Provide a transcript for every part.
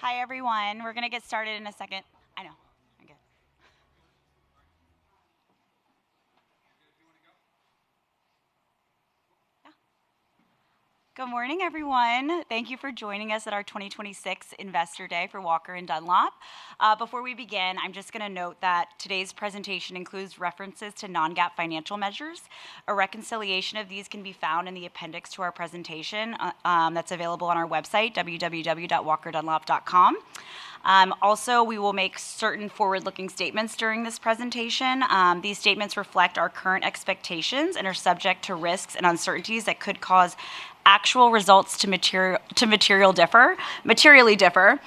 Hi, everyone. We're gonna get started in a second. I know. Okay. Good morning, everyone. Thank you for joining us at our 2026 Investor Day for Walker & Dunlop. Before we begin, I'm just gonna note that today's presentation includes references to non-GAAP financial measures. A reconciliation of these can be found in the appendix to our presentation, that's available on our website, www.walkerdunlop.com. Also, we will make certain forward-looking statements during this presentation. These statements reflect our current expectations and are subject to risks and uncertainties that could cause actual results to materially differ.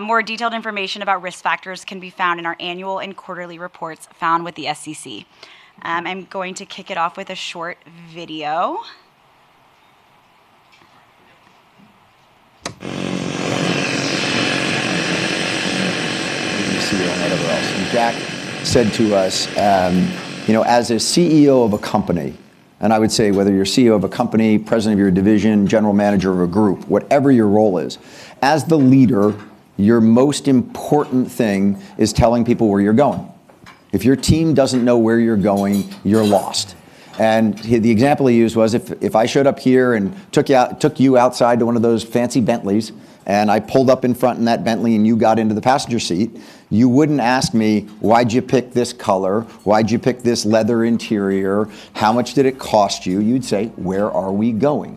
More detailed information about risk factors can be found in our annual and quarterly reports filed with the SEC. I'm going to kick it off with a short video. CEO and everywhere else. Jack said to us, you know, as a CEO of a company, and I would say whether you're CEO of a company, president of your division, general manager of a group, whatever your role is, as the leader, your most important thing is telling people where you're going. If your team doesn't know where you're going, you're lost. The example he used was if I showed up here and took you outside to one of those fancy Bentleys, and I pulled up in front of that Bentley and you got into the passenger seat, you wouldn't ask me, "Why'd you pick this color? Why'd you pick this leather interior? How much did it cost you?" You'd say, "Where are we going?"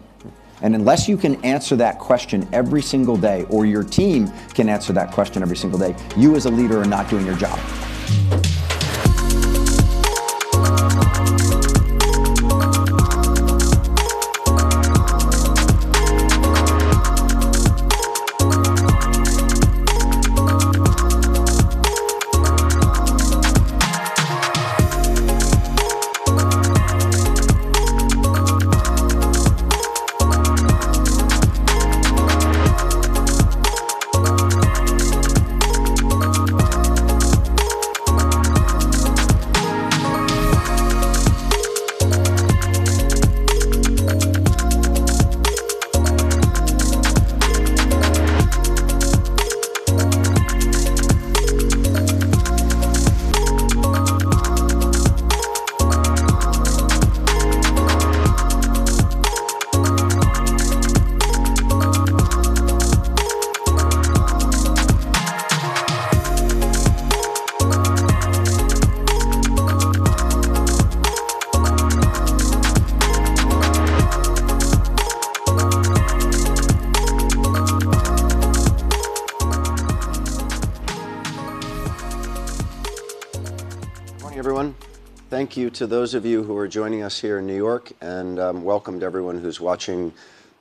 Unless you can answer that question every single day, or your team can answer that question every single day, you as a leader are not doing your job. Morning, everyone. Thank you to those of you who are joining us here in New York, and welcome to everyone who's watching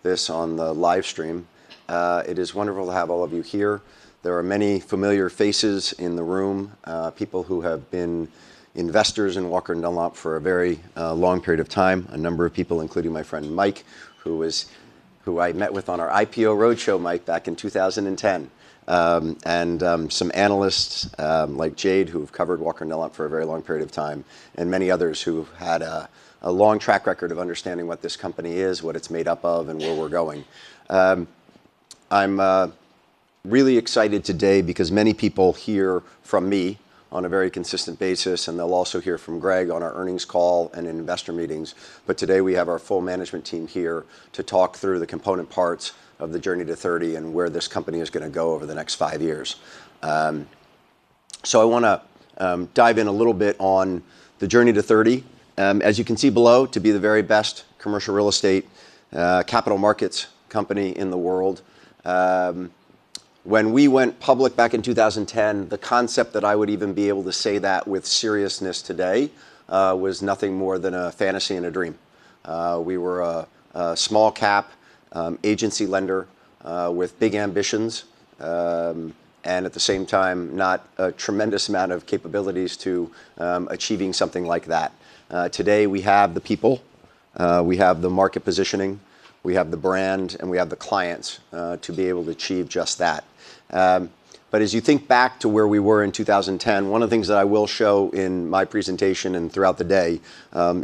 this on the live stream. It is wonderful to have all of you here. There are many familiar faces in the room, people who have been investors in Walker & Dunlop for a very long period of time. A number of people, including my friend Mike, who I met with on our IPO roadshow, Mike, back in 2010. Some analysts, like Jade, who have covered Walker & Dunlop for a very long period of time, and many others who've had a long track record of understanding what this company is, what it's made up of, and where we're going. I'm really excited today because many people hear from me on a very consistent basis, and they'll also hear from Greg on our earnings call and in investor meetings. Today we have our full management team here to talk through the component parts of the Journey to Thirty and where this company is gonna go over the next five years. I wanna dive in a little bit on the Journey to Thirty. As you can see below, to be the very best commercial real estate capital markets company in the world. When we went public back in 2010, the concept that I would even be able to say that with seriousness today was nothing more than a fantasy and a dream. We were a small cap agency lender with big ambitions and at the same time not a tremendous amount of capabilities to achieving something like that. Today we have the people, we have the market positioning, we have the brand, and we have the clients to be able to achieve just that. As you think back to where we were in 2010, one of the things that I will show in my presentation and throughout the day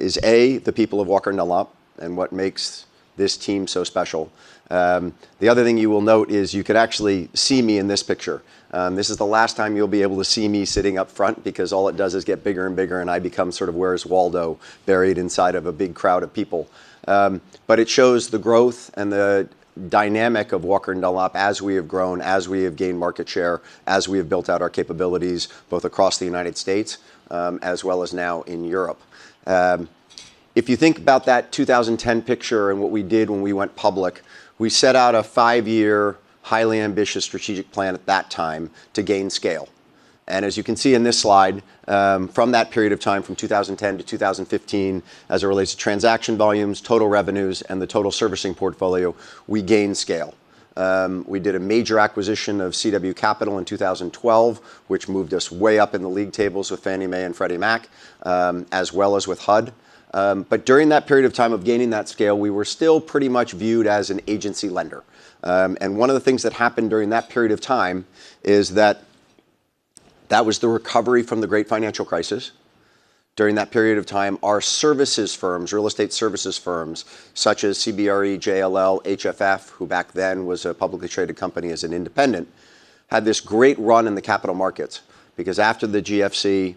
is a, the people of Walker & Dunlop and what makes this team so special. The other thing you will note is you can actually see me in this picture. This is the last time you'll be able to see me sitting up front because all it does is get bigger and bigger, and I become sort of Where's Waldo, buried inside of a big crowd of people. It shows the growth and the dynamic of Walker & Dunlop as we have grown, as we have gained market share, as we have built out our capabilities, both across the United States, as well as now in Europe. If you think about that 2010 picture and what we did when we went public, we set out a five-year, highly ambitious strategic plan at that time to gain scale. As you can see in this slide, from that period of time, from 2010 to 2015, as it relates to transaction volumes, total revenues, and the total servicing portfolio, we gained scale. We did a major acquisition of CWCapital in 2012, which moved us way up in the league tables with Fannie Mae and Freddie Mac, as well as with HUD. During that period of time of gaining that scale, we were still pretty much viewed as an agency lender. One of the things that happened during that period of time is that was the recovery from the Great Financial Crisis. During that period of time, our services firms, real estate services firms such as CBRE, JLL, HFF, who back then was a publicly traded company as an independent, had this great run in the capital markets because after the GFC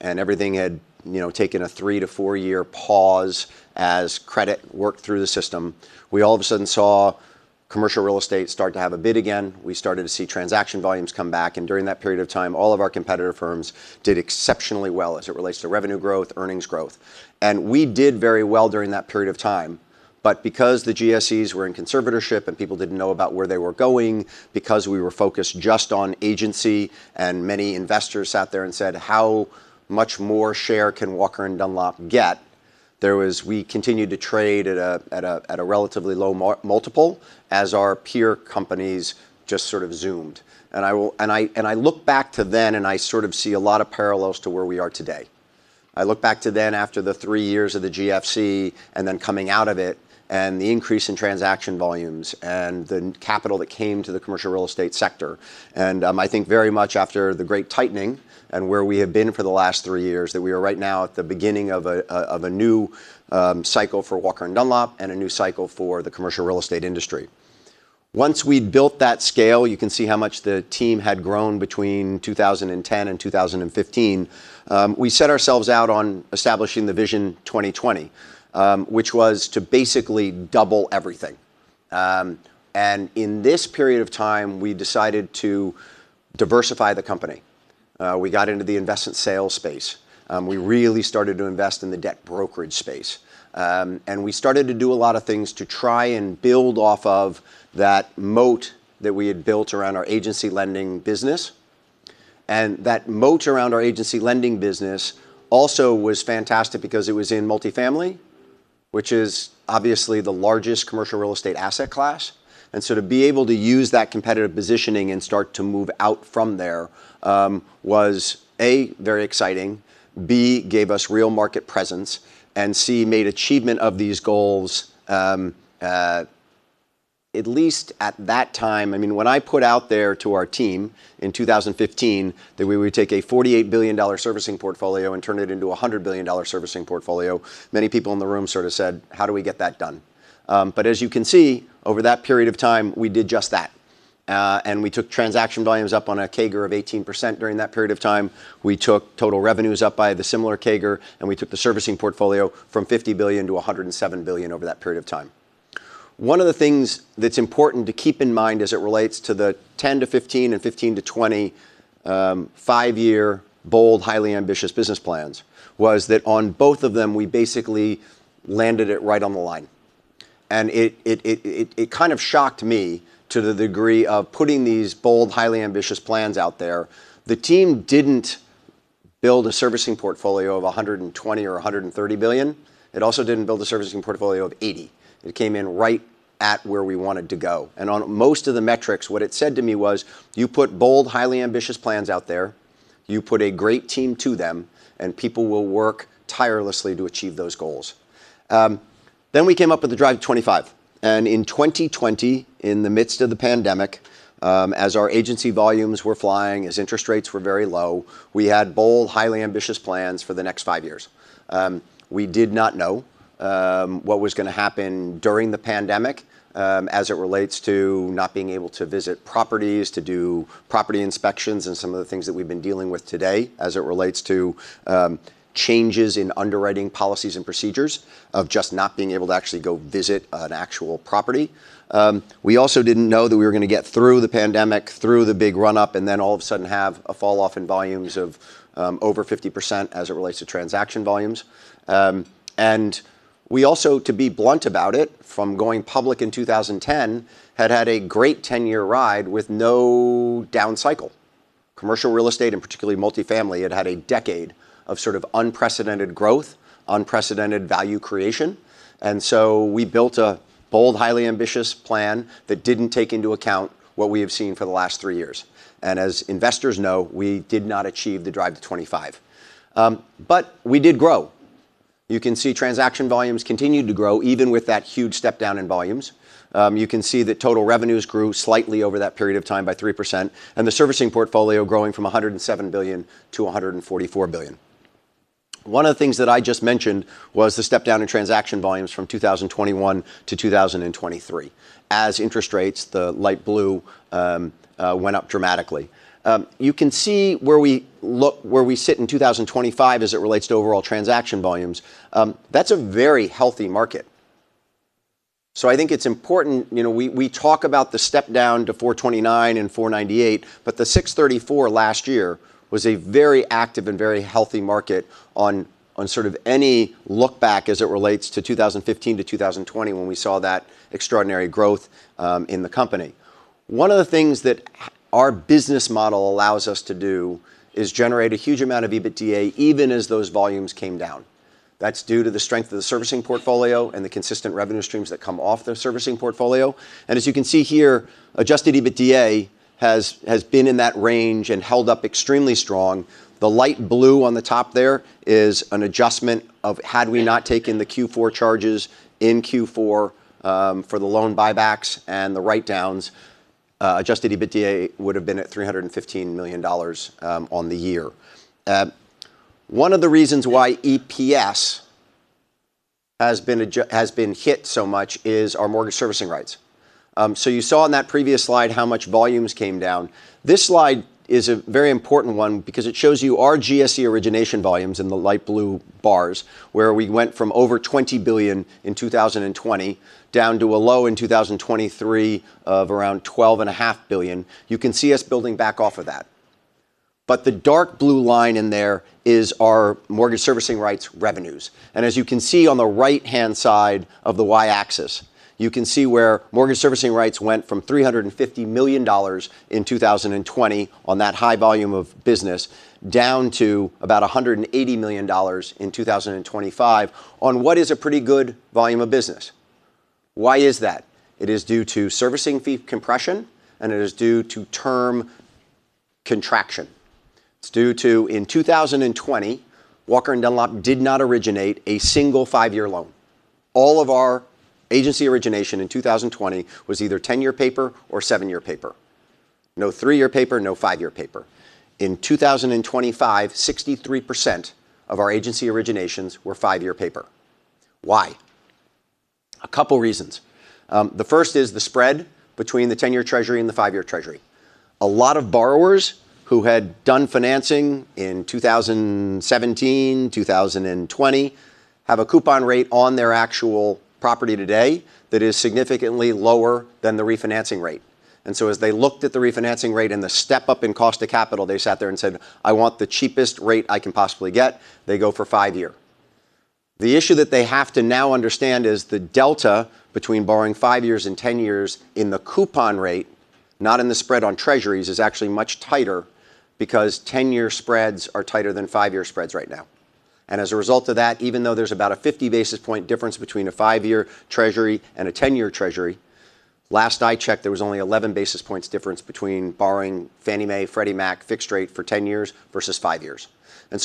and everything had, you know, taken a 3-4 year pause as credit worked through the system, we all of a sudden saw commercial real estate start to have a bid again. We started to see transaction volumes come back, and during that period of time, all of our competitor firms did exceptionally well as it relates to revenue growth, earnings growth. We did very well during that period of time. Because the GSEs were in conservatorship and people didn't know about where they were going, because we were focused just on agency and many investors sat there and said, "How much more share can Walker & Dunlop get?" There was. We continued to trade at a relatively low multiple as our peer companies just sort of zoomed. I look back to then, and I sort of see a lot of parallels to where we are today. I look back to then after the three years of the GFC and then coming out of it and the increase in transaction volumes and the capital that came to the commercial real estate sector. I think very much after the great tightening and where we have been for the last three years, that we are right now at the beginning of a new cycle for Walker & Dunlop and a new cycle for the commercial real estate industry. Once we'd built that scale, you can see how much the team had grown between 2010 and 2015. We set ourselves out on establishing the Vision 2020, which was to basically double everything. In this period of time, we decided to diversify the company. We got into the investment sales space. We really started to invest in the debt brokerage space. We started to do a lot of things to try and build off of that moat that we had built around our agency lending business. That moat around our agency lending business also was fantastic because it was in multifamily, which is obviously the largest commercial real estate asset class. To be able to use that competitive positioning and start to move out from there was, A, very exciting, B, gave us real market presence, and, C, made achievement of these goals at least at that time. I mean, when I put out there to our team in 2015 that we would take a $48 billion servicing portfolio and turn it into a $100 billion servicing portfolio, many people in the room sort of said, "How do we get that done?" As you can see, over that period of time, we did just that. We took transaction volumes up on a CAGR of 18% during that period of time. We took total revenues up by the similar CAGR, and we took the servicing portfolio from $50 billion-$107 billion over that period of time. One of the things that's important to keep in mind as it relates to the 10-15 and 15-20, five-year bold, highly ambitious business plans was that on both of them, we basically landed it right on the line. It kind of shocked me to the degree of putting these bold, highly ambitious plans out there. The team didn't build a servicing portfolio of $120 billion or $130 billion. It also didn't build a servicing portfolio of $80 billion. It came in right at where we wanted to go. On most of the metrics, what it said to me was, you put bold, highly ambitious plans out there, you put a great team to them, and people will work tirelessly to achieve those goals. We came up with the Drive to '25. In 2020, in the midst of the pandemic, as our agency volumes were flying, as interest rates were very low, we had bold, highly ambitious plans for the next five years. We did not know what was gonna happen during the pandemic, as it relates to not being able to visit properties, to do property inspections, and some of the things that we've been dealing with today as it relates to changes in underwriting policies and procedures of just not being able to actually go visit an actual property. We also didn't know that we were gonna get through the pandemic, through the big run-up, and then all of a sudden have a fall-off in volumes of over 50% as it relates to transaction volumes. We also, to be blunt about it, from going public in 2010, had a great 10-year ride with no down cycle. Commercial real estate, and particularly multifamily, had a decade of sort of unprecedented growth, unprecedented value creation, so we built a bold, highly ambitious plan that didn't take into account what we have seen for the last three years. As investors know, we did not achieve the Drive to '25. We did grow. You can see transaction volumes continued to grow even with that huge step down in volumes. You can see that total revenues grew slightly over that period of time by 3%, and the servicing portfolio growing from $107 billion-$144 billion. One of the things that I just mentioned was the step down in transaction volumes from 2021-2023 as interest rates, the light blue, went up dramatically. You can see where we sit in 2025 as it relates to overall transaction volumes. That's a very healthy market. I think it's important, you know, we talk about the step down to 429 and 498, but the 634 last year was a very active and very healthy market on sort of any look back as it relates to 2015-2020 when we saw that extraordinary growth in the company. One of the things that our business model allows us to do is generate a huge amount of EBITDA even as those volumes came down. That's due to the strength of the servicing portfolio and the consistent revenue streams that come off the servicing portfolio. As you can see here, Adjusted EBITDA has been in that range and held up extremely strong. The light blue on the top there is an adjustment of had we not taken the Q4 charges in Q4 for the loan buybacks and the write-downs, Adjusted EBITDA would have been at $315 million on the year. One of the reasons why EPS has been hit so much is our mortgage servicing rights. So you saw on that previous slide how much volumes came down. This slide is a very important one because it shows you our GSE origination volumes in the light blue bars, where we went from over $20 billion in 2020 down to a low in 2023 of around $12.5 billion. You can see us building back off of that. The dark blue line in there is our mortgage servicing rights revenues. As you can see on the right-hand side of the Y-axis, you can see where mortgage servicing rights went from $350 million in 2020 on that high volume of business down to about $180 million in 2025 on what is a pretty good volume of business. Why is that? It is due to servicing fee compression, and it is due to term contraction. It's due to, in 2020, Walker & Dunlop did not originate a single five year loan. All of our agency origination in 2020 was either 10-year paper or seven year paper. No three year paper, no five year paper. In 2025, 63% of our agency originations were five year paper. Why? A couple reasons. The first is the spread between the 10-year treasury and the five year treasury. A lot of borrowers who had done financing in 2017, 2020 have a coupon rate on their actual property today that is significantly lower than the refinancing rate. As they looked at the refinancing rate and the step up in cost of capital, they sat there and said, "I want the cheapest rate I can possibly get." They go for five year. The issue that they have to now understand is the delta between borrowing five years and 10 years in the coupon rate, not in the spread on treasuries, is actually much tighter because 10 year spreads are tighter than five-year spreads right now. As a result of that, even though there's about a 50 basis point difference between a five-year treasury and a 10 year treasury, last I checked, there was only 11 basis points difference between borrowing Fannie Mae, Freddie Mac fixed rate for 10 years versus five years.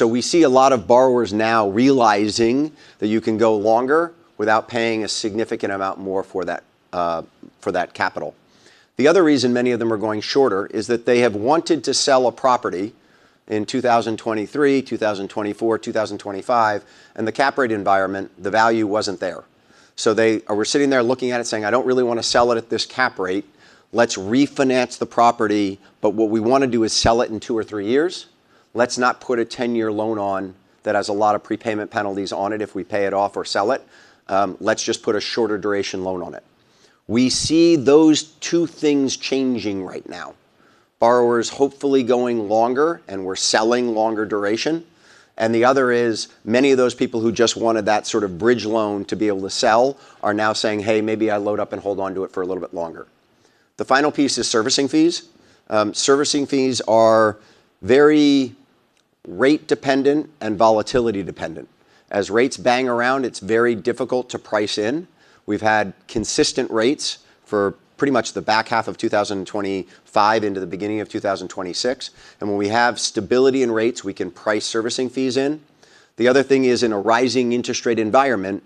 We see a lot of borrowers now realizing that you can go longer without paying a significant amount more for that, for that capital. The other reason many of them are going shorter is that they have wanted to sell a property in 2023, 2024, 2025, and the cap rate environment, the value wasn't there. They were sitting there looking at it saying, "I don't really want to sell it at this cap rate. Let's refinance the property, but what we want to do is sell it in two or three years. Let's not put a 10 year loan on that has a lot of prepayment penalties on it if we pay it off or sell it. Let's just put a shorter duration loan on it." We see those two things changing right now. Borrowers hopefully going longer, and we're selling longer duration. The other is many of those people who just wanted that sort of bridge loan to be able to sell are now saying, "Hey, maybe I load up and hold on to it for a little bit longer." The final piece is servicing fees. Servicing fees are very rate dependent and volatility dependent. As rates bang around, it's very difficult to price in. We've had consistent rates for pretty much the back half of 2025 into the beginning of 2026. When we have stability in rates, we can price servicing fees in. The other thing is in a rising interest rate environment,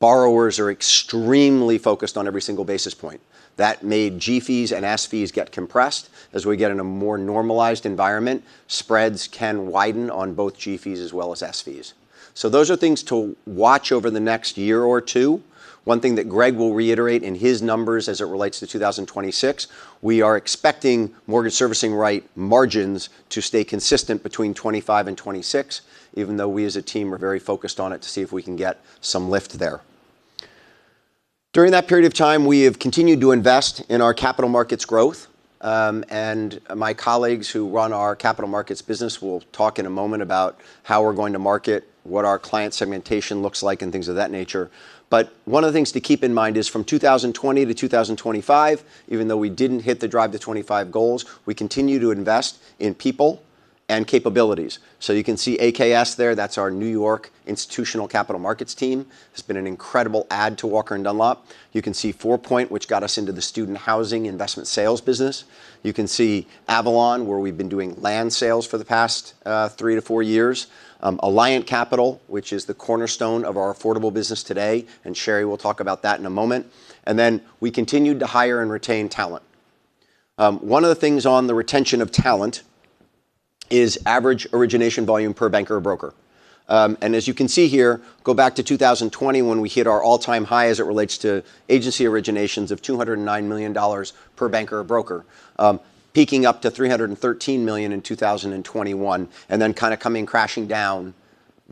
borrowers are extremely focused on every single basis point. That made G-fees and S-fees get compressed. As we get in a more normalized environment, spreads can widen on both G-fees as well as S-fees. Those are things to watch over the next year or two. One thing that Greg will reiterate in his numbers as it relates to 2026, we are expecting mortgage servicing rights margins to stay consistent between 25 and 26, even though we as a team are very focused on it to see if we can get some lift there. During that period of time, we have continued to invest in our capital markets growth, and my colleagues who run our capital markets business will talk in a moment about how we're going to market, what our client segmentation looks like, and things of that nature. One of the things to keep in mind is from 2020 to 2025, even though we didn't hit the Drive to '25 goals, we continue to invest in people and capabilities. You can see AKS there. That's our New York institutional capital markets team. It's been an incredible add to Walker & Dunlop. You can see FourPoint, which got us into the student housing investment sales business. You can see Avalon, where we've been doing land sales for the past 3-4 years. Alliant Capital, which is the cornerstone of our affordable business today, and Sheri will talk about that in a moment. Then we continued to hire and retain talent. One of the things on the retention of talent is average origination volume per banker or broker. As you can see here, go back to 2020 when we hit our all-time high as it relates to agency originations of $209 million per banker or broker, peaking up to $313 million in 2021, and then kind of coming crashing down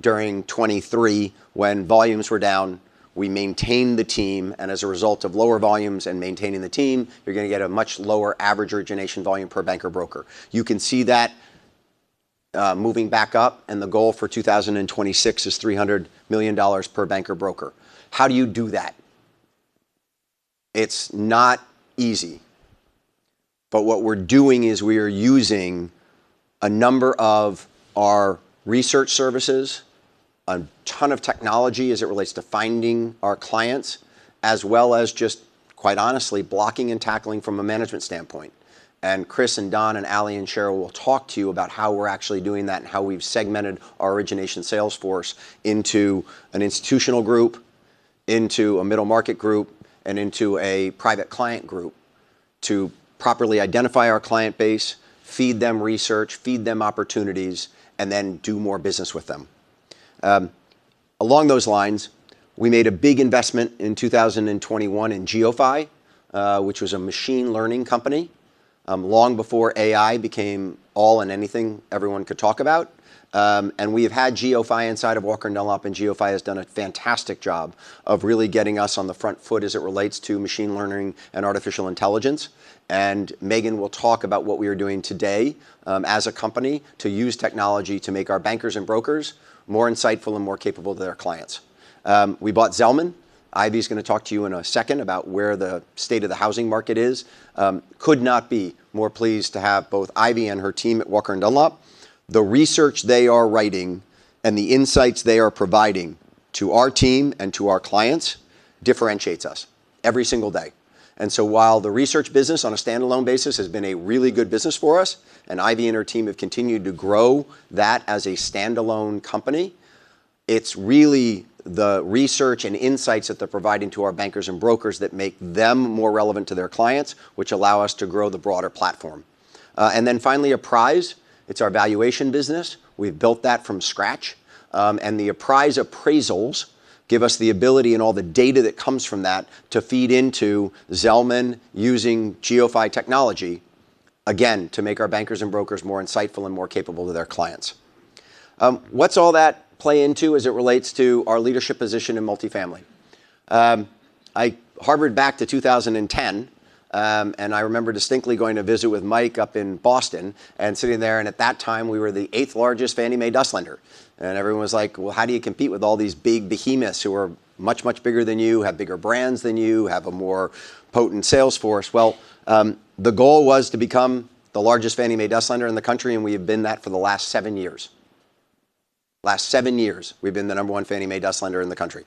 during 2023 when volumes were down. We maintained the team, and as a result of lower volumes and maintaining the team, you're going to get a much lower average origination volume per banker or broker. You can see that moving back up, and the goal for 2026 is $300 million per banker or broker. How do you do that? It's not easy, but what we're doing is we are using a number of our research services, a ton of technology as it relates to finding our clients, as well as just, quite honestly, blocking and tackling from a management standpoint. Kris and Don and Ally and Sheri will talk to you about how we're actually doing that and how we've segmented our origination sales force into an institutional group, into a middle market group, and into a private client group. To properly identify our client base, feed them research, feed them opportunities, and then do more business with them. Along those lines, we made a big investment in 2021 in GeoPhy, which was a machine learning company, long before AI became a thing everyone could talk about. We have had GeoPhy inside of Walker & Dunlop, and GeoPhy has done a fantastic job of really getting us on the front foot as it relates to machine learning and artificial intelligence. Megan will talk about what we are doing today, as a company to use technology to make our bankers and brokers more insightful and more capable to their clients. We bought Zelman & Associates. Ivy's gonna talk to you in a second about where the state of the housing market is. Could not be more pleased to have both Ivy and her team at Walker & Dunlop. The research they are writing and the insights they are providing to our team and to our clients differentiates us every single day. While the research business on a standalone basis has been a really good business for us, and Ivy and her team have continued to grow that as a standalone company, it's really the research and insights that they're providing to our bankers and brokers that make them more relevant to their clients, which allow us to grow the broader platform. Finally Apprise. It's our valuation business. We've built that from scratch. The Apprise appraisals give us the ability and all the data that comes from that to feed into Zelman using GeoPhy technology, again, to make our bankers and brokers more insightful and more capable to their clients. What's all that play into as it relates to our leadership position in multifamily? I harked back to 2010, and I remember distinctly going to visit with Mike up in Boston and sitting there, and at that time we were the eighth largest Fannie Mae DUS lender. Everyone was like, "Well, how do you compete with all these big behemoths who are much, much bigger than you, have bigger brands than you, have a more potent sales force?" Well, the goal was to become the largest Fannie Mae DUS lender in the country, and we have been that for the last seven years. Last seven years, we've been the number one Fannie Mae DUS lender in the country.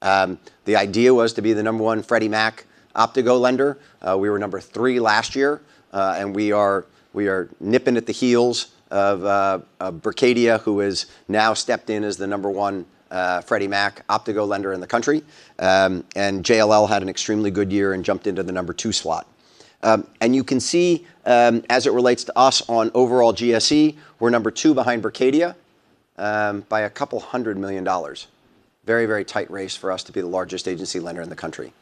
The idea was to be the number one Freddie Mac Optigo lender. We were number three last year, and we are nipping at the heels of Berkadia, who has now stepped in as the number one Freddie Mac Optigo lender in the country. JLL had an extremely good year and jumped into the number two slot. You can see, as it relates to us on overall GSE, we're number two behind Berkadia, by $200 million. Very tight race for us to be the largest agency lender in the country.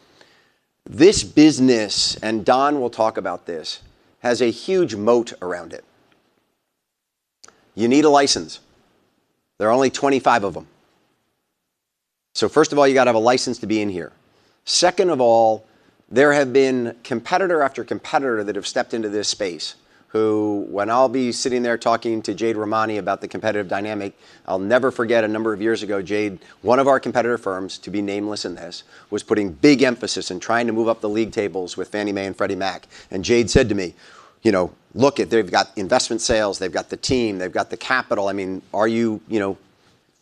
This business, and Don will talk about this, has a huge moat around it. You need a license. There are only 25 of them. First of all, you gotta have a license to be in here. Second of all, there have been competitor after competitor that have stepped into this space, who, when I'll be sitting there talking to Jade Rahmani about the competitive dynamic, I'll never forget a number of years ago, Jade, one of our competitor firms, to be nameless in this, was putting big emphasis in trying to move up the league tables with Fannie Mae and Freddie Mac. Jade said to me, "You know, look it, they've got investment sales, they've got the team, they've got the capital. I mean, are you know,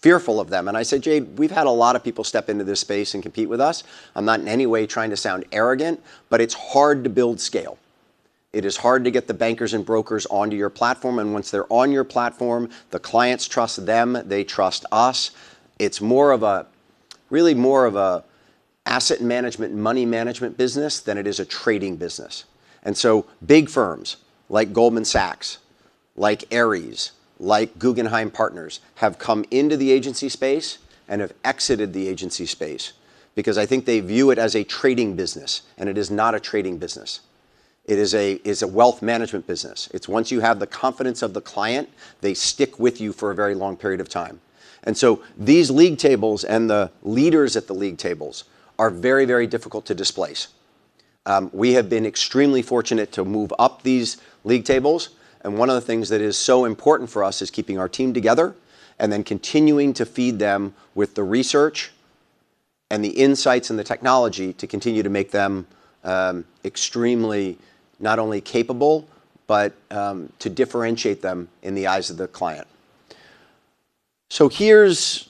fearful of them?" I said, "Jade, we've had a lot of people step into this space and compete with us. I'm not in any way trying to sound arrogant, but it's hard to build scale. It is hard to get the bankers and brokers onto your platform, and once they're on your platform, the clients trust them, they trust us. It's more of a, really more of an asset management, money management business than it is a trading business. Big firms like Goldman Sachs, like Ares, like Guggenheim Partners, have come into the agency space and have exited the agency space because I think they view it as a trading business, and it is not a trading business. It is a, it's a wealth management business. It's once you have the confidence of the client, they stick with you for a very long period of time. These league tables and the leaders at the league tables are very, very difficult to displace. We have been extremely fortunate to move up these league tables, and one of the things that is so important for us is keeping our team together and then continuing to feed them with the research and the insights and the technology to continue to make them extremely not only capable, but to differentiate them in the eyes of the client. Here's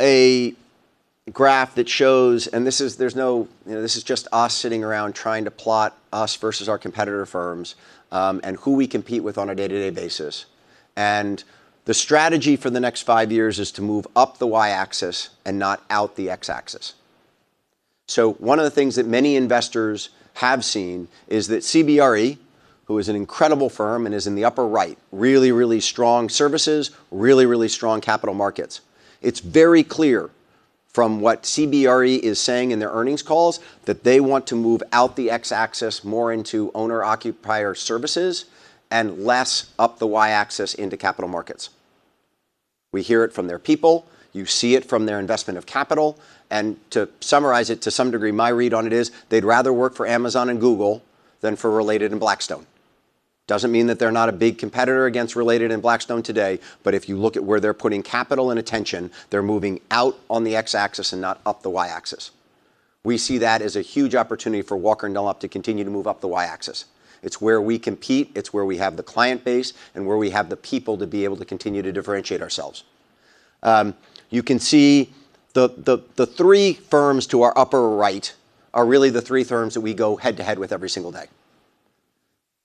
a graph that shows, and this is, there's no, you know, this is just us sitting around trying to plot us versus our competitor firms, and who we compete with on a day-to-day basis. The strategy for the next five years is to move up the Y-axis and not out the X-axis. One of the things that many investors have seen is that CBRE, who is an incredible firm and is in the upper right, really, really strong services, really, really strong capital markets. It's very clear from what CBRE is saying in their earnings calls that they want to move out the X-axis more into owner-occupier services and less up the Y-axis into capital markets. We hear it from their people. You see it from their investment of capital. To summarize it to some degree, my read on it is, they'd rather work for Amazon and Google than for Related and Blackstone. Doesn't mean that they're not a big competitor against Related and Blackstone today, but if you look at where they're putting capital and attention, they're moving out on the X-axis and not up the Y-axis. We see that as a huge opportunity for Walker & Dunlop to continue to move up the Y-axis. It's where we compete. It's where we have the client base and where we have the people to be able to continue to differentiate ourselves. You can see the three firms to our upper right are really the three firms that we go head-to-head with every single day.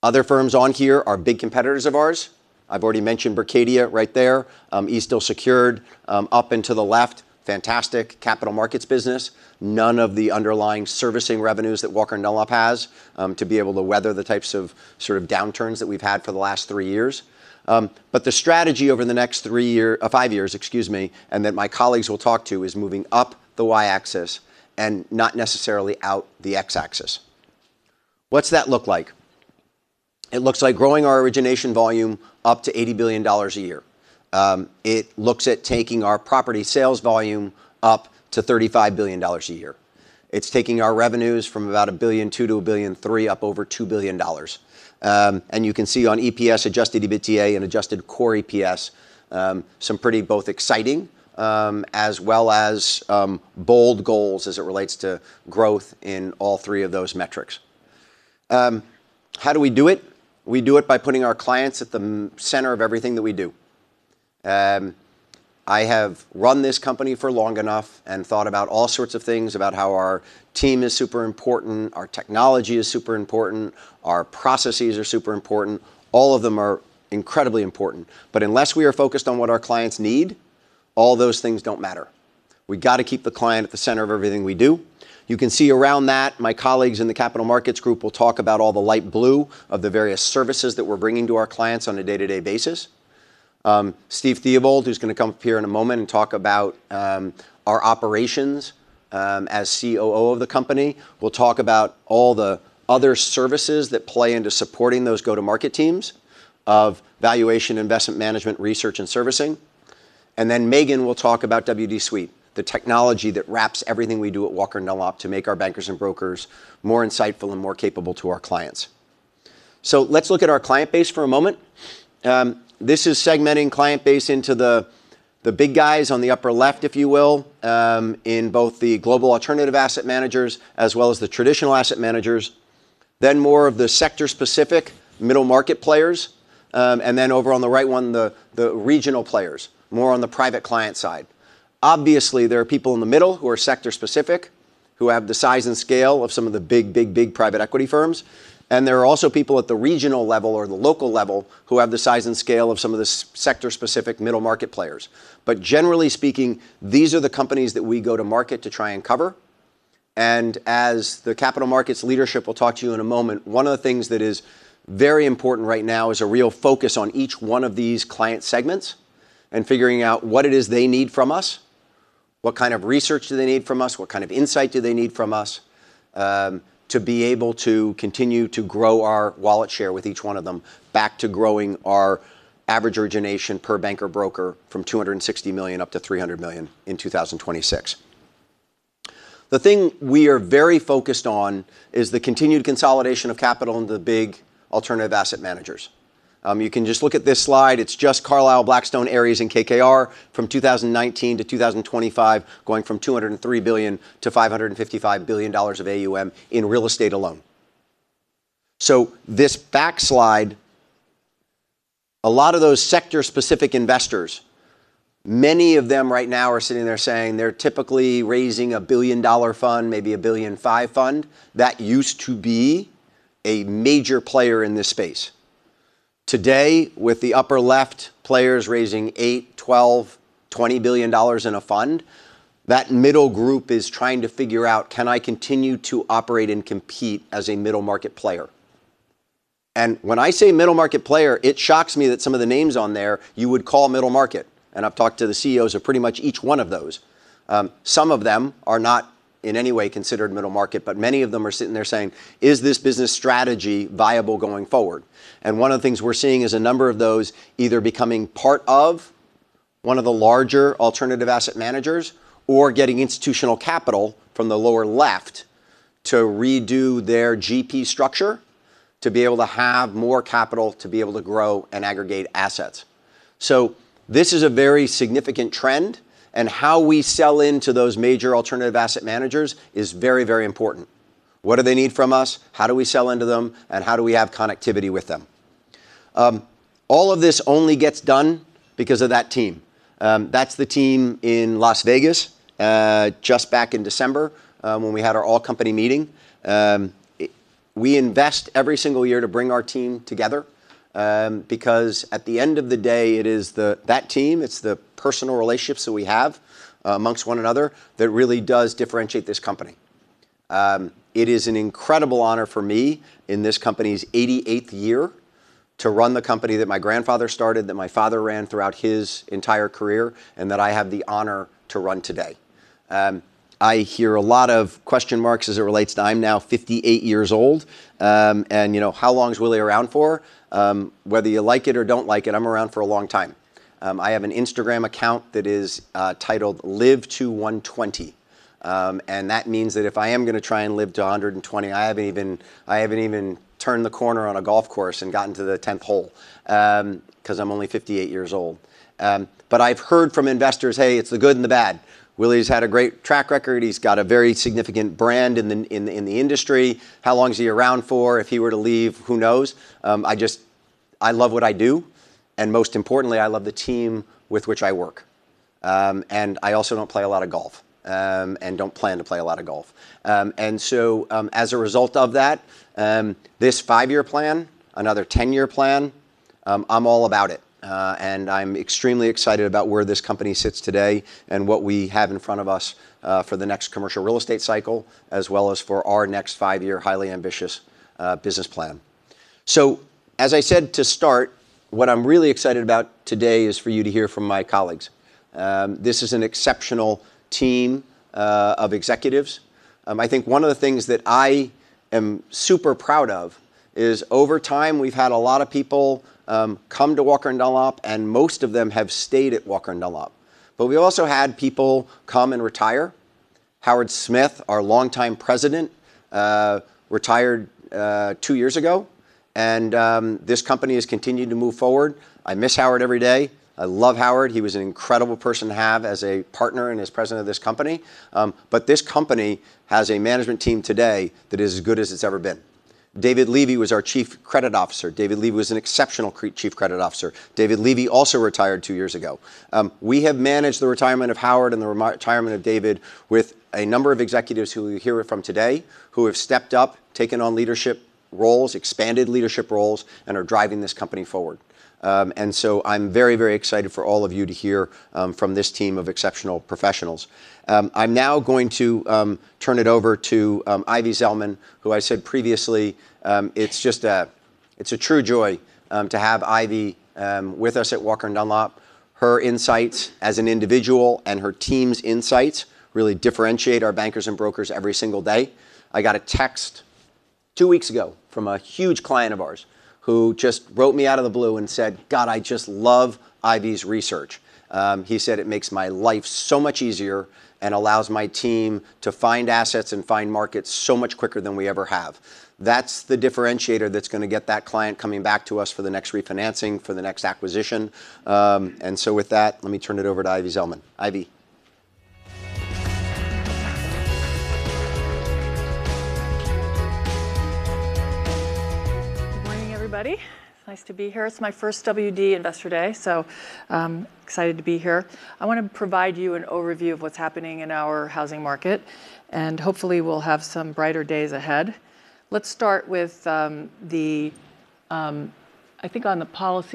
Other firms on here are big competitors of ours. I've already mentioned Berkadia right there. Eastdil Secured, up and to the left, fantastic capital markets business. None of the underlying servicing revenues that Walker & Dunlop has to be able to weather the types of sort of downturns that we've had for the last three years. The strategy over the next five years, excuse me, and that my colleagues will talk to, is moving up the Y-axis and not necessarily out the X-axis. What's that look like? It looks like growing our origination volume up to $80 billion a year. It looks like taking our property sales volume up to $35 billion a year. It's taking our revenues from about $1.2 billion-$1.3 billion, up over $2 billion. You can see on EPS, Adjusted EBITDA, and adjusted core EPS, some pretty both exciting, as well as, bold goals as it relates to growth in all three of those metrics. How do we do it? We do it by putting our clients at the center of everything that we do. I have run this company for long enough and thought about all sorts of things about how our team is super important, our technology is super important, our processes are super important. All of them are incredibly important. Unless we are focused on what our clients need, all those things don't matter. We gotta keep the client at the center of everything we do. You can see around that, my colleagues in the capital markets group will talk about all the light blue of the various services that we're bringing to our clients on a day-to-day basis. Steve Theobald, who's gonna come up here in a moment and talk about our operations as COO of the company, will talk about all the other services that play into supporting those go-to-market teams of valuation, investment management, research, and servicing. Megan will talk about WD Suite, the technology that wraps everything we do at Walker & Dunlop to make our bankers and brokers more insightful and more capable to our clients. Let's look at our client base for a moment. This is segmenting client base into the big guys on the upper left, if you will, in both the global alternative asset managers as well as the traditional asset managers. More of the sector-specific middle-market players. Over on the right one, the regional players, more on the private client side. Obviously, there are people in the middle who are sector-specific, who have the size and scale of some of the big private equity firms, and there are also people at the regional level or the local level who have the size and scale of some of the sector-specific middle-market players. Generally speaking, these are the companies that we go to market to try and cover, and as the capital markets leadership will talk to you in a moment, one of the things that is very important right now is a real focus on each one of these client segments and figuring out what it is they need from us, what kind of research do they need from us, what kind of insight do they need from us, to be able to continue to grow our wallet share with each one of them back to growing our average origination per banker-broker from $260 million up to $300 million in 2026. The thing we are very focused on is the continued consolidation of capital in the big alternative asset managers. You can just look at this slide. It's just Carlyle, Blackstone, Ares, and KKR from 2019-2025, going from $203 billion-$555 billion of AUM in real estate alone. This backslide, a lot of those sector-specific investors, many of them right now are sitting there saying they're typically raising a $1 billion fund, maybe a $1.5 billion fund. That used to be a major player in this space. Today, with the upper left players raising $8 billion, $12 billion, $20 billion in a fund, that middle group is trying to figure out, "Can I continue to operate and compete as a middle-market player?" When I say middle-market player, it shocks me that some of the names on there you would call middle market, and I've talked to the CEOs of pretty much each one of those. Some of them are not in any way considered middle market, but many of them are sitting there saying, "Is this business strategy viable going forward?" One of the things we're seeing is a number of those either becoming part of one of the larger alternative asset managers or getting institutional capital from the lower left to redo their GP structure to be able to have more capital to be able to grow and aggregate assets. This is a very significant trend, and how we sell into those major alternative asset managers is very, very important. What do they need from us? How do we sell into them? How do we have connectivity with them? All of this only gets done because of that team. That's the team in Las Vegas, just back in December, when we had our all-company meeting. We invest every single year to bring our team together, because at the end of the day, it is that team, it's the personal relationships that we have amongst one another that really does differentiate this company. It is an incredible honor for me in this company's 88th year to run the company that my grandfather started, that my father ran throughout his entire career, and that I have the honor to run today. I hear a lot of question marks as it relates to I'm now 5eight years old, and, you know, how long is Willy around for? Whether you like it or don't like it, I'm around for a long time. I have an Instagram account that is titled Live to 120, and that means that if I am gonna try and live to 120, I haven't even turned the corner on a golf course and gotten to the 10th hole, because I'm only 5eight years old. But I've heard from investors, "Hey, it's the good and the bad. Willy's had a great track record. He's got a very significant brand in the industry. How long is he around for? If he were to leave, who knows?" I just love what I do, and most importantly, I love the team with which I work. I also don't play a lot of golf. I don't plan to play a lot of golf. As a result of that, this five-year plan, another 10-year plan, I'm all about it. I'm extremely excited about where this company sits today and what we have in front of us for the next commercial real estate cycle, as well as for our next five-year, highly ambitious business plan. As I said to start, what I'm really excited about today is for you to hear from my colleagues. This is an exceptional team of executives. I think one of the things that I am super proud of is over time, we've had a lot of people come to Walker & Dunlop, and most of them have stayed at Walker & Dunlop. We also had people come and retire. Howard Smith, our longtime President, retired two years ago. This company has continued to move forward. I miss Howard every day. I love Howard. He was an incredible person to have as a partner and as president of this company. This company has a management team today that is as good as it's ever been. David Levy was our chief credit officer. David Levy was an exceptional chief credit officer. David Levy also retired two years ago. We have managed the retirement of Howard and the retirement of David with a number of executives who you'll hear from today, who have stepped up, taken on leadership roles, expanded leadership roles, and are driving this company forward. I'm very, very excited for all of you to hear from this team of exceptional professionals. I'm now going to turn it over to Ivy Zelman, who I said previously, it's a true joy to have Ivy with us at Walker & Dunlop. Her insights as an individual and her team's insights really differentiate our bankers and brokers every single day. I got a text two weeks ago from a huge client of ours who just wrote me out of the blue and said, "God, I just love Ivy's research." He said, "It makes my life so much easier and allows my team to find assets and find markets so much quicker than we ever have." That's the differentiator that's gonna get that client coming back to us for the next refinancing, for the next acquisition. With that, let me turn it over to Ivy Zelman. Ivy. Good morning, everybody. Nice to be here. It's my first WD Investor Day, so I'm excited to be here. I wanna provide you an overview of what's happening in our housing market, and hopefully, we'll have some brighter days ahead. Let's start with the policy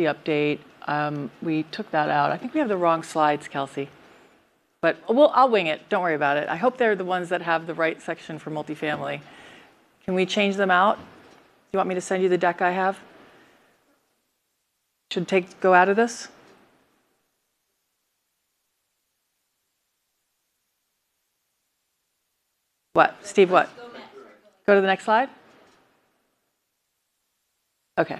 update. I think we took that out. I think we have the wrong slides, Kelsey. I'll wing it, don't worry about it. I hope they're the ones that have the right section for multifamily. Can we change them out? Do you want me to send you the deck I have? Should take, go out of this? What? Steve, what? Let's go next. Go to the next slide. Go to the next slide? Okay.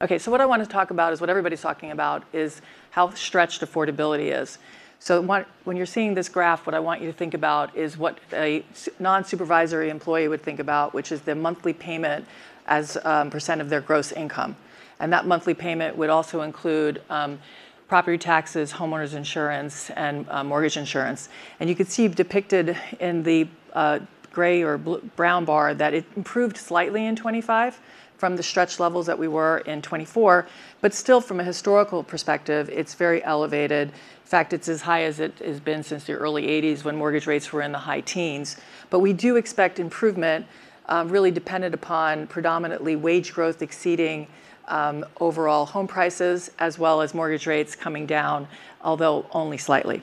Okay, what I wanna talk about is what everybody's talking about, is how stretched affordability is. What, when you're seeing this graph, what I want you to think about is what a nonsupervisory employee would think about, which is the monthly payment as % of their gross income. That monthly payment would also include property taxes, homeowners insurance, and mortgage insurance. You can see depicted in the gray or brown bar that it improved slightly in 2025 from the stretch levels that we were in 2024. Still, from a historical perspective, it's very elevated. In fact, it's as high as it has been since the early 1980s, when mortgage rates were in the high teens. We do expect improvement, really dependent upon predominantly wage growth exceeding overall home prices, as well as mortgage rates coming down, although only slightly.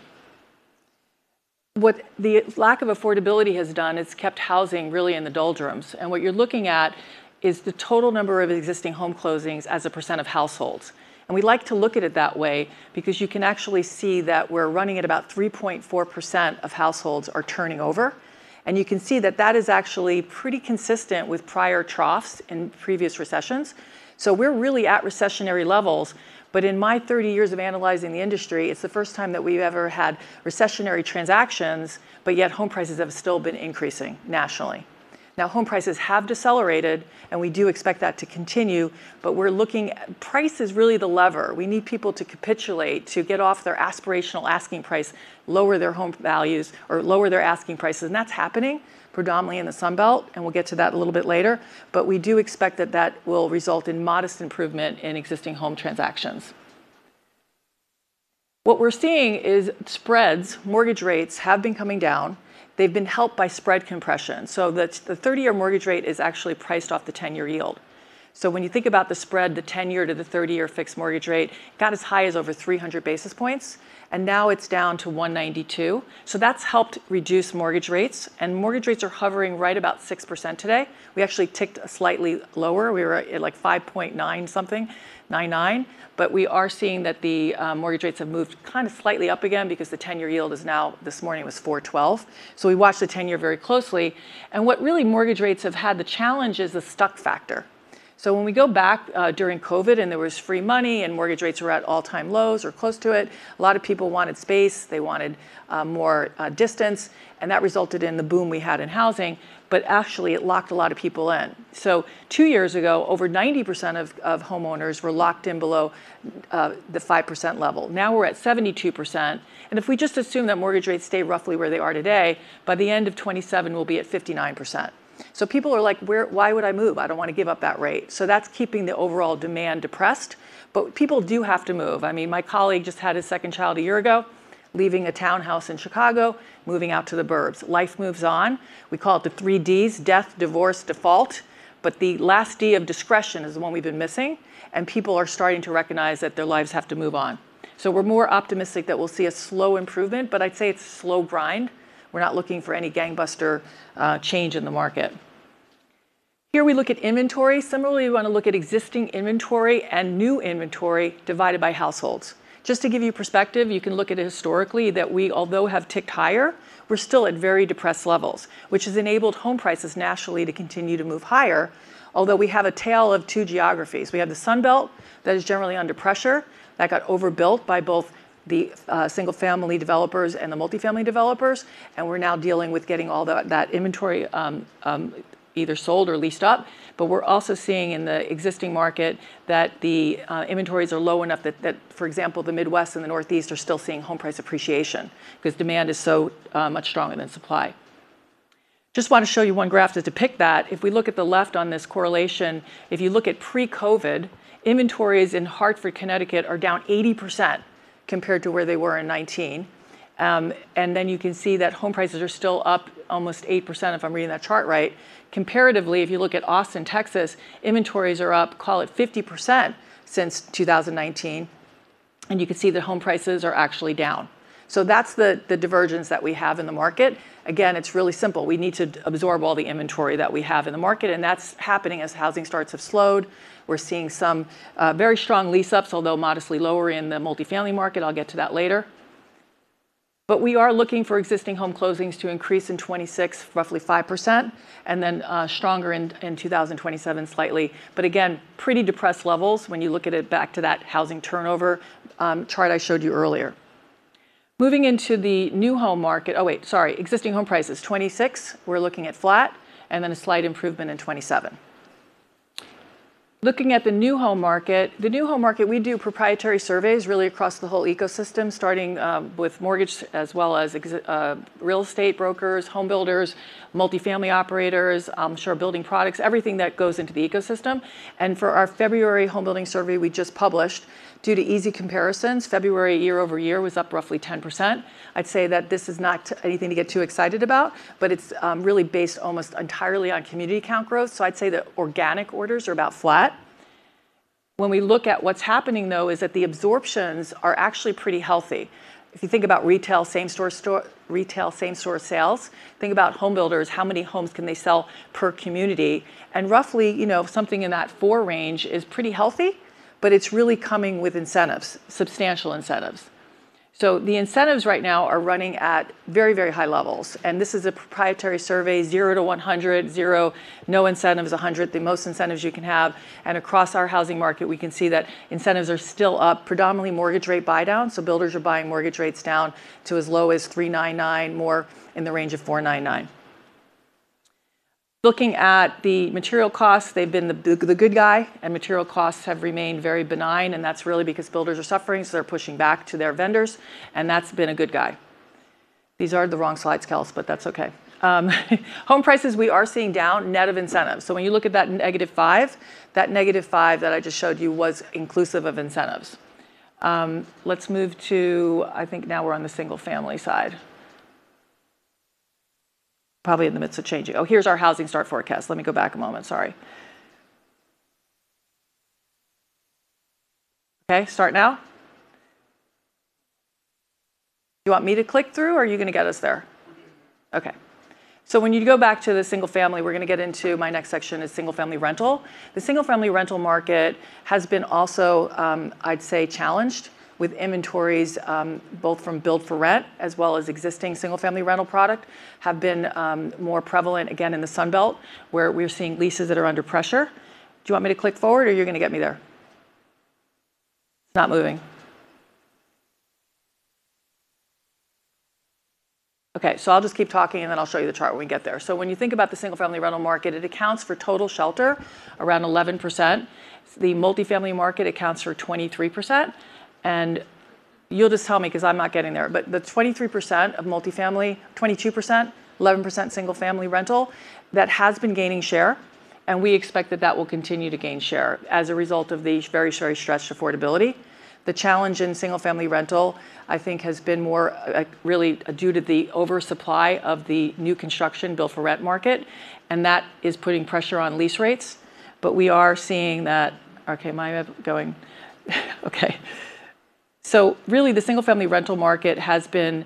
What the lack of affordability has done is kept housing really in the doldrums, and what you're looking at is the total number of existing home closings as a percent of households. We like to look at it that way because you can actually see that we're running at about 3.4% of households are turning over, and you can see that that is actually pretty consistent with prior troughs in previous recessions. We're really at recessionary levels. In my 30 years of analyzing the industry, it's the first time that we've ever had recessionary transactions, but yet home prices have still been increasing nationally. Now home prices have decelerated, and we do expect that to continue, but we're looking. Price is really the lever. We need people to capitulate, to get off their aspirational asking price, lower their home values, or lower their asking prices, and that's happening predominantly in the Sun Belt, and we'll get to that a little bit later. We do expect that that will result in modest improvement in existing home transactions. What we're seeing is spreads. Mortgage rates have been coming down. They've been helped by spread compression. That's the 30 year mortgage rate is actually priced off the 10 year yield. When you think about the spread, the 10 year to the 30 year fixed mortgage rate got as high as over 300 basis points, and now it's down to 192. That's helped reduce mortgage rates, and mortgage rates are hovering right about 6% today. We actually ticked slightly lower. We were at like 5.99. We are seeing that the mortgage rates have moved kind of slightly up again because the 10 year yield is now, this morning was 4.12. We watch the 10 year very closely. What really mortgage rates have had the challenge is the stuck factor. When we go back during COVID, and there was free money and mortgage rates were at all-time lows or close to it, a lot of people wanted space, they wanted more distance, and that resulted in the boom we had in housing, but actually it locked a lot of people in. Two years ago, over 90% of homeowners were locked in below the 5% level. Now we're at 72%, and if we just assume that mortgage rates stay roughly where they are today, by the end of 2027 we'll be at 59%. People are like, "Why would I move? I don't wanna give up that rate." That's keeping the overall demand depressed. People do have to move. I mean, my colleague just had his second child a year ago, leaving a townhouse in Chicago, moving out to the 'burbs. Life moves on. We call it the three Ds: death, divorce, default. The last D of discretion is the one we've been missing, and people are starting to recognize that their lives have to move on. We're more optimistic that we'll see a slow improvement, but I'd say it's a slow grind. We're not looking for any gangbuster change in the market. Here we look at inventory. Similarly, we wanna look at existing inventory and new inventory divided by households. Just to give you perspective, you can look at it historically that we, although have ticked higher, we're still at very depressed levels, which has enabled home prices nationally to continue to move higher. Although we have a tale of two geographies. We have the Sun Belt that is generally under pressure, that got overbuilt by both the single-family developers and the multifamily developers, and we're now dealing with getting all that inventory either sold or leased up. But we're also seeing in the existing market that the inventories are low enough that for example, the Midwest and the Northeast are still seeing home price appreciation cuz demand is so much stronger than supply. Just wanna show you one graph to depict that. If we look at the left on this correlation, if you look at pre-COVID, inventories in Hartford, Connecticut are down 80% compared to where they were in 2019. Then you can see that home prices are still up almost 8% if I'm reading that chart right. Comparatively, if you look at Austin, Texas, inventories are up, call it 50% since 2019, and you can see that home prices are actually down. That's the divergence that we have in the market. Again, it's really simple. We need to absorb all the inventory that we have in the market, and that's happening as housing starts have slowed. We're seeing some very strong lease ups, although modestly lower in the multifamily market. I'll get to that later. We are looking for existing home closings to increase in 2026, roughly 5%, and then stronger in 2027 slightly. Again, pretty depressed levels when you look at it back to that housing turnover chart I showed you earlier. Existing home prices. 2026, we're looking at flat, and then a slight improvement in 2027. Looking at the new home market, we do proprietary surveys really across the whole ecosystem, starting with mortgage as well as real estate brokers, home builders, multifamily operators, SFR building products, everything that goes into the ecosystem. For our February home building survey we just published, due to easy comparisons, February year-over-year was up roughly 10%. I'd say that this is not anything to get too excited about, but it's really based almost entirely on community count growth. I'd say the organic orders are about flat. When we look at what's happening, though, is that the absorptions are actually pretty healthy. If you think about retail, same store sales, think about home builders, how many homes can they sell per community? Roughly, you know, something in that four range is pretty healthy, but it's really coming with incentives, substantial incentives. The incentives right now are running at very, very high levels, and this is a proprietary survey, 0-100. 0, no incentives. 100, the most incentives you can have. Across our housing market, we can see that incentives are still up, predominantly mortgage rate buydowns, so builders are buying mortgage rates down to as low as 3.99%, more in the range of 4.99%. Looking at the material costs, they've been the good guy, and material costs have remained very benign, and that's really because builders are suffering, so they're pushing back to their vendors, and that's been a good guy. These are the wrong slides, Kels, but that's okay. Home prices, we are seeing down net of incentives. When you look at that -5%, that -5% that I just showed you was inclusive of incentives. Let's move to I think now we're on the single family side. Probably in the midst of changing. Oh, here's our housing start forecast. Let me go back a moment. Sorry. Okay. Start now? You want me to click through, or are you gonna get us there? Okay. When you go back to the single family, we're gonna get into my next section is single family rental. The single family rental market has been also, I'd say challenged with inventories, both from build for rent as well as existing single family rental product have been, more prevalent again in the Sun Belt, where we're seeing leases that are under pressure. Do you want me to click forward, or you're gonna get me there? It's not moving. Okay, I'll just keep talking, and then I'll show you the chart when we get there. When you think about the single family rental market, it accounts for total shelter around 11%. The multifamily market accounts for 23%. You'll just tell me, 'cause I'm not getting there. The 23% of multifamily, 22%, 11% single family rental, that has been gaining share, and we expect that that will continue to gain share as a result of the very, very stretched affordability. The challenge in single family rental, I think has been more, really due to the oversupply of the new construction build for rent market, and that is putting pressure on lease rates. We are seeing that. Really, the single family rental market has been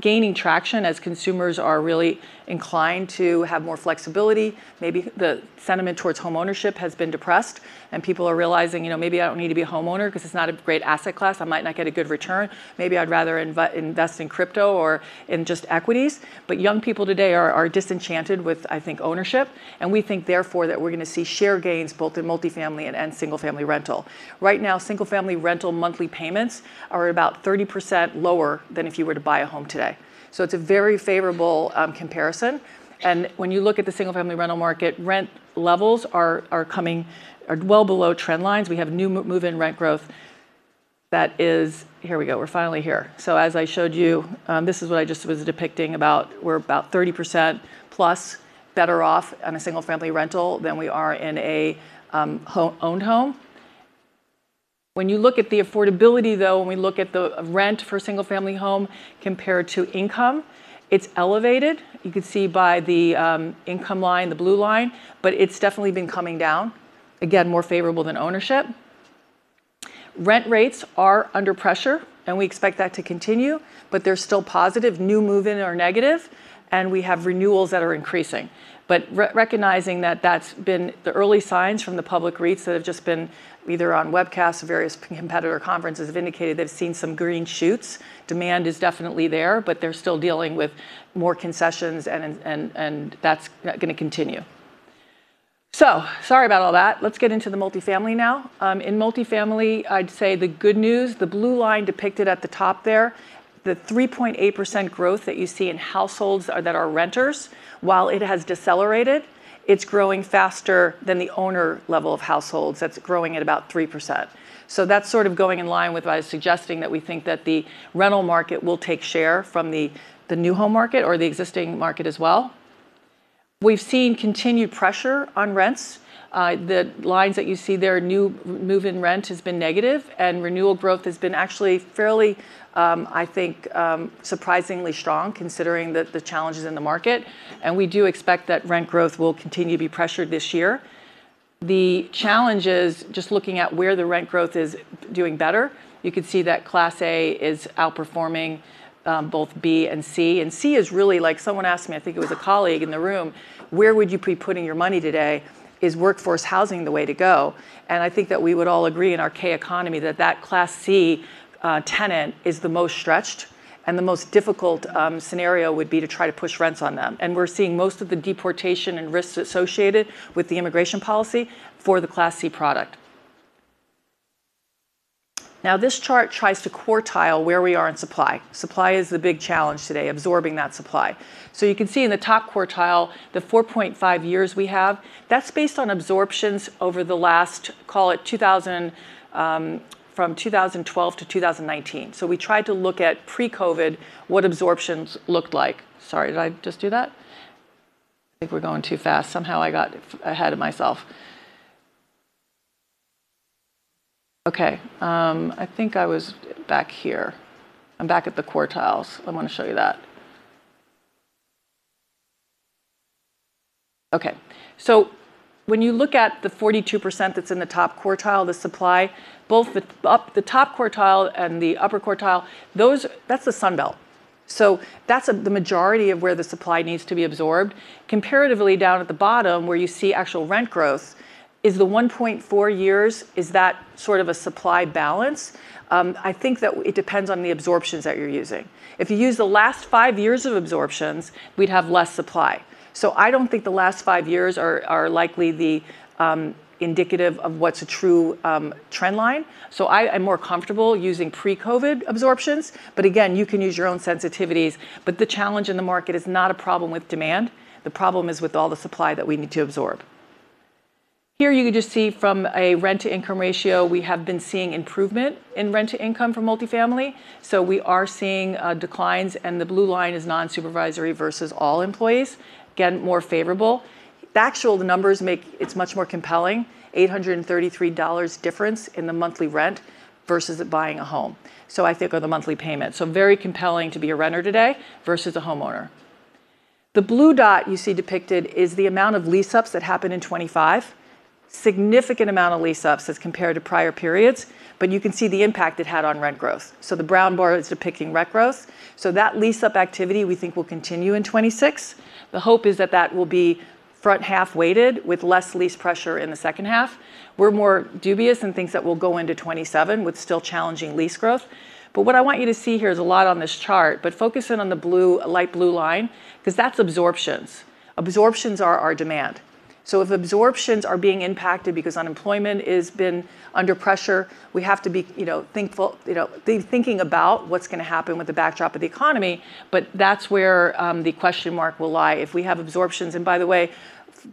gaining traction as consumers are really inclined to have more flexibility. Maybe the sentiment towards home ownership has been depressed and people are realizing, you know, maybe I don't need to be a homeowner 'cause it's not a great asset class. I might not get a good return. Maybe I'd rather invest in crypto or in just equities. Young people today are disenchanted with, I think, ownership, and we think therefore, that we're gonna see share gains both in multifamily and single family rental. Right now, single family rental monthly payments are about 30% lower than if you were to buy a home today. It's a very favorable comparison. When you look at the single family rental market, rent levels are coming well below trend lines. We have new move in rent growth. That is, here we go. We're finally here. As I showed you, this is what I just was depicting about we're about 30% plus better off on a single-family rental than we are in a owned home. When you look at the affordability, though, when we look at the rent for a single-family home compared to income, it's elevated. You can see by the income line, the blue line, but it's definitely been coming down, again, more favorable than ownership. Rent rates are under pressure, and we expect that to continue, but they're still positive. New move-in are negative, and we have renewals that are increasing. Re-recognizing that that's been the early signs from the public REITs that have just been either on webcasts or various competitor conferences have indicated they've seen some green shoots. Demand is definitely there, but they're still dealing with more concessions and that's gonna continue. Sorry about all that. Let's get into the multifamily now. In multifamily, I'd say the good news, the blue line depicted at the top there, the 3.8% growth that you see in households that are renters, while it has decelerated, it's growing faster than the owner level of households. That's growing at about 3%. That's sort of going in line with what I was suggesting that we think that the rental market will take share from the new home market or the existing market as well. We've seen continued pressure on rents. The lines that you see there, new move-in rent has been negative, and renewal growth has been actually fairly, I think, surprisingly strong considering the challenges in the market, and we do expect that rent growth will continue to be pressured this year. The challenge is just looking at where the rent growth is doing better. You can see that Class A is outperforming both B and C, and C is really like someone asked me, I think it was a colleague in the room, "Where would you be putting your money today? Is workforce housing the way to go?" I think that we would all agree in our gig economy that that Class C tenant is the most stretched and the most difficult scenario would be to try to push rents on them. We're seeing most of the deportation and risks associated with the immigration policy for the Class C product. Now, this chart tries to quartile where we are in supply. Supply is the big challenge today, absorbing that supply. You can see in the top quartile, the 4.five years we have, that's based on absorptions over the last, call it 2000, from 2012-2019. We tried to look at pre-COVID what absorptions looked like. Sorry, did I just do that? I think we're going too fast. Somehow I got ahead of myself. Okay, I think I was back here. I'm back at the quartiles. I wanna show you that. Okay, when you look at the 42% that's in the top quartile, the supply, both the upper, the top quartile and the upper quartile, those. That's the Sun Belt. That's the majority of where the supply needs to be absorbed. Comparatively, down at the bottom where you see actual rent growth is the 1.four years, is that sort of a supply balance. I think that it depends on the absorptions that you're using. If you use the last five years of absorptions, we'd have less supply. I don't think the last five years are likely the indicative of what's a true trend line. I'm more comfortable using pre-COVID absorptions, but again, you can use your own sensitivities, but the challenge in the market is not a problem with demand. The problem is with all the supply that we need to absorb. Here you can just see from a rent-to-income ratio, we have been seeing improvement in rent-to-income for multifamily. We are seeing declines, and the blue line is non-supervisory versus all employees. Again, more favorable. The numbers make it much more compelling, $833 difference in the monthly rent versus buying a home, so I think, or the monthly payment. Very compelling to be a renter today versus a homeowner. The blue dot you see depicted is the amount of lease-ups that happened in 2025. Significant amount of lease-ups as compared to prior periods, but you can see the impact it had on rent growth. The brown bar is depicting rent growth. That lease-up activity we think will continue in 2026. The hope is that that will be front-half weighted with less lease pressure in the second half. We're more dubious in things that will go into 2027 with still challenging lease growth. What I want you to see here, there's a lot on this chart, but focus in on the blue, light blue line 'cause that's absorptions. Absorptions are our demand. So if absorptions are being impacted because unemployment has been under pressure, we have to be, you know, thankful, you know, thinking about what's gonna happen with the backdrop of the economy, but that's where the question mark will lie if we have absorptions. By the way,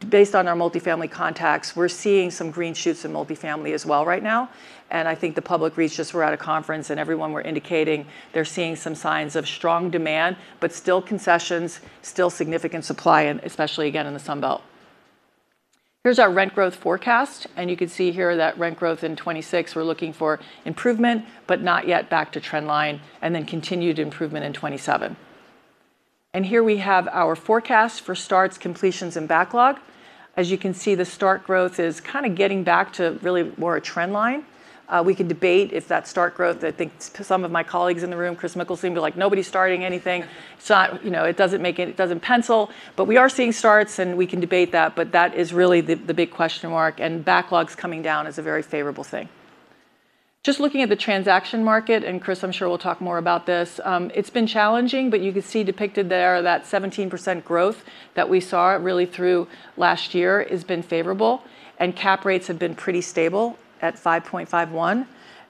based on our multifamily contacts, we're seeing some green shoots in multifamily as well right now, and I think the public REITs just were at a conference, and everyone were indicating they're seeing some signs of strong demand, but still concessions, still significant supply, and especially again in the Sun Belt. Here's our rent growth forecast, and you can see here that rent growth in 2026, we're looking for improvement but not yet back to trend line and then continued improvement in 2027. Here we have our forecast for starts, completions, and backlog. As you can see, the starts growth is kind of getting back to really more a trend line. We can debate if that starts growth, I think some of my colleagues in the room, Kris Mikkelsen, would be like, "Nobody's starting anything." You know, it doesn't make it doesn't pencil. We are seeing starts, and we can debate that, but that is really the big question mark, and backlogs coming down is a very favorable thing. Just looking at the transaction market, and Kris I'm sure will talk more about this. It's been challenging, but you can see depicted there that 17% growth that we saw really through last year has been favorable, and cap rates have been pretty stable at 5.51%,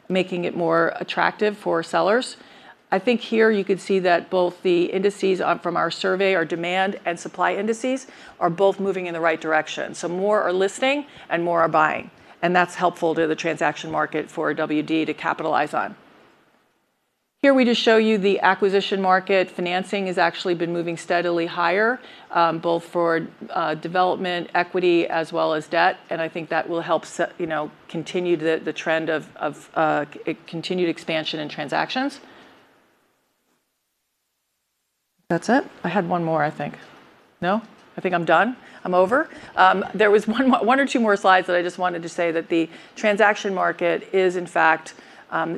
making it more attractive for sellers. I think here you could see that both the indices on, from our survey, our demand and supply indices are both moving in the right direction. More are listing and more are buying, and that's helpful to the transaction market for WD to capitalize on. Here we just show you the acquisition market. Financing has actually been moving steadily higher, both for development equity as well as debt. I think that will help set, you know, continue the trend of continued expansion and transactions. That's it? I had one more I think. No? I think I'm done. I'm over. There was one or two more slides that I just wanted to say that the transaction market is in fact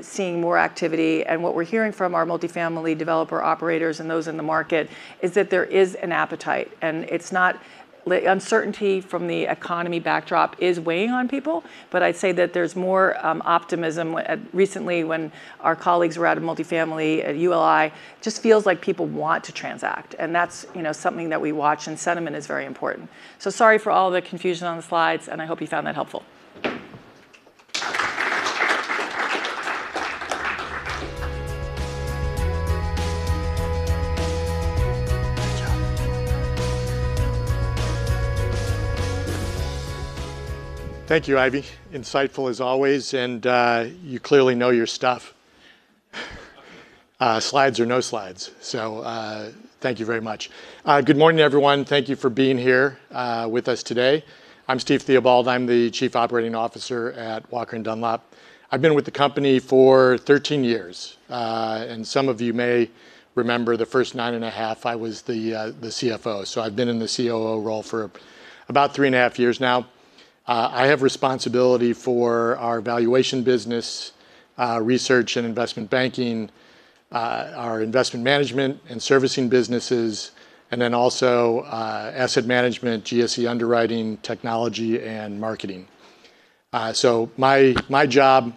seeing more activity. What we're hearing from our multifamily developer operators and those in the market is that there is an appetite. Uncertainty from the economic backdrop is weighing on people, but I'd say that there's more optimism recently when our colleagues were out with multifamily at ULI. Just feels like people want to transact and that's, you know, something that we watch, and sentiment is very important. Sorry for all the confusion on the slides, and I hope you found that helpful. Good job. Thank you, Ivy. Insightful as always, and, you clearly know your stuff. Slides or no slides. Thank you very much. Good morning, everyone. Thank you for being here with us today. I'm Steve Theobald. I'm the Chief Operating Officer at Walker & Dunlop. I've been with the company for 1three years. Some of you may remember the first nine and a half, I was the CFO. I've been in the COO role for about three and a half years now. I have responsibility for our valuation business, research and investment banking, our investment management and servicing businesses, and then also, asset management, GSE underwriting, technology and marketing. My job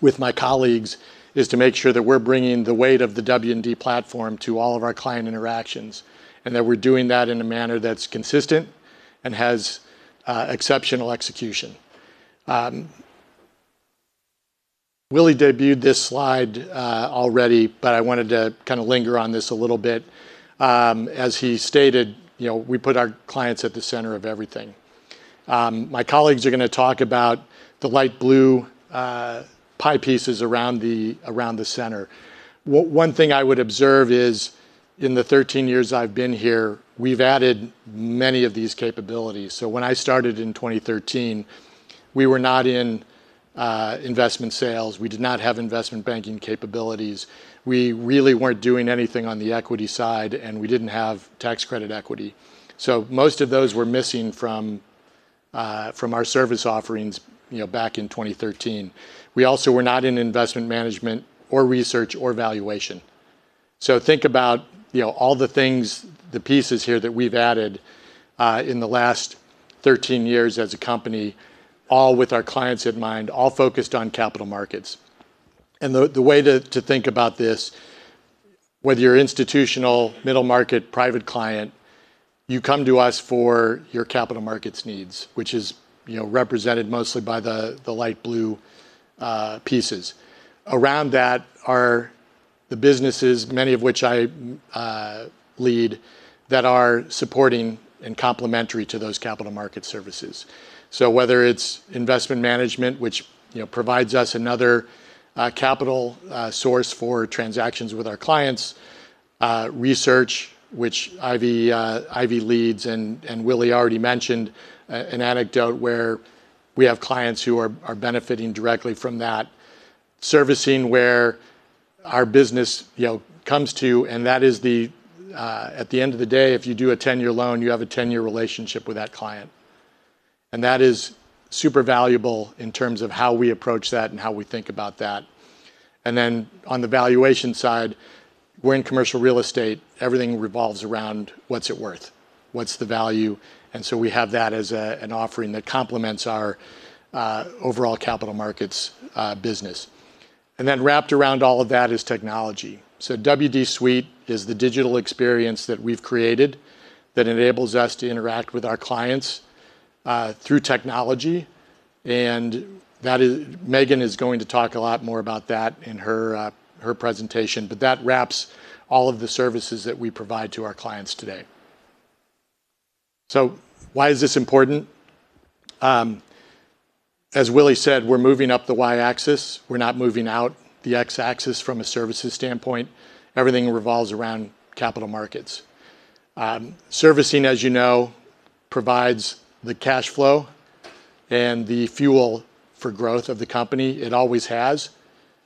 with my colleagues is to make sure that we're bringing the weight of the W&D platform to all of our client interactions, and that we're doing that in a manner that's consistent and has exceptional execution. Willy debuted this slide already, but I wanted to kinda linger on this a little bit. As he stated, you know, we put our clients at the center of everything. My colleagues are gonna talk about the light blue pie pieces around the center. One thing I would observe is in the 1three years I've been here, we've added many of these capabilities. When I started in 2013, we were not in investment sales. We did not have investment banking capabilities. We really weren't doing anything on the equity side, and we didn't have tax credit equity. Most of those were missing from our service offerings, you know, back in 2013. We also were not in investment management or research or valuation. Think about, you know, all the things, the pieces here that we've added in the last 1three years as a company, all with our clients in mind, all focused on capital markets. The way to think about this, whether you're institutional, middle market, private client, you come to us for your capital markets needs, which is, you know, represented mostly by the light blue pieces. Around that are the businesses, many of which I lead, that are supporting and complementary to those capital market services. Whether it's investment management, which, you know, provides us another capital source for transactions with our clients, research which Ivy leads, and Willy already mentioned an anecdote where we have clients who are benefiting directly from that. Servicing where our business, you know, comes to, and that is the, at the end of the day, if you do a 10 year loan, you have a 10 year relationship with that client. That is super valuable in terms of how we approach that and how we think about that. Then on the valuation side, we're in commercial real estate. Everything revolves around what's it worth? What's the value? We have that as an offering that complements our overall capital markets business. Then wrapped around all of that is technology. WD Suite is the digital experience that we've created that enables us to interact with our clients through technology, and Megan is going to talk a lot more about that in her presentation, but that wraps all of the services that we provide to our clients today. Why is this important? As Willy said, we're moving up the y-axis. We're not moving out the x-axis from a services standpoint. Everything revolves around capital markets. Servicing, as you know, provides the cash flow and the fuel for growth of the company. It always has,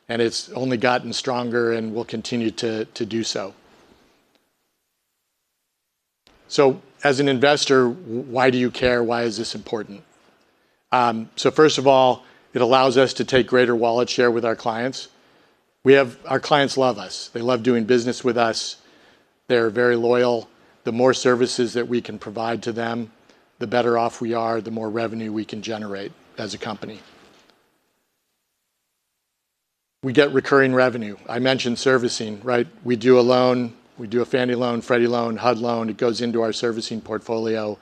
and it's only gotten stronger and will continue to do so. As an investor, why do you care? Why is this important? First of all, it allows us to take greater wallet share with our clients. We have. Our clients love us. They love doing business with us. They're very loyal. The more services that we can provide to them, the better off we are, the more revenue we can generate as a company. We get recurring revenue. I mentioned servicing, right? We do a loan. We do a Fannie loan, Freddie loan, HUD loan. It goes into our servicing portfolio.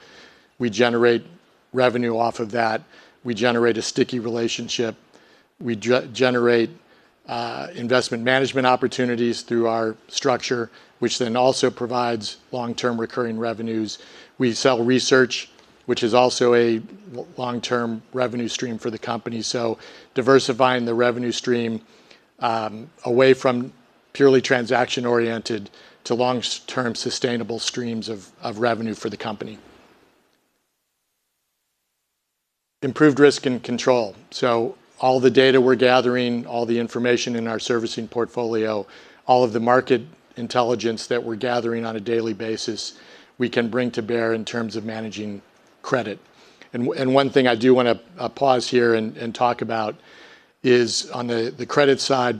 We generate revenue off of that, we generate a sticky relationship. We generate investment management opportunities through our structure, which then also provides long-term recurring revenues. We sell research, which is also a long-term revenue stream for the company. Diversifying the revenue stream away from purely transaction-oriented to long-term sustainable streams of revenue for the company. Improved risk and control. All the data we're gathering, all the information in our servicing portfolio, all of the market intelligence that we're gathering on a daily basis, we can bring to bear in terms of managing credit. One thing I do wanna pause here and talk about is on the credit side,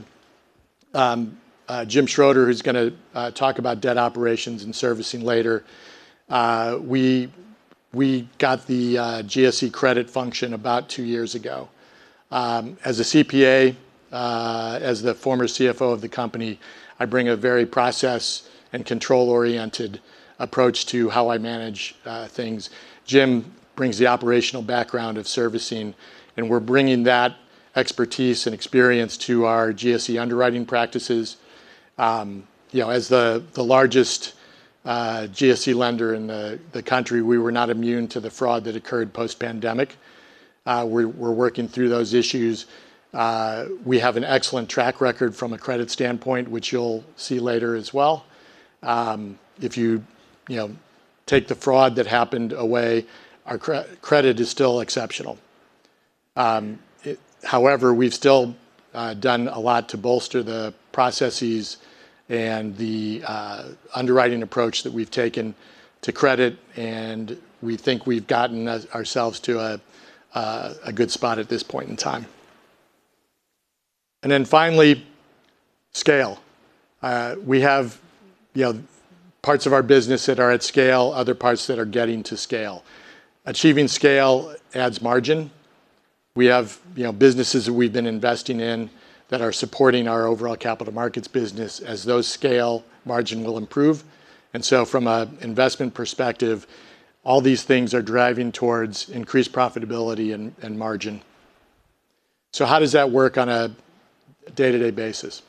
Jim Schroeder, who's gonna talk about debt operations and servicing later. We got the GSE credit function about two years ago. As a CPA, as the former CFO of the company, I bring a very process and control-oriented approach to how I manage things. Jim brings the operational background of servicing, and we're bringing that expertise and experience to our GSE underwriting practices. You know, as the largest GSE lender in the country, we were not immune to the fraud that occurred post-pandemic. We're working through those issues. We have an excellent track record from a credit standpoint, which you'll see later as well. If you know, take the fraud that happened away, our credit is still exceptional. However, we've still done a lot to bolster the processes and the underwriting approach that we've taken to credit, and we think we've gotten ourselves to a good spot at this point in time. Finally, scale. We have, you know, parts of our business that are at scale, other parts that are getting to scale. Achieving scale adds margin. We have, you know, businesses that we've been investing in that are supporting our overall capital markets business. As those scale, margin will improve. From an investment perspective, all these things are driving towards increased profitability and margin. How does that work on a day-to-day basis?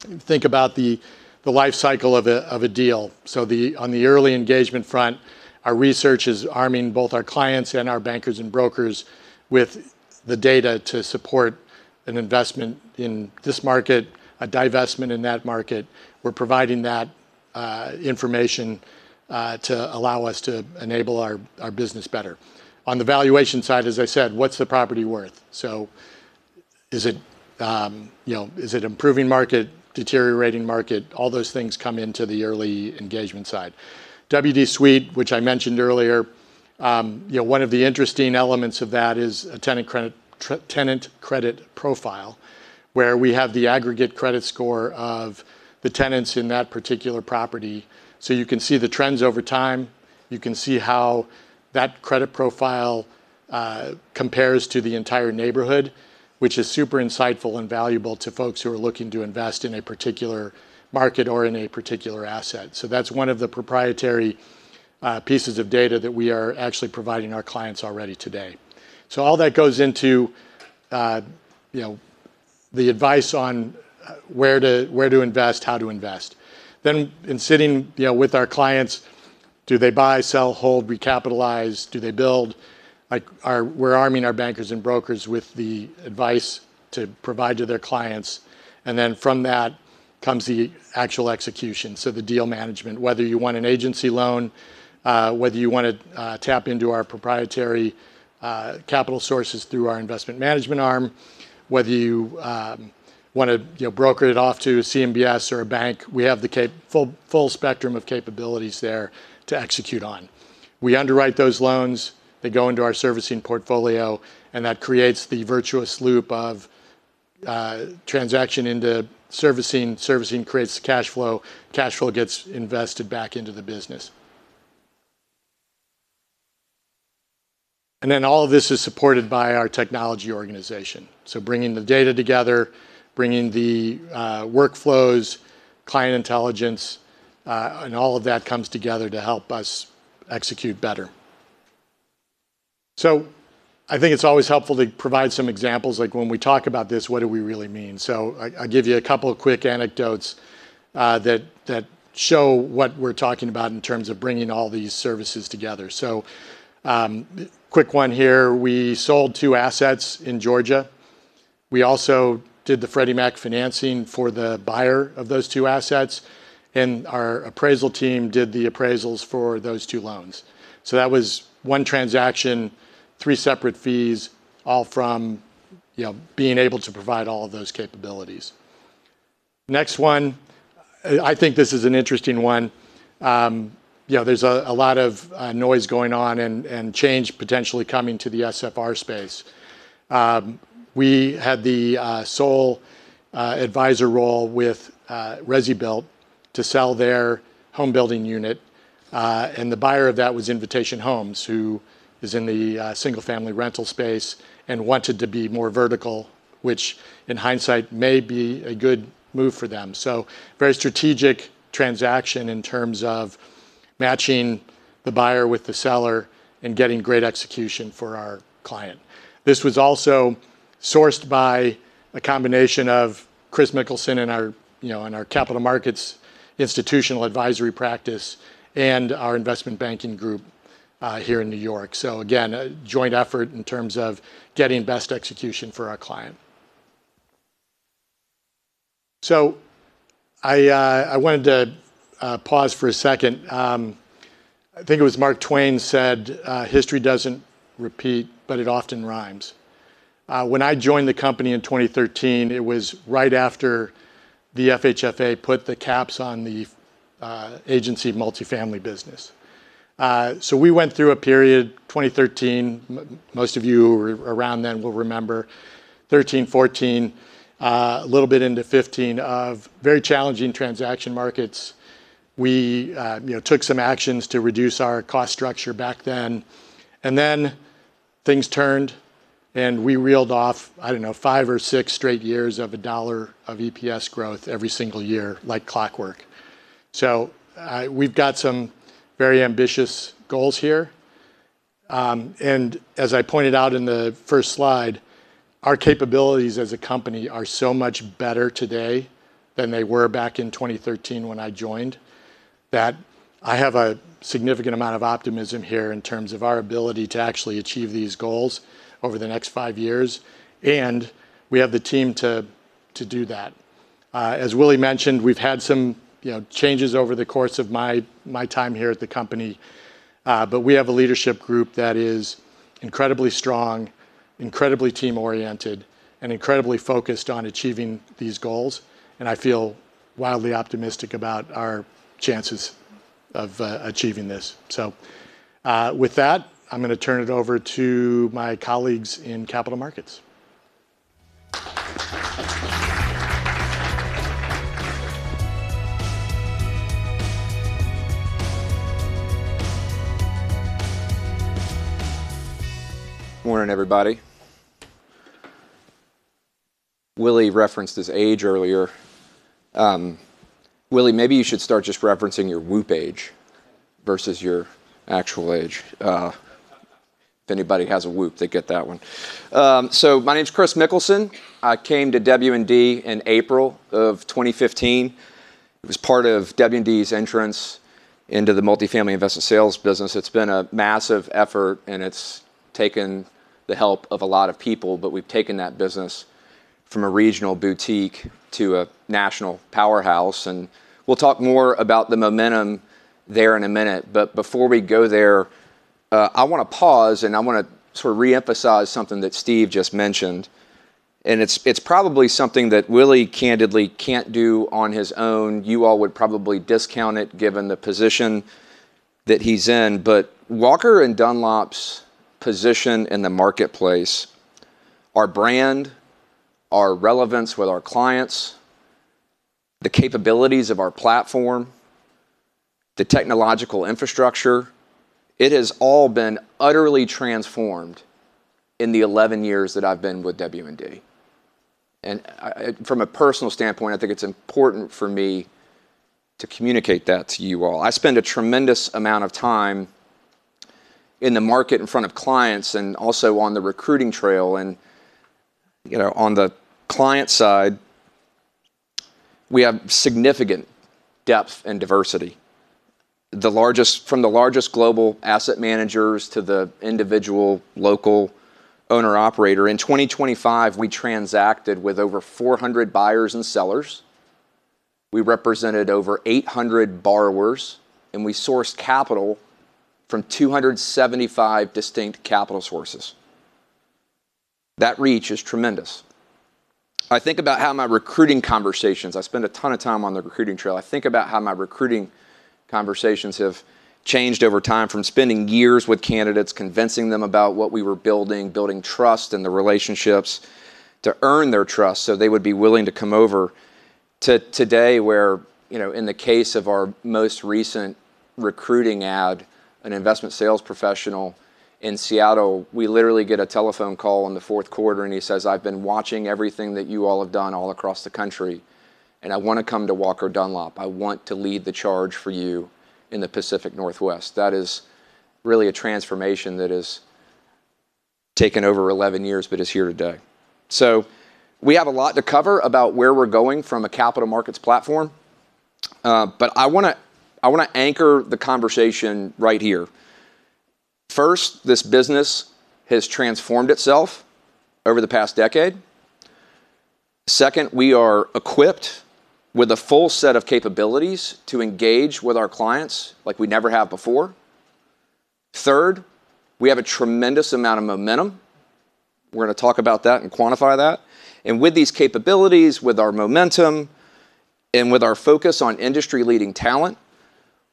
Think about the life cycle of a deal. On the early engagement front, our research is arming both our clients and our bankers and brokers with the data to support an investment in this market, a divestment in that market. We're providing that information to allow us to enable our business better. On the valuation side, as I said, what's the property worth? Is it an improving market, a deteriorating market? All those things come into the early engagement side. WD Suite, which I mentioned earlier, you know, one of the interesting elements of that is a tenant credit profile, where we have the aggregate credit score of the tenants in that particular property. So you can see the trends over time. You can see how that credit profile compares to the entire neighborhood, which is super insightful and valuable to folks who are looking to invest in a particular market or in a particular asset. So that's one of the proprietary pieces of data that we are actually providing our clients already today. So all that goes into, you know, the advice on where to invest, how to invest. In sitting, you know, with our clients, do they buy, sell, hold, recapitalize? Do they build? Like, we're arming our bankers and brokers with the advice to provide to their clients. From that comes the actual execution, so the deal management. Whether you want an agency loan, whether you wanna tap into our proprietary capital sources through our investment management arm, whether you wanna, you know, broker it off to CMBS or a bank, we have the full spectrum of capabilities there to execute on. We underwrite those loans. They go into our servicing portfolio, and that creates the virtuous loop of transaction into servicing. Servicing creates cash flow. Cash flow gets invested back into the business. All of this is supported by our technology organization. Bringing the data together, bringing the workflows, client intelligence, and all of that comes together to help us execute better. I think it's always helpful to provide some examples like when we talk about this, what do we really mean? I give you a couple of quick anecdotes that show what we're talking about in terms of bringing all these services together. Quick one here, we sold two assets in Georgia. We also did the Freddie Mac financing for the buyer of those two assets, and our appraisal team did the appraisals for those two loans. That was one transaction, three separate fees, all from, you know, being able to provide all of those capabilities. Next one, I think this is an interesting one. You know, there's a lot of noise going on and change potentially coming to the SFR space. We had the sole advisor role with ResiBuilt to sell their home building unit. The buyer of that was Invitation Homes, who is in the single-family rental space and wanted to be more vertical. Which in hindsight may be a good move for them. Very strategic transaction in terms of matching the buyer with the seller and getting great execution for our client. This was also sourced by a combination of Kris Mikkelsen in our, you know, in our capital markets institutional advisory practice and our investment banking group here in New York. Again, a joint effort in terms of getting best execution for our client. I wanted to pause for a second. I think it was Mark Twain said, "History doesn't repeat, but it often rhymes." When I joined the company in 2013, it was right after the FHFA put the caps on the agency multifamily business. We went through a period, 2013, most of you who were around then will remember, 2013, 2014, a little bit into 2015, of very challenging transaction markets. We, you know, took some actions to reduce our cost structure back then, and then things turned, and we reeled off, I don't know, five or six straight years of $1 of EPS growth every single year like clockwork. We've got some very ambitious goals here. As I pointed out in the first slide, our capabilities as a company are so much better today than they were back in 2013 when I joined that I have a significant amount of optimism here in terms of our ability to actually achieve these goals over the next five years, and we have the team to do that. As Willy mentioned, we've had some, you know, changes over the course of my time here at the company, but we have a leadership group that is incredibly strong, incredibly team-oriented, and incredibly focused on achieving these goals, and I feel wildly optimistic about our chances of achieving this. With that, I'm gonna turn it over to my colleagues in capital markets. Morning, everybody. Willy referenced his age earlier. Willy, maybe you should start just referencing your WHOOP age versus your actual age. If anybody has a WHOOP, they get that one. My name's Kris Mikkelsen. I came to W&D in April of 2015. It was part of W&D's entrance into the multifamily investment sales business. It's been a massive effort, and it's taken the help of a lot of people, but we've taken that business from a regional boutique to a national powerhouse, and we'll talk more about the momentum there in a minute. Before we go there, I wanna pause, and I wanna sort of reemphasize something that Steve just mentioned. It's probably something that Willy candidly can't do on his own. You all would probably discount it given the position that he's in. Walker & Dunlop's position in the marketplace, our brand, our relevance with our clients, the capabilities of our platform, the technological infrastructure, it has all been utterly transformed in the 11 years that I've been with W&D. From a personal standpoint, I think it's important for me to communicate that to you all. I spend a tremendous amount of time in the market in front of clients and also on the recruiting trail. You know, on the client side, we have significant depth and diversity. From the largest global asset managers to the individual local owner-operator. In 2025, we transacted with over 400 buyers and sellers. We represented over 800 borrowers, and we sourced capital from 275 distinct capital sources. That reach is tremendous. I think about how my recruiting conversations. I spend a ton of time on the recruiting trail. I think about how my recruiting conversations have changed over time from spending years with candidates, convincing them about what we were building trust and the relationships to earn their trust, so they would be willing to come over to today where, you know, in the case of our most recent recruiting ad, an investment sales professional in Seattle, we literally get a telephone call in the fourth quarter, and he says, "I've been watching everything that you all have done all across the country, and I wanna come to Walker & Dunlop. I want to lead the charge for you in the Pacific Northwest." That is really a transformation that has taken over 11 years but is here today. We have a lot to cover about where we're going from a capital markets platform, but I wanna anchor the conversation right here. First, this business has transformed itself over the past decade. Second, we are equipped with a full set of capabilities to engage with our clients like we never have before. Third, we have a tremendous amount of momentum. We're gonna talk about that and quantify that. With these capabilities, with our momentum, and with our focus on industry-leading talent,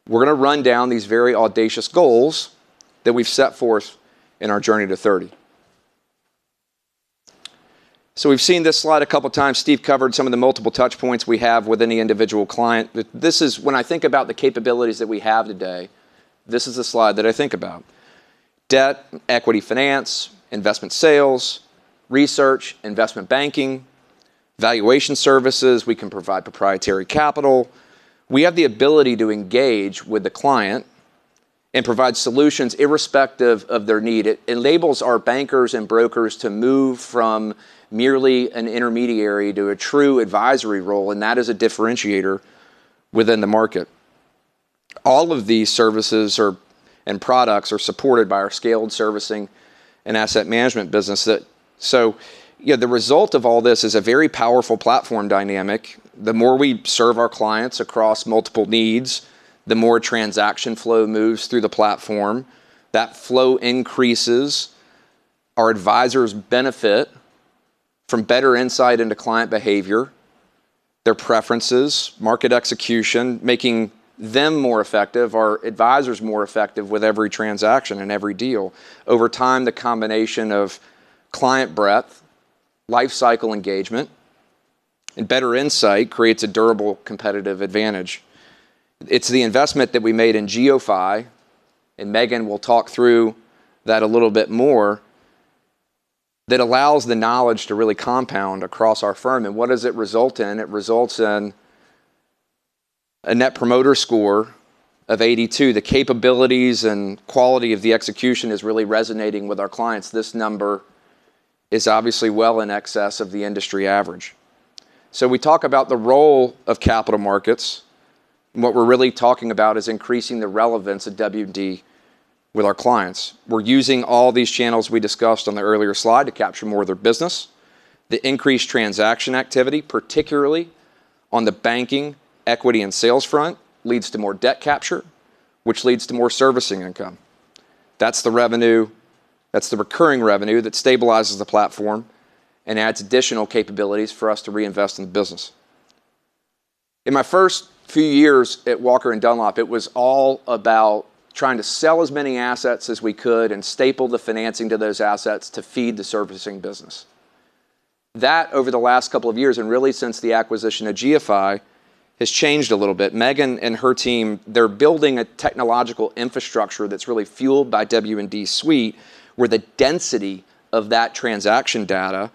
we're gonna run down these very audacious goals that we've set forth in our Journey to '30. We've seen this slide a couple of times. Steve covered some of the multiple touchpoints we have with any individual client. This is when I think about the capabilities that we have today, this is the slide that I think about. Debt, equity finance, investment sales, research, investment banking, valuation services. We can provide proprietary capital. We have the ability to engage with the client and provide solutions irrespective of their need. It enables our bankers and brokers to move from merely an intermediary to a true advisory role, and that is a differentiator within the market. All of these services and products are supported by our scaled servicing and asset management business. You know, the result of all this is a very powerful platform dynamic. The more we serve our clients across multiple needs, the more transaction flow moves through the platform. That flow increases. Our advisors benefit from better insight into client behavior, their preferences, market execution, making them more effective, our advisors more effective with every transaction and every deal. Over time, the combination of client breadth, life cycle engagement, and better insight creates a durable competitive advantage. It's the investment that we made in GeoPhy, and Megan will talk through that a little bit more, that allows the knowledge to really compound across our firm. What does it result in? It results in a Net Promoter Score of 82. The capabilities and quality of the execution is really resonating with our clients. This number is obviously well in excess of the industry average. We talk about the role of capital markets, and what we're really talking about is increasing the relevance of W&D with our clients. We're using all these channels we discussed on the earlier slide to capture more of their business. The increased transaction activity, particularly on the banking, equity, and sales front, leads to more debt capture, which leads to more servicing income. That's the revenue. That's the recurring revenue that stabilizes the platform and adds additional capabilities for us to reinvest in the business. In my first few years at Walker & Dunlop, it was all about trying to sell as many assets as we could and staple the financing to those assets to feed the servicing business. That, over the last couple of years, and really since the acquisition of GeoPhy, has changed a little bit. Megan and her team, they're building a technological infrastructure that's really fueled by WD Suite, where the density of that transaction data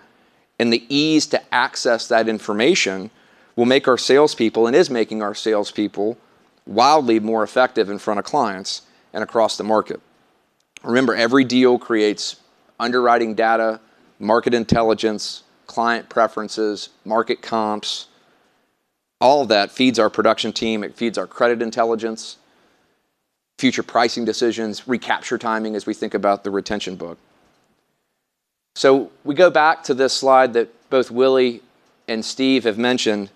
and the ease to access that information will make our salespeople, and is making our salespeople, wildly more effective in front of clients and across the market. Remember, every deal creates underwriting data, market intelligence, client preferences, market comps. All of that feeds our production team, it feeds our credit intelligence, future pricing decisions, recapture timing as we think about the retention book. We go back to this slide that both Willy and Steve have mentioned.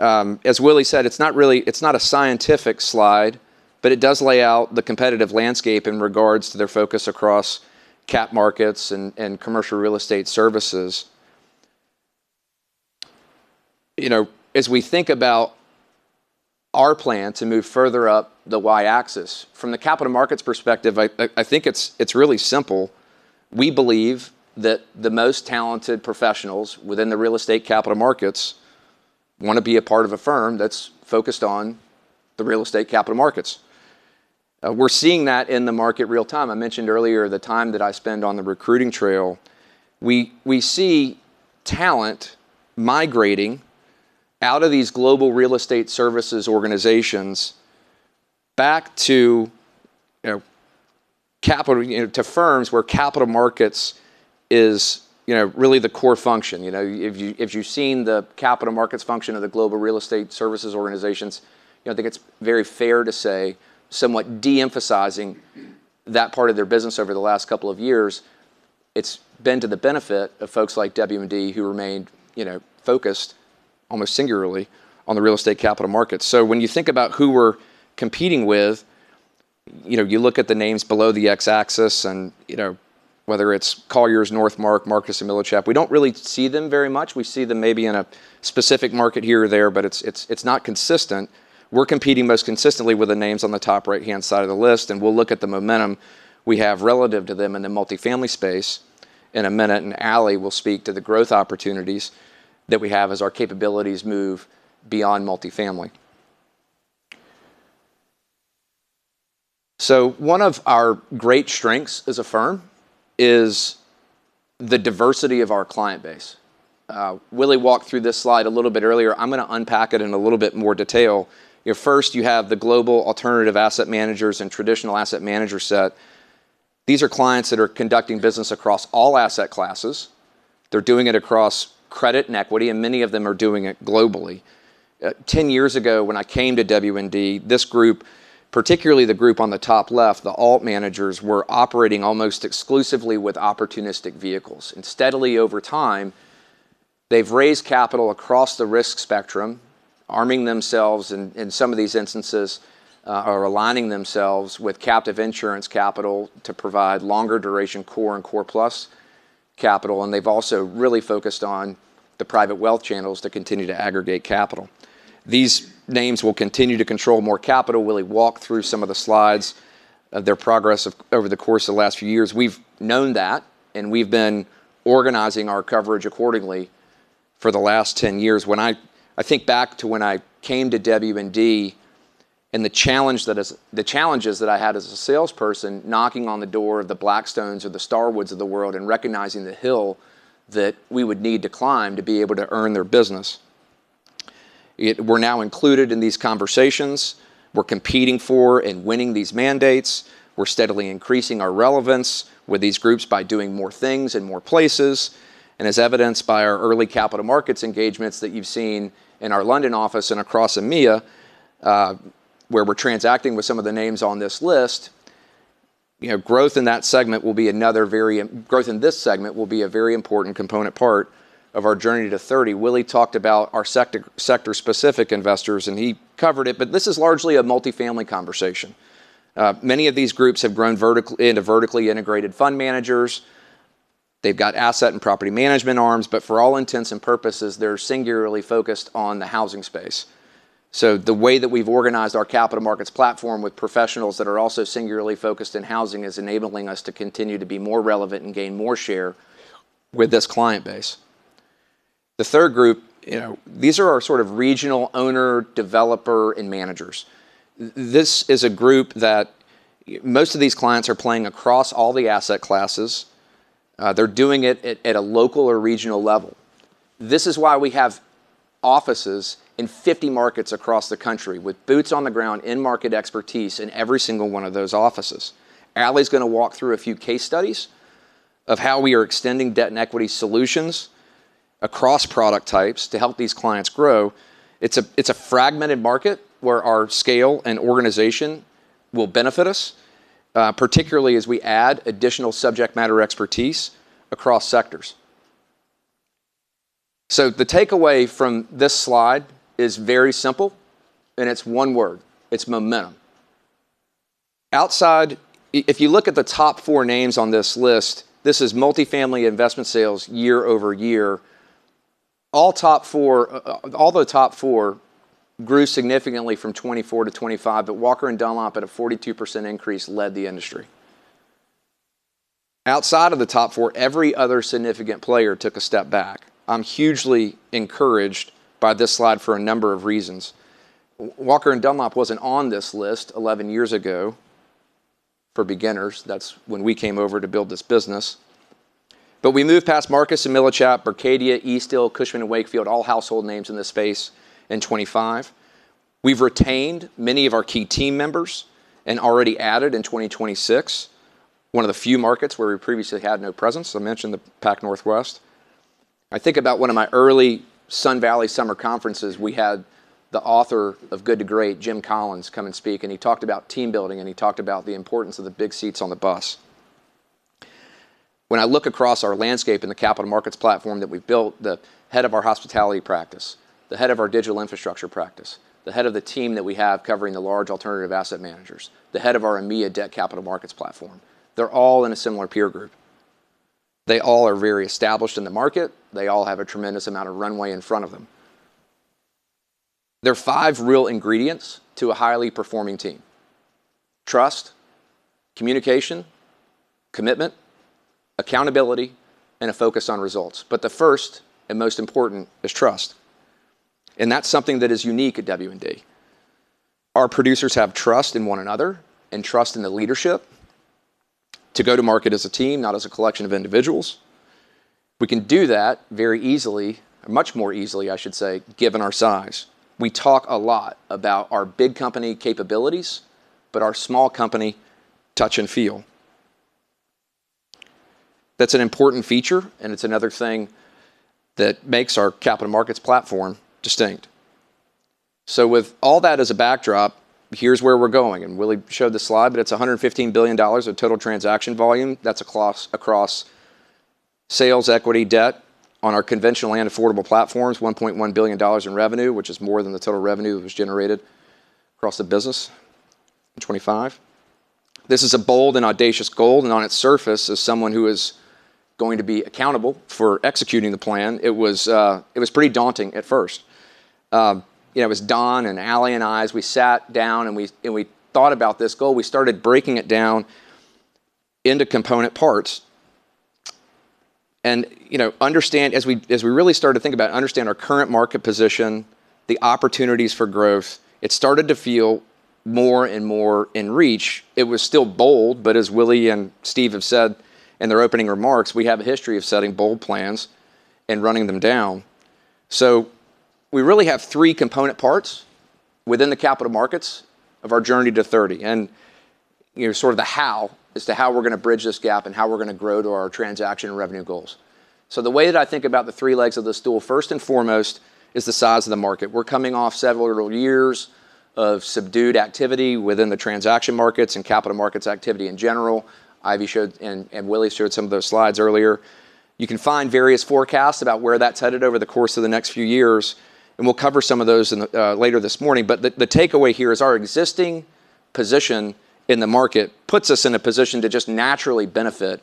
As Willy said, it's not really a scientific slide, but it does lay out the competitive landscape in regards to their focus across cap markets and commercial real estate services. You know, as we think about our plan to move further up the Y-axis, from the capital markets perspective, I think it's really simple. We believe that the most talented professionals within the real estate capital markets wanna be a part of a firm that's focused on the real estate capital markets. We're seeing that in the market real time. I mentioned earlier the time that I spend on the recruiting trail. We see talent migrating out of these global real estate services organizations back to, you know, capital, you know, to firms where capital markets is, you know, really the core function. You know, if you, if you've seen the capital markets function of the global real estate services organizations, you know, I think it's very fair to say, somewhat de-emphasizing that part of their business over the last couple of years. It's been to the benefit of folks like W&D who remained, you know, focused almost singularly on the real estate capital markets. When you think about who we're competing with, you know, you look at the names below the X-axis and, you know, whether it's Colliers, Northmarq, Marcus & Millichap, we don't really see them very much. We see them maybe in a specific market here or there, but it's not consistent. We're competing most consistently with the names on the top right-hand side of the list, and we'll look at the momentum we have relative to them in the multifamily space in a minute, and Ali will speak to the growth opportunities that we have as our capabilities move beyond multifamily. One of our great strengths as a firm is the diversity of our client base. Willy walked through this slide a little bit earlier. I'm gonna unpack it in a little bit more detail. You know, first you have the global alternative asset managers and traditional asset manager set. These are clients that are conducting business across all asset classes. They're doing it across credit and equity, and many of them are doing it globally. Ten years ago when I came to W&D, this group, particularly the group on the top left, the alt managers, were operating almost exclusively with opportunistic vehicles. Steadily over time, they've raised capital across the risk spectrum, arming themselves in some of these instances, or aligning themselves with captive insurance capital to provide longer duration core and core plus capital, and they've also really focused on the private wealth channels to continue to aggregate capital. These names will continue to control more capital. Willy walked through some of the slides of their progress over the course of the last few years. We've known that, and we've been organizing our coverage accordingly. For the last 10 years, when I think back to when I came to W&D and the challenges that I had as a salesperson knocking on the door of the Blackstones or the Starwoods of the world and recognizing the hill that we would need to climb to be able to earn their business. Yet we're now included in these conversations, we're competing for and winning these mandates, we're steadily increasing our relevance with these groups by doing more things in more places. As evidenced by our early capital markets engagements that you've seen in our London office and across EMEA, where we're transacting with some of the names on this list, you know, growth in this segment will be a very important component part of our Journey to '30. Willy talked about our sector-specific investors, and he covered it, but this is largely a multifamily conversation. Many of these groups have grown vertically into vertically integrated fund managers. They've got asset and property management arms, but for all intents and purposes, they're singularly focused on the housing space. The way that we've organized our capital markets platform with professionals that are also singularly focused in housing is enabling us to continue to be more relevant and gain more share with this client base. The third group, you know, these are our sort of regional owner, developer, and managers. This is a group that most of these clients are playing across all the asset classes. They're doing it at a local or regional level. This is why we have offices in 50 markets across the country with boots on the ground, in-market expertise in every single one of those offices. Ali is going to walk through a few case studies of how we are extending debt and equity solutions across product types to help these clients grow. It's a fragmented market where our scale and organization will benefit us, particularly as we add additional subject matter expertise across sectors. The takeaway from this slide is very simple, and it's one word, it's momentum. If you look at the top four names on this list, this is multifamily investment sales year-over-year. All the top four grew significantly from 2024 to 2025, but Walker & Dunlop, at a 42% increase, led the industry. Outside of the top four, every other significant player took a step back. I'm hugely encouraged by this slide for a number of reasons. Walker & Dunlop wasn't on this list eleven years ago. For beginners, that's when we came over to build this business. We moved past Marcus & Millichap, Berkadia, Eastdil, Cushman & Wakefield, all household names in this space in 2025. We've retained many of our key team members and already added in 2026 one of the few markets where we previously had no presence. I mentioned the Pac Northwest. I think about one of my early Sun Valley summer conferences. We had the author of Good to Great, Jim Collins, come and speak, and he talked about team building, and he talked about the importance of the big seats on the bus. When I look across our landscape in the capital markets platform that we've built, the head of our hospitality practice, the head of our digital infrastructure practice, the head of the team that we have covering the large alternative asset managers, the head of our EMEA debt capital markets platform, they're all in a similar peer group. They all are very established in the market. They all have a tremendous amount of runway in front of them. There are five real ingredients to a highly performing team, trust, communication, commitment, accountability, and a focus on results. The first and most important is trust, and that's something that is unique at W&D. Our producers have trust in one another and trust in the leadership to go to market as a team, not as a collection of individuals. We can do that very easily, much more easily, I should say, given our size. We talk a lot about our big company capabilities, but our small company touch and feel. That's an important feature, and it's another thing that makes our capital markets platform distinct. With all that as a backdrop, here is where we're going, and Willy showed the slide, but it's $115 billion of total transaction volume. That's across sales, equity, debt on our conventional and affordable platforms, $1.1 billion in revenue, which is more than the total revenue that was generated across the business in 2025. This is a bold and audacious goal, and on its surface, as someone who is going to be accountable for executing the plan, it was pretty daunting at first. You know, it was Don and Ali and I, as we sat down, and we thought about this goal, we started breaking it down into component parts. You know, as we really started to think about understanding our current market position, the opportunities for growth, it started to feel more and more in reach. It was still bold, but as Willy and Steve have said in their opening remarks, we have a history of setting bold plans and running them down. We really have three component parts within the capital markets of our Journey to '30. You know, sort of the how as to how we're going to bridge this gap and how we're going to grow to our transaction revenue goals. The way that I think about the three legs of the stool, first and foremost is the size of the market. We're coming off several years of subdued activity within the transaction markets and capital markets activity in general. Ivy Zelman showed, and Willy Walker showed some of those slides earlier. You can find various forecasts about where that's headed over the course of the next few years, and we'll cover some of those later this morning. The takeaway here is our existing position in the market puts us in a position to just naturally benefit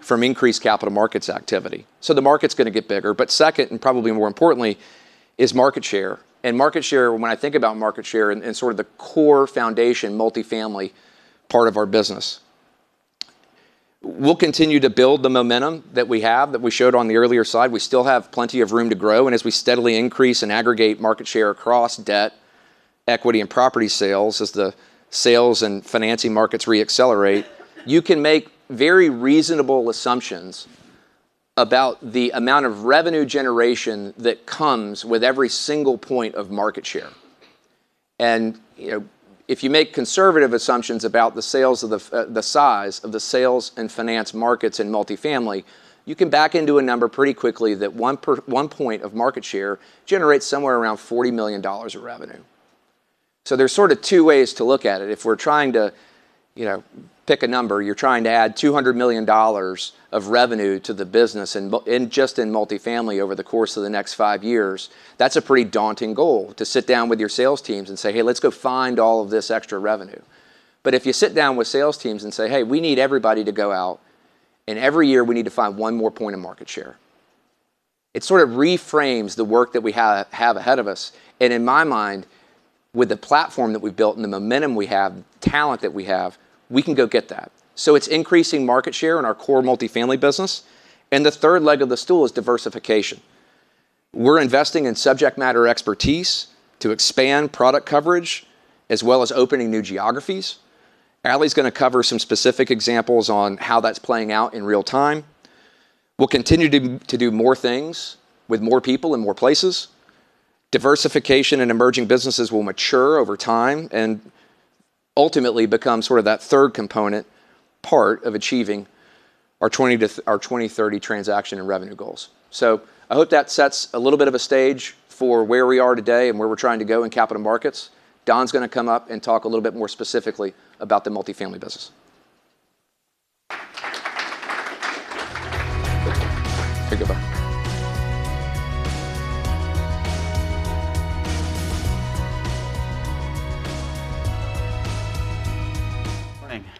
from increased capital markets activity. The market's going to get bigger. Second, and probably more importantly, is market share. Market share, when I think about market share and sort of the core foundation multifamily part of our business. We'll continue to build the momentum that we have, that we showed on the earlier slide. We still have plenty of room to grow. As we steadily increase and aggregate market share across debt, equity, and property sales, as the sales and financing markets re-accelerate, you can make very reasonable assumptions about the amount of revenue generation that comes with every single point of market share. You know, if you make conservative assumptions about the sales of the size of the sales and finance markets in multifamily, you can back into a number pretty quickly that one point of market share generates somewhere around $40 million of revenue. There's sort of two ways to look at it. If we're trying to, you know, pick a number, you're trying to add $200 million of revenue to the business in just multifamily over the course of the next five years, that's a pretty daunting goal to sit down with your sales teams and say, "Hey, let's go find all of this extra revenue." If you sit down with sales teams and say, "Hey, we need everybody to go out, and every year we need to find one more point of market share," it sort of reframes the work that we have ahead of us. In my mind, with the platform that we've built and the momentum we have, talent that we have, we can go get that. It's increasing market share in our core multifamily business. The third leg of the stool is diversification. We're investing in subject matter expertise to expand product coverage, as well as opening new geographies. Ali's gonna cover some specific examples on how that's playing out in real time. We'll continue to do more things with more people and more places. Diversification and emerging businesses will mature over time and ultimately become sort of that third component part of achieving our 20-30 transaction and revenue goals. I hope that sets a little bit of a stage for where we are today and where we're trying to go in capital markets. Don's gonna come up and talk a little bit more specifically about the multifamily business. Take over. Good morning.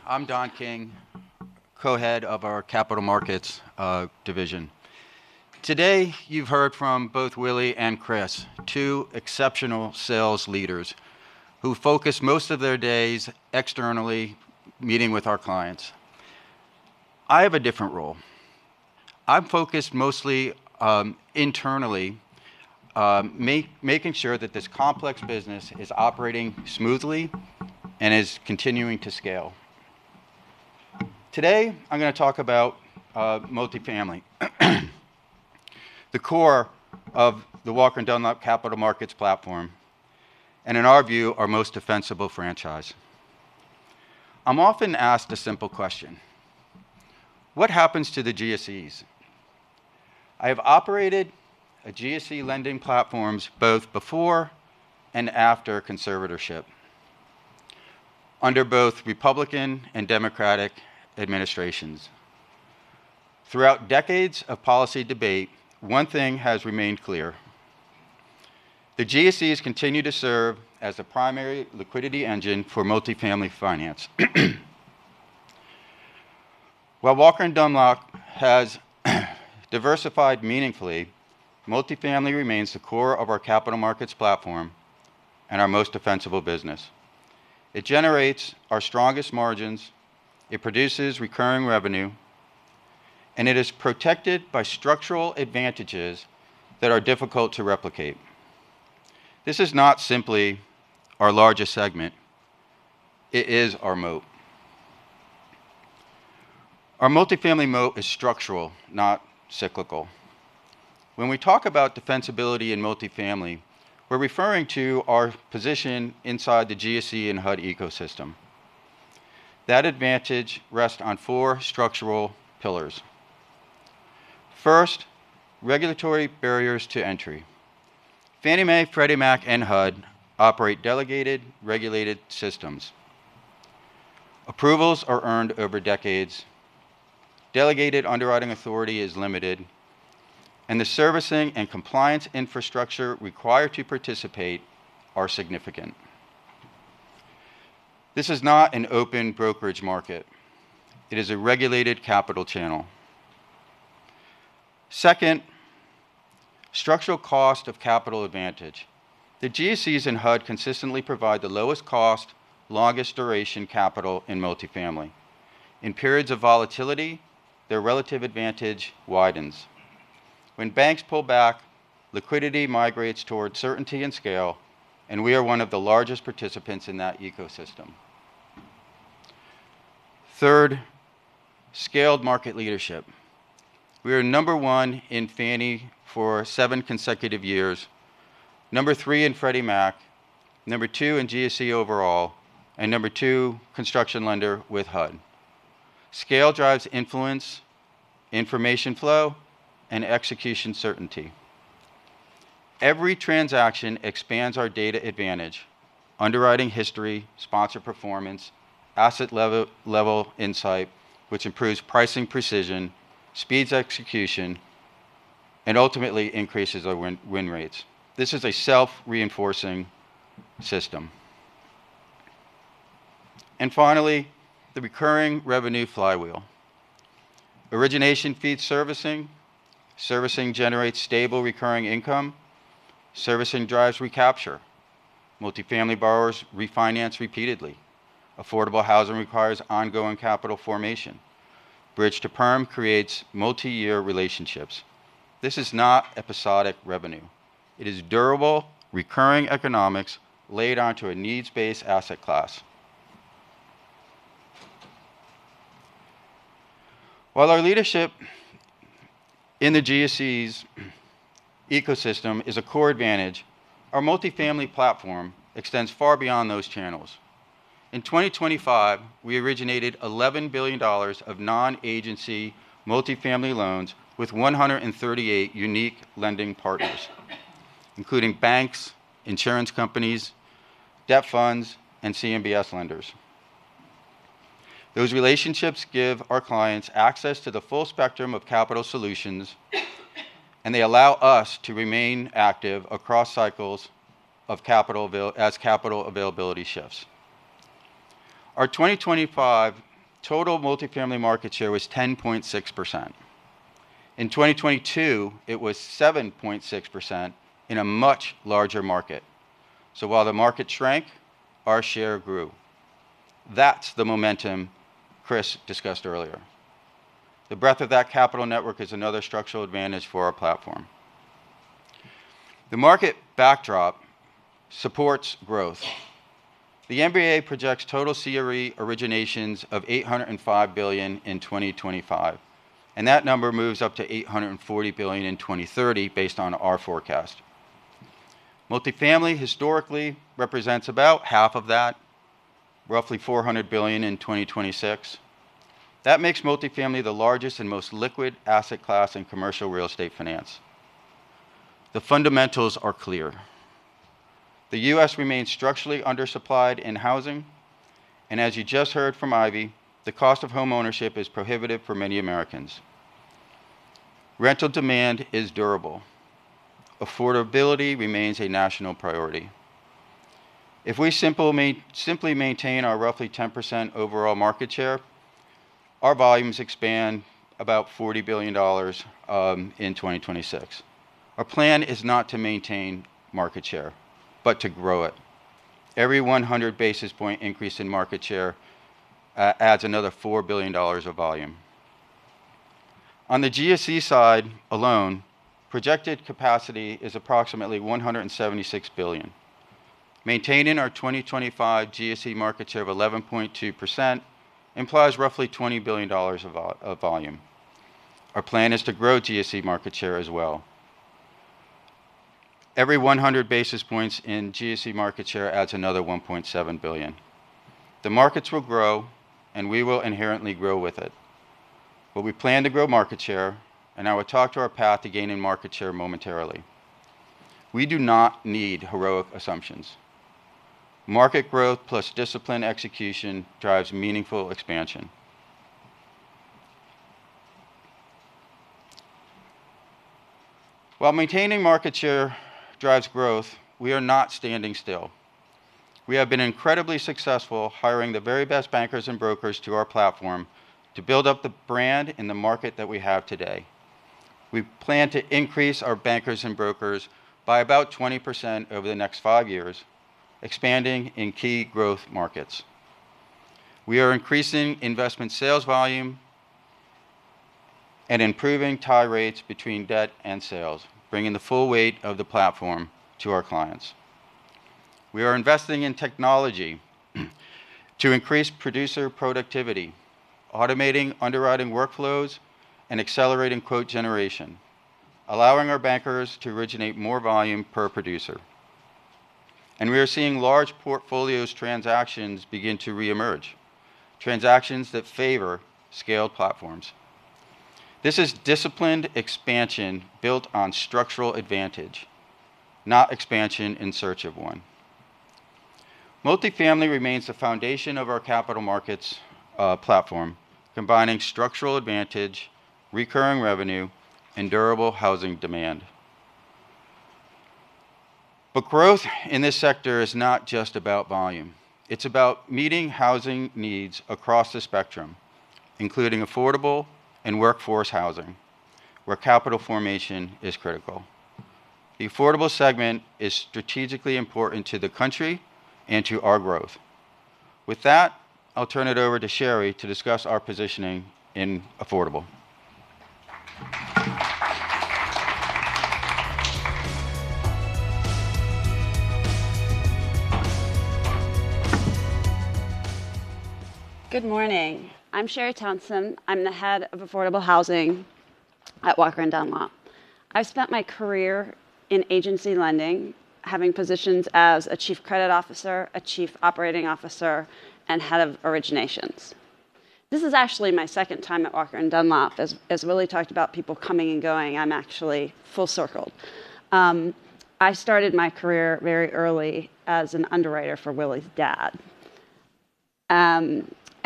I'm Don King, co-head of our Capital Markets division. Today, you've heard from both Willy and Kris, two exceptional sales leaders who focus most of their days externally meeting with our clients. I have a different role. I'm focused mostly internally, making sure that this complex business is operating smoothly and is continuing to scale. Today, I'm gonna talk about multifamily, the core of the Walker & Dunlop Capital Markets platform, and in our view, our most defensible franchise. I'm often asked a simple question. What happens to the GSEs? I have operated a GSE lending platforms both before and after conservatorship under both Republican and Democratic administrations. Throughout decades of policy debate, one thing has remained clear. The GSEs continue to serve as the primary liquidity engine for multifamily finance. While Walker & Dunlop has diversified meaningfully, multifamily remains the core of our capital markets platform and our most defensible business. It generates our strongest margins, it produces recurring revenue, and it is protected by structural advantages that are difficult to replicate. This is not simply our largest segment. It is our moat. Our multifamily moat is structural, not cyclical. When we talk about defensibility in multifamily, we're referring to our position inside the GSE and HUD ecosystem. That advantage rests on four structural pillars. First, regulatory barriers to entry. Fannie Mae, Freddie Mac, and HUD operate delegated regulated systems. Approvals are earned over decades, delegated underwriting authority is limited, and the servicing and compliance infrastructure required to participate are significant. This is not an open brokerage market. It is a regulated capital channel. Second, structural cost of capital advantage. The GSEs and HUD consistently provide the lowest cost, longest duration capital in multifamily. In periods of volatility, their relative advantage widens. When banks pull back, liquidity migrates towards certainty and scale, and we are one of the largest participants in that ecosystem. Third, scaled market leadership. We are number one in Fannie for seven consecutive years, number three in Freddie Mac, number two in GSE overall, and number two construction lender with HUD. Scale drives influence, information flow, and execution certainty. Every transaction expands our data advantage, underwriting history, sponsor performance, asset level insight, which improves pricing precision, speeds execution, and ultimately increases our win-win rates. This is a self-reinforcing system. Finally, the recurring revenue flywheel. Origination feeds servicing. Servicing generates stable recurring income. Servicing drives recapture. Multifamily borrowers refinance repeatedly. Affordable housing requires ongoing capital formation. Bridge to perm creates multi-year relationships. This is not episodic revenue. It is durable, recurring economics laid onto a needs-based asset class. While our leadership in the GSEs' ecosystem is a core advantage, our multifamily platform extends far beyond those channels. In 2025, we originated $11 billion of non-agency multifamily loans with 138 unique lending partners, including banks, insurance companies, debt funds, and CMBS lenders. Those relationships give our clients access to the full spectrum of capital solutions, and they allow us to remain active across cycles of capital as capital availability shifts. Our 2025 total multifamily market share was 10.6%. In 2022, it was 7.6% in a much larger market. While the market shrank, our share grew. That's the momentum Kris discussed earlier. The breadth of that capital network is another structural advantage for our platform. The market backdrop supports growth. The MBA projects total CRE originations of $805 billion in 2025, and that number moves up to $840 billion in 2030 based on our forecast. Multifamily historically represents about half of that, roughly $400 billion in 2026. That makes multifamily the largest and most liquid asset class in commercial real estate finance. The fundamentals are clear. The U.S. remains structurally undersupplied in housing, and as you just heard from Ivy, the cost of homeownership is prohibitive for many Americans. Rental demand is durable. Affordability remains a national priority. If we simply maintain our roughly 10% overall market share, our volumes expand about $40 billion in 2026. Our plan is not to maintain market share, but to grow it. Every 100 basis point increase in market share adds another $4 billion of volume. On the GSE side alone, projected capacity is approximately $176 billion. Maintaining our 2025 GSE market share of 11.2% implies roughly $20 billion of volume. Our plan is to grow GSE market share as well. Every 100 basis points in GSE market share adds another $1.7 billion. The markets will grow, and we will inherently grow with it. We plan to grow market share, and I will talk to our path to gaining market share momentarily. We do not need heroic assumptions. Market growth plus disciplined execution drives meaningful expansion. While maintaining market share drives growth, we are not standing still. We have been incredibly successful hiring the very best bankers and brokers to our platform to build up the brand in the market that we have today. We plan to increase our bankers and brokers by about 20% over the next five years, expanding in key growth markets. We are increasing investment sales volume and improving tie rates between debt and sales, bringing the full weight of the platform to our clients. We are investing in technology to increase producer productivity, automating underwriting workflows and accelerating quote generation, allowing our bankers to originate more volume per producer. We are seeing large portfolio transactions begin to re-emerge, transactions that favor scaled platforms. This is disciplined expansion built on structural advantage, not expansion in search of one. Multifamily remains the foundation of our capital markets platform, combining structural advantage, recurring revenue, and durable housing demand. Growth in this sector is not just about volume. It's about meeting housing needs across the spectrum, including affordable and workforce housing, where capital formation is critical. The affordable segment is strategically important to the country and to our growth. With that, I'll turn it over to Sheri to discuss our positioning in affordable. Good morning. I'm Sheri Thompson. I'm the head of Affordable Housing at Walker & Dunlop. I've spent my career in agency lending, having positions as a chief credit officer, a chief operating officer, and head of originations. This is actually my second time at Walker & Dunlop. As Willy talked about people coming and going, I'm actually full circle. I started my career very early as an underwriter for Willy's dad.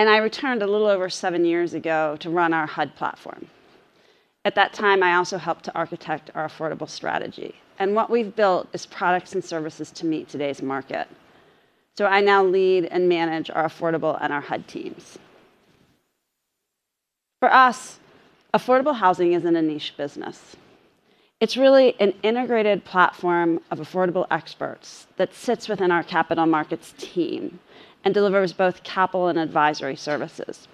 I returned a little over seven years ago to run our HUD platform. At that time, I also helped to architect our affordable strategy. What we've built is products and services to meet today's market. I now lead and manage our affordable and our HUD teams. For us, affordable housing isn't a niche business. It's really an integrated platform of affordable experts that sits within our capital markets team and delivers both capital and advisory services.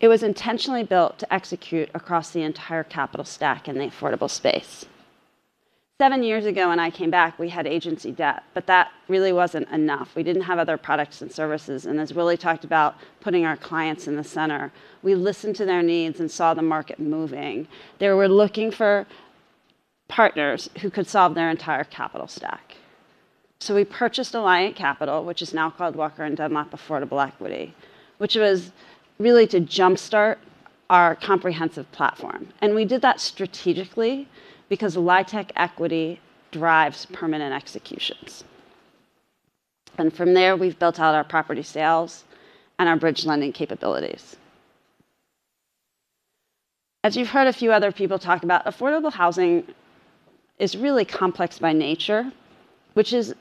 It was intentionally built to execute across the entire capital stack in the affordable space. Seven years ago, when I came back, we had agency debt. That really wasn't enough. We didn't have other products and services, and as Willy talked about, putting our clients in the center. We listened to their needs and saw the market moving. They were looking for partners who could solve their entire capital stack. We purchased Alliant Capital, which is now called Walker & Dunlop Affordable Equity, which was really to jumpstart our comprehensive platform. We did that strategically because LIHTC equity drives permanent executions. From there, we've built out our property sales and our bridge lending capabilities. As you've heard a few other people talk about, affordable housing is really complex by nature, which is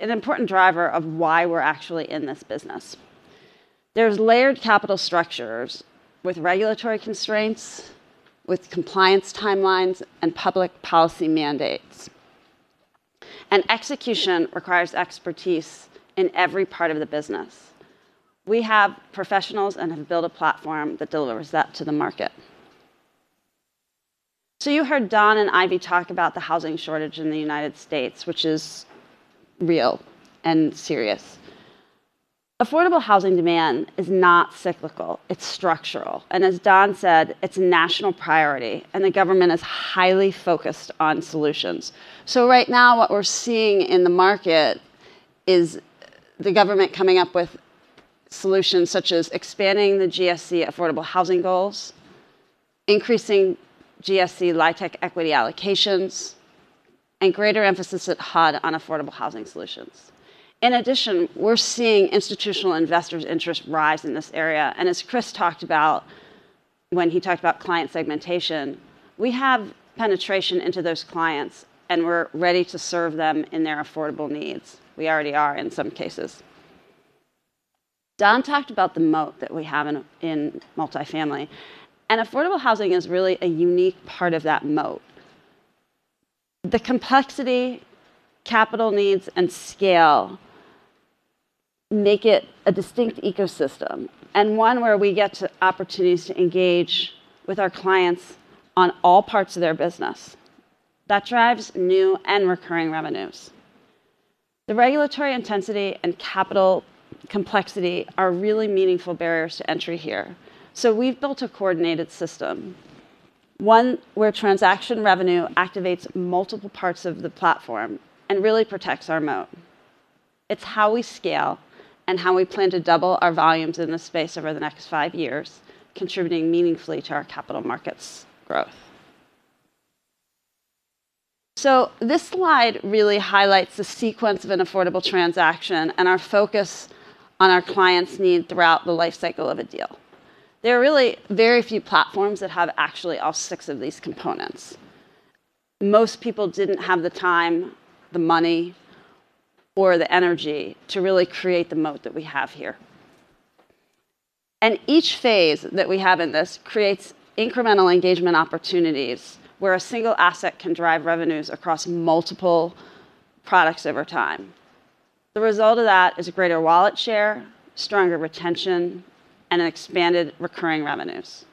an important driver of why we're actually in this business. There's layered capital structures with regulatory constraints, with compliance timelines, and public policy mandates. Execution requires expertise in every part of the business. We have professionals and have built a platform that delivers that to the market. You heard Don and Ivy talk about the housing shortage in the United States, which is real and serious. Affordable housing demand is not cyclical, it's structural, and as Don said, it's national priority, and the government is highly focused on solutions. Right now what we're seeing in the market is the government coming up with solutions such as expanding the GSE affordable housing goals, increasing GSE LIHTC equity allocations, and greater emphasis at HUD on affordable housing solutions. In addition, we're seeing institutional investors' interest rise in this area, and as Kris talked about when he talked about client segmentation, we have penetration into those clients, and we're ready to serve them in their affordable needs. We already are in some cases. Don talked about the moat that we have in multifamily, and affordable housing is really a unique part of that moat. The complexity, capital needs, and scale make it a distinct ecosystem and one where we get opportunities to engage with our clients on all parts of their business. That drives new and recurring revenues. The regulatory intensity and capital complexity are really meaningful barriers to entry here. We've built a coordinated system, one where transaction revenue activates multiple parts of the platform and really protects our moat. It's how we scale and how we plan to double our volumes in this space over the next five years, contributing meaningfully to our capital markets growth. This slide really highlights the sequence of an affordable transaction and our focus on our clients' need throughout the life cycle of a deal. There are really very few platforms that have actually all six of these components. Most people didn't have the time, the money, or the energy to really create the moat that we have here. Each phase that we have in this creates incremental engagement opportunities where a single asset can drive revenues across multiple products over time. The result of that is a greater wallet share, stronger retention, and expanded recurring revenues.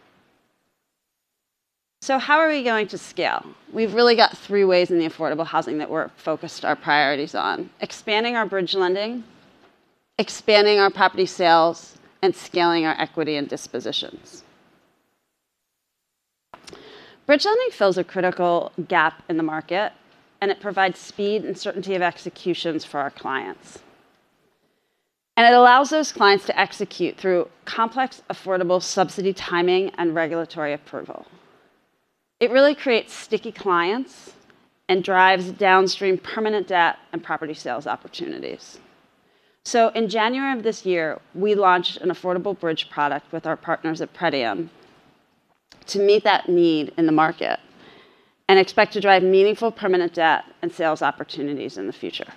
How are we going to scale? We've really got three ways in the affordable housing that we're focused our priorities on. Expanding our bridge lending, expanding our property sales, and scaling our equity and dispositions. Bridge lending fills a critical gap in the market, and it provides speed and certainty of execution for our clients. It allows those clients to execute through complex, affordable subsidy timing and regulatory approval. It really creates sticky clients and drives downstream permanent debt and property sales opportunities. In January of this year, we launched an affordable bridge product with our partners at Pretium to meet that need in the market and expect to drive meaningful permanent debt and sales opportunities in the future.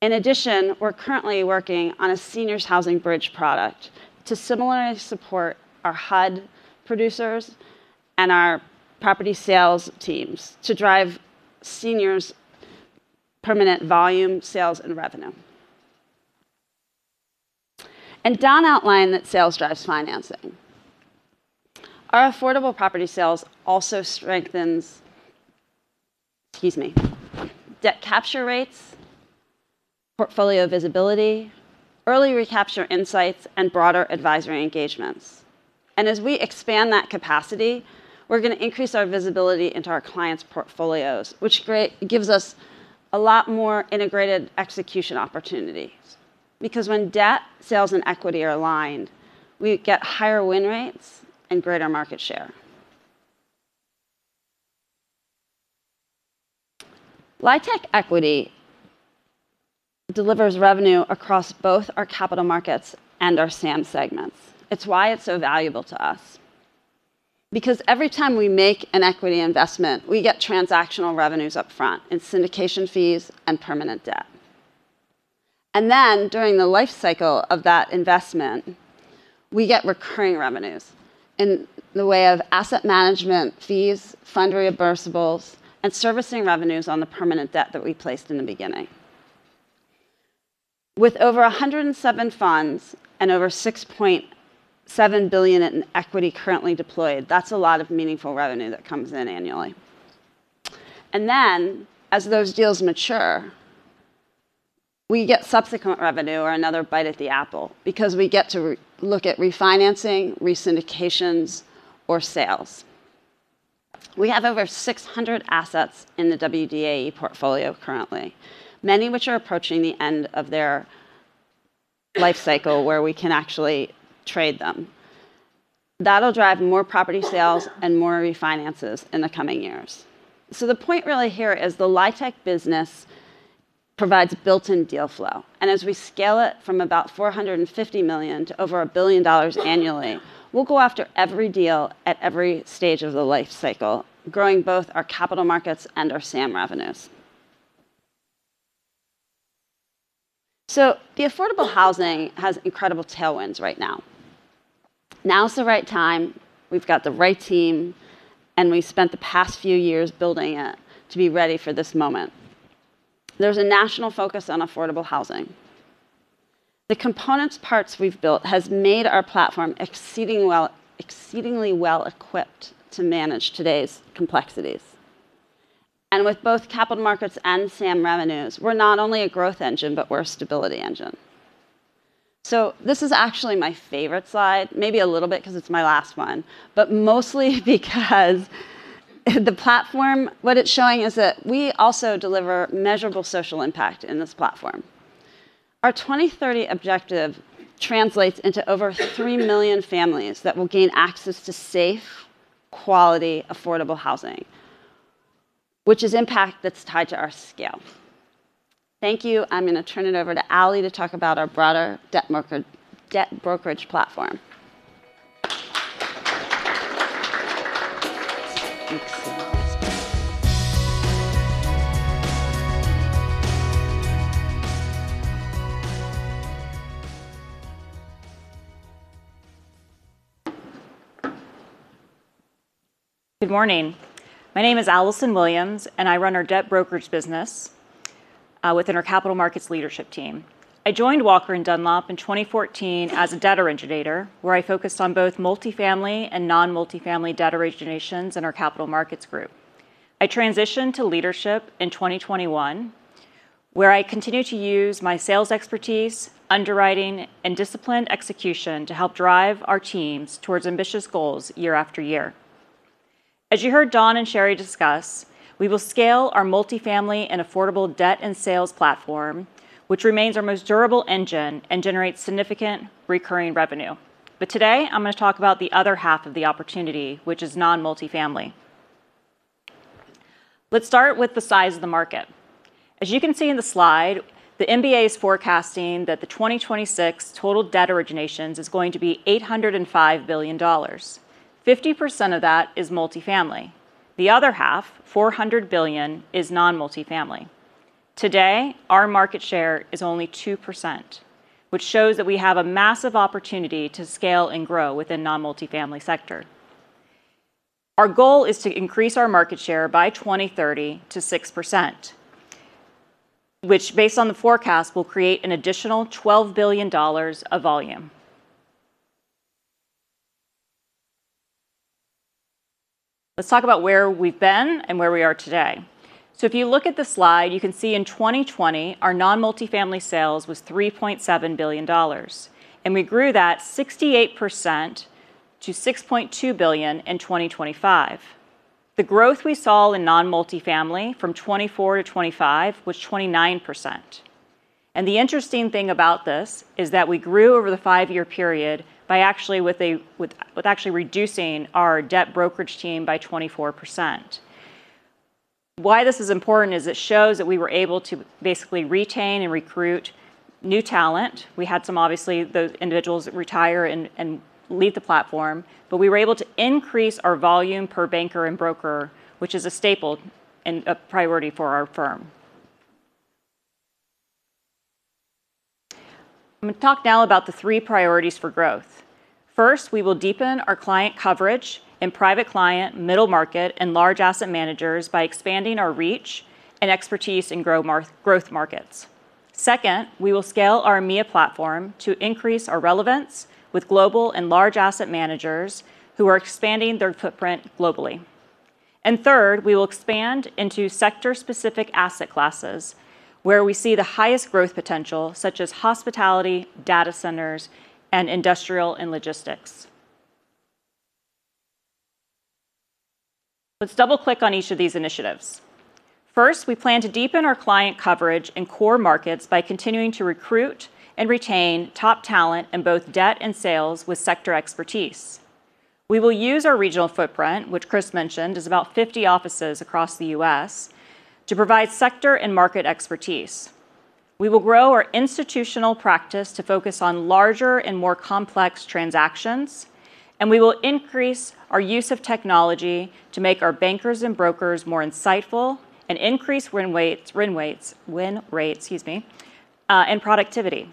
In addition, we're currently working on a seniors housing bridge product to similarly support our HUD producers and our property sales teams to drive seniors permanent volume sales and revenue. Don outlined that sales drives financing. Our affordable property sales also strengthens, excuse me, debt capture rates, portfolio visibility, early recapture insights, and broader advisory engagements. As we expand that capacity, we're gonna increase our visibility into our clients' portfolios, which gives us a lot more integrated execution opportunities because when debt, sales, and equity are aligned, we get higher win rates and greater market share. LIHTC equity delivers revenue across both our capital markets and our SAM segments. It's why it's so valuable to us. Because every time we make an equity investment, we get transactional revenues up front in syndication fees and permanent debt. During the lifecycle of that investment, we get recurring revenues in the way of asset management fees, fund reimbursables, and servicing revenues on the permanent debt that we placed in the beginning. With over 107 funds and over $6.7 billion in equity currently deployed, that's a lot of meaningful revenue that comes in annually. As those deals mature, we get subsequent revenue or another bite at the apple because we get to re-look at refinancing, resyndications, or sales. We have over 600 assets in the WDAE portfolio currently, many which are approaching the end of their life cycle where we can actually trade them. That'll drive more property sales and more refinances in the coming years. The point really here is the LIHTC business provides built-in deal flow. As we scale it from about $450 million to over $1 billion annually, we'll go after every deal at every stage of the life cycle, growing both our capital markets and our SAM revenues. The affordable housing has incredible tailwinds right now. Now's the right time, we've got the right team, and we spent the past few years building it to be ready for this moment. There's a national focus on affordable housing. The components parts we've built has made our platform exceedingly well equipped to manage today's complexities. With both capital markets and SAM revenues, we're not only a growth engine, but we're a stability engine. This is actually my favorite slide, maybe a little bit because it's my last one, but mostly because the platform, what it's showing is that we also deliver measurable social impact in this platform. Our 2030 objective translates into over 3 million families that will gain access to safe, quality, affordable housing, which is impact that's tied to our scale. Thank you. I'm going to turn it over to Ali to talk about our broader debt market debt brokerage platform. Good morning. My name is Alison Williams, and I run our debt brokerage business within our capital markets leadership team. I joined Walker & Dunlop in 2014 as a debt originator, where I focused on both multifamily and non-multifamily debt originations in our capital markets group. I transitioned to leadership in 2021, where I continued to use my sales expertise, underwriting, and disciplined execution to help drive our teams towards ambitious goals year after year. As you heard Don King and Sheri Thompson discuss, we will scale our multifamily and affordable debt and sales platform, which remains our most durable engine and generates significant recurring revenue. Today, I'm going to talk about the other half of the opportunity, which is non-multifamily. Let's start with the size of the market. As you can see in the slide, the MBA is forecasting that the 2026 total debt originations is going to be $805 billion. 50% of that is multifamily. The other half, $400 billion, is non-multifamily. Today, our market share is only 2%, which shows that we have a massive opportunity to scale and grow within non-multifamily sector. Our goal is to increase our market share by 2030 to 6%, which based on the forecast will create an additional $12 billion of volume. Let's talk about where we've been and where we are today. If you look at the slide, you can see in 2020, our non-multifamily sales was $3.7 billion, and we grew that 68% to $6.2 billion in 2025. The growth we saw in non-multifamily from 2024 to 2025 was 29%. The interesting thing about this is that we grew over the five-year period by actually reducing our debt brokerage team by 24%. Why this is important is it shows that we were able to basically retain and recruit new talent. We had some, obviously, those individuals retire and leave the platform, but we were able to increase our volume per banker and broker, which is a staple and a priority for our firm. I'm gonna talk now about the three priorities for growth. First, we will deepen our client coverage in private client, middle market, and large asset managers by expanding our reach and expertise in growth markets. Second, we will scale our EMEA platform to increase our relevance with global and large asset managers who are expanding their footprint globally. Third, we will expand into sector-specific asset classes where we see the highest growth potential, such as hospitality, data centers, and industrial and logistics. Let's double-click on each of these initiatives. First, we plan to deepen our client coverage in core markets by continuing to recruit and retain top talent in both debt and sales with sector expertise. We will use our regional footprint, which Kris mentioned is about 50 offices across the U.S., to provide sector and market expertise. We will grow our institutional practice to focus on larger and more complex transactions and we will increase our use of technology to make our bankers and brokers more insightful and increase win rates, excuse me, and productivity.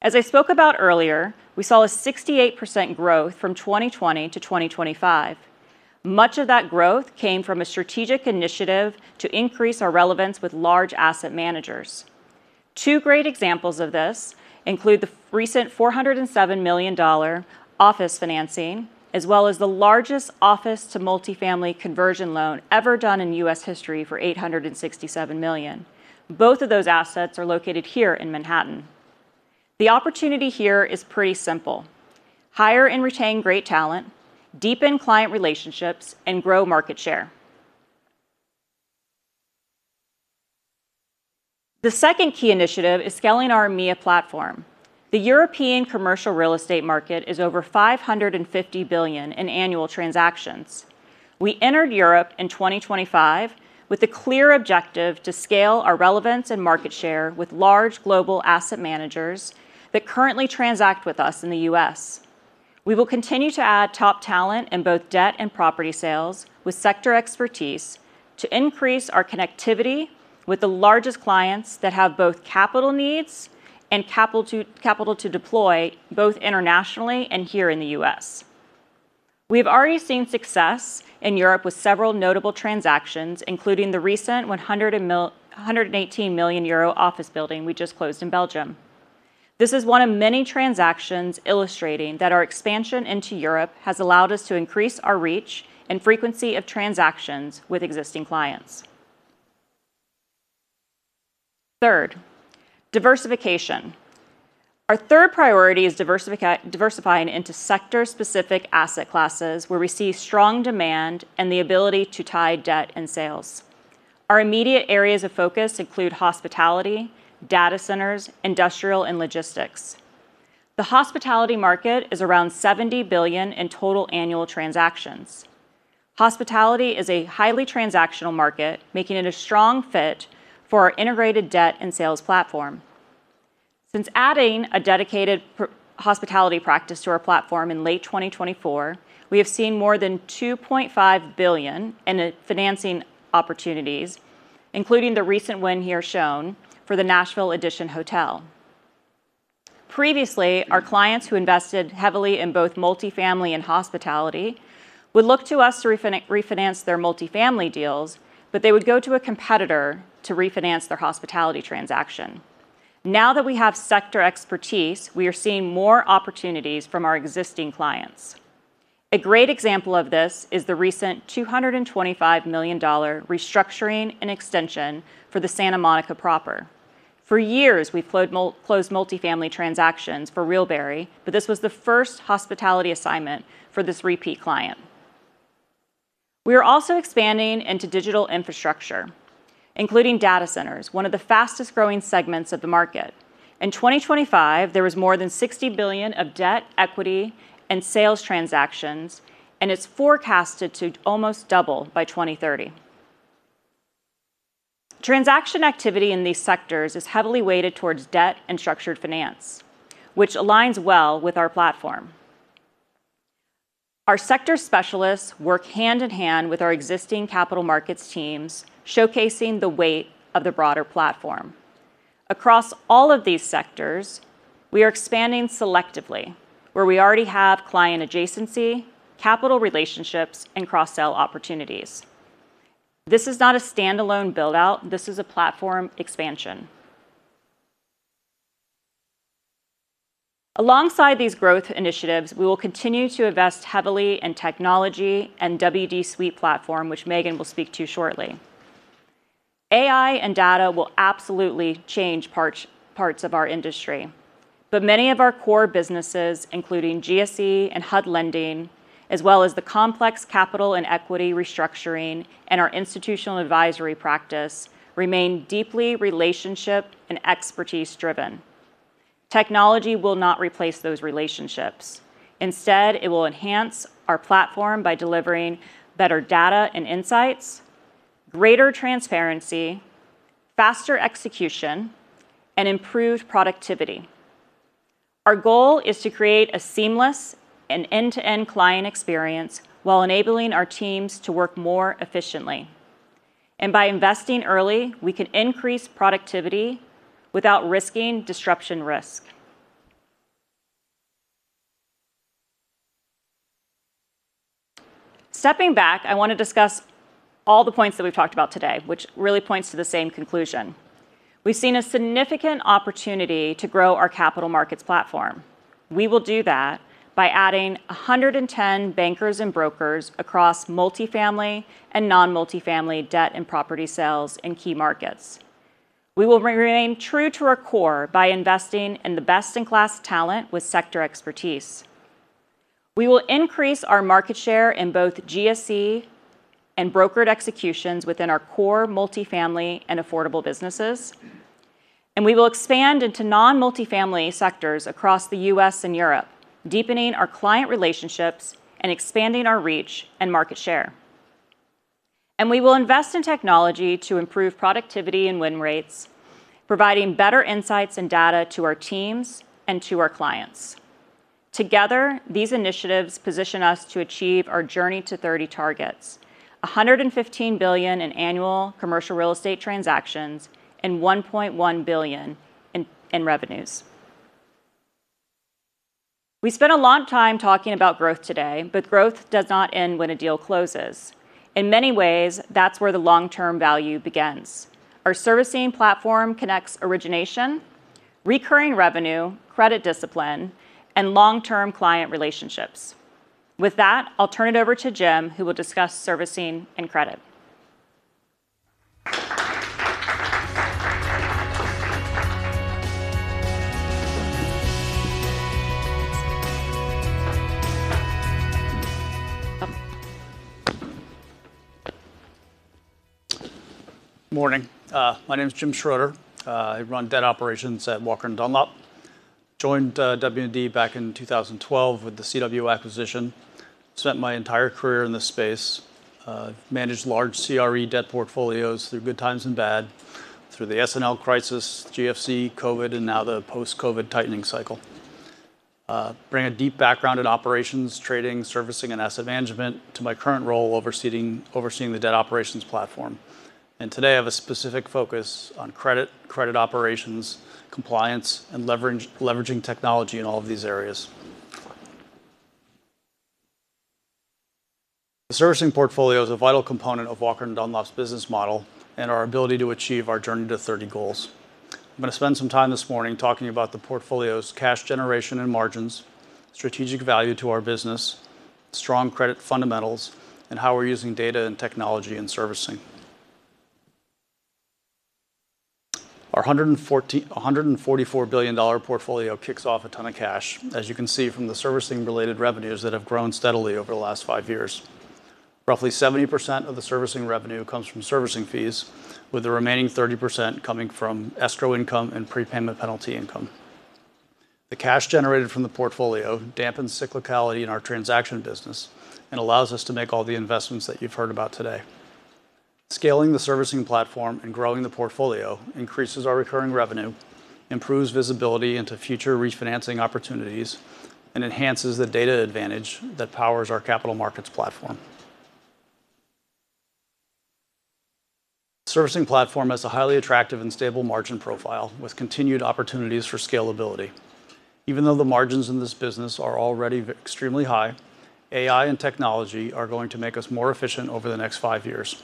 As I spoke about earlier, we saw a 68% growth from 2020 to 2025. Much of that growth came from a strategic initiative to increase our relevance with large asset managers. Two great examples of this include the recent $407 million office financing, as well as the largest office to multifamily conversion loan ever done in U.S. history for $867 million. Both of those assets are located here in Manhattan. The opportunity here is pretty simple. Hire and retain great talent, deepen client relationships, and grow market share. The second key initiative is scaling our EMEA platform. The European commercial real estate market is over $550 billion in annual transactions. We entered Europe in 2025 with a clear objective to scale our relevance and market share with large global asset managers that currently transact with us in the U.S. We will continue to add top talent in both debt and property sales with sector expertise to increase our connectivity with the largest clients that have both capital needs and capital to deploy, both internationally and here in the U.S. We have already seen success in Europe with several notable transactions, including the recent 118 million euro office building we just closed in Belgium. This is one of many transactions illustrating that our expansion into Europe has allowed us to increase our reach and frequency of transactions with existing clients. Third, diversification. Our third priority is diversifying into sector-specific asset classes where we see strong demand and the ability to tie debt and sales. Our immediate areas of focus include hospitality, data centers, industrial, and logistics. The hospitality market is around $70 billion in total annual transactions. Hospitality is a highly transactional market, making it a strong fit for our integrated debt and sales platform. Since adding a dedicated hospitality practice to our platform in late 2024, we have seen more than $2.5 billion in financing opportunities, including the recent win here shown for the Nashville EDITION Hotel. Previously, our clients who invested heavily in both multifamily and hospitality would look to us to refinance their multifamily deals, but they would go to a competitor to refinance their hospitality transaction. Now that we have sector expertise, we are seeing more opportunities from our existing clients. A great example of this is the recent $225 million restructuring and extension for the Santa Monica Proper. For years, we closed multifamily transactions for RealBarry, but this was the first hospitality assignment for this repeat client. We are also expanding into digital infrastructure, including data centers, one of the fastest-growing segments of the market. In 2025, there was more than $60 billion of debt, equity, and sales transactions, and it's forecasted to almost double by 2030. Transaction activity in these sectors is heavily weighted towards debt and structured finance, which aligns well with our platform. Our sector specialists work hand-in-hand with our existing capital markets teams, showcasing the weight of the broader platform. Across all of these sectors, we are expanding selectively, where we already have client adjacency, capital relationships, and cross-sell opportunities. This is not a standalone build-out. This is a platform expansion. Alongside these growth initiatives, we will continue to invest heavily in technology and WD Suite platform, which Megan will speak to shortly. AI and data will absolutely change parts of our industry, but many of our core businesses, including GSE and HUD lending, as well as the complex capital and equity restructuring and our institutional advisory practice, remain deeply relationship and expertise-driven. Technology will not replace those relationships. Instead, it will enhance our platform by delivering better data and insights, greater transparency, faster execution, and improved productivity. Our goal is to create a seamless and end-to-end client experience while enabling our teams to work more efficiently. By investing early, we can increase productivity without risking disruption risk. Stepping back, I want to discuss all the points that we've talked about today, which really points to the same conclusion. We've seen a significant opportunity to grow our capital markets platform. We will do that by adding 110 bankers and brokers across multifamily and non-multifamily debt and property sales in key markets. We will remain true to our core by investing in the best-in-class talent with sector expertise. We will increase our market share in both GSE and brokered executions within our core multifamily and affordable businesses, and we will expand into non-multifamily sectors across the U.S. and Europe, deepening our client relationships and expanding our reach and market share. We will invest in technology to improve productivity and win rates, providing better insights and data to our teams and to our clients. Together, these initiatives position us to achieve our Journey to '30 targets. $115 billion in annual commercial real estate transactions and $1.1 billion in revenues. We spent a long time talking about growth today, but growth does not end when a deal closes. In many ways, that's where the long-term value begins. Our servicing platform connects origination, recurring revenue, credit discipline, and long-term client relationships. With that, I'll turn it over to Jim, who will discuss servicing and credit. Morning. My name is Jim Schroeder. I run debt operations at Walker & Dunlop. Joined W&D back in 2012 with the CWCapital acquisition. Spent my entire career in this space. Managed large CRE debt portfolios through good times and bad, through the S&L crisis, GFC, COVID, and now the post-COVID tightening cycle. Bring a deep background in operations, trading, servicing, and asset management to my current role overseeing the debt operations platform. Today, I have a specific focus on credit operations, compliance, and leveraging technology in all of these areas. The servicing portfolio is a vital component of Walker & Dunlop's business model and our ability to achieve our Journey to '30 goals. I'm gonna spend some time this morning talking about the portfolio's cash generation and margins, strategic value to our business, strong credit fundamentals, and how we're using data and technology in servicing. Our $144 billion portfolio kicks off a ton of cash, as you can see from the servicing-related revenues that have grown steadily over the last five years. Roughly 70% of the servicing revenue comes from servicing fees, with the remaining 30% coming from escrow income and prepayment penalty income. The cash generated from the portfolio dampens cyclicality in our transaction business and allows us to make all the investments that you've heard about today. Scaling the servicing platform and growing the portfolio increases our recurring revenue, improves visibility into future refinancing opportunities, and enhances the data advantage that powers our capital markets platform. Servicing platform has a highly attractive and stable margin profile with continued opportunities for scalability. Even though the margins in this business are already extremely high, AI and technology are going to make us more efficient over the next five years.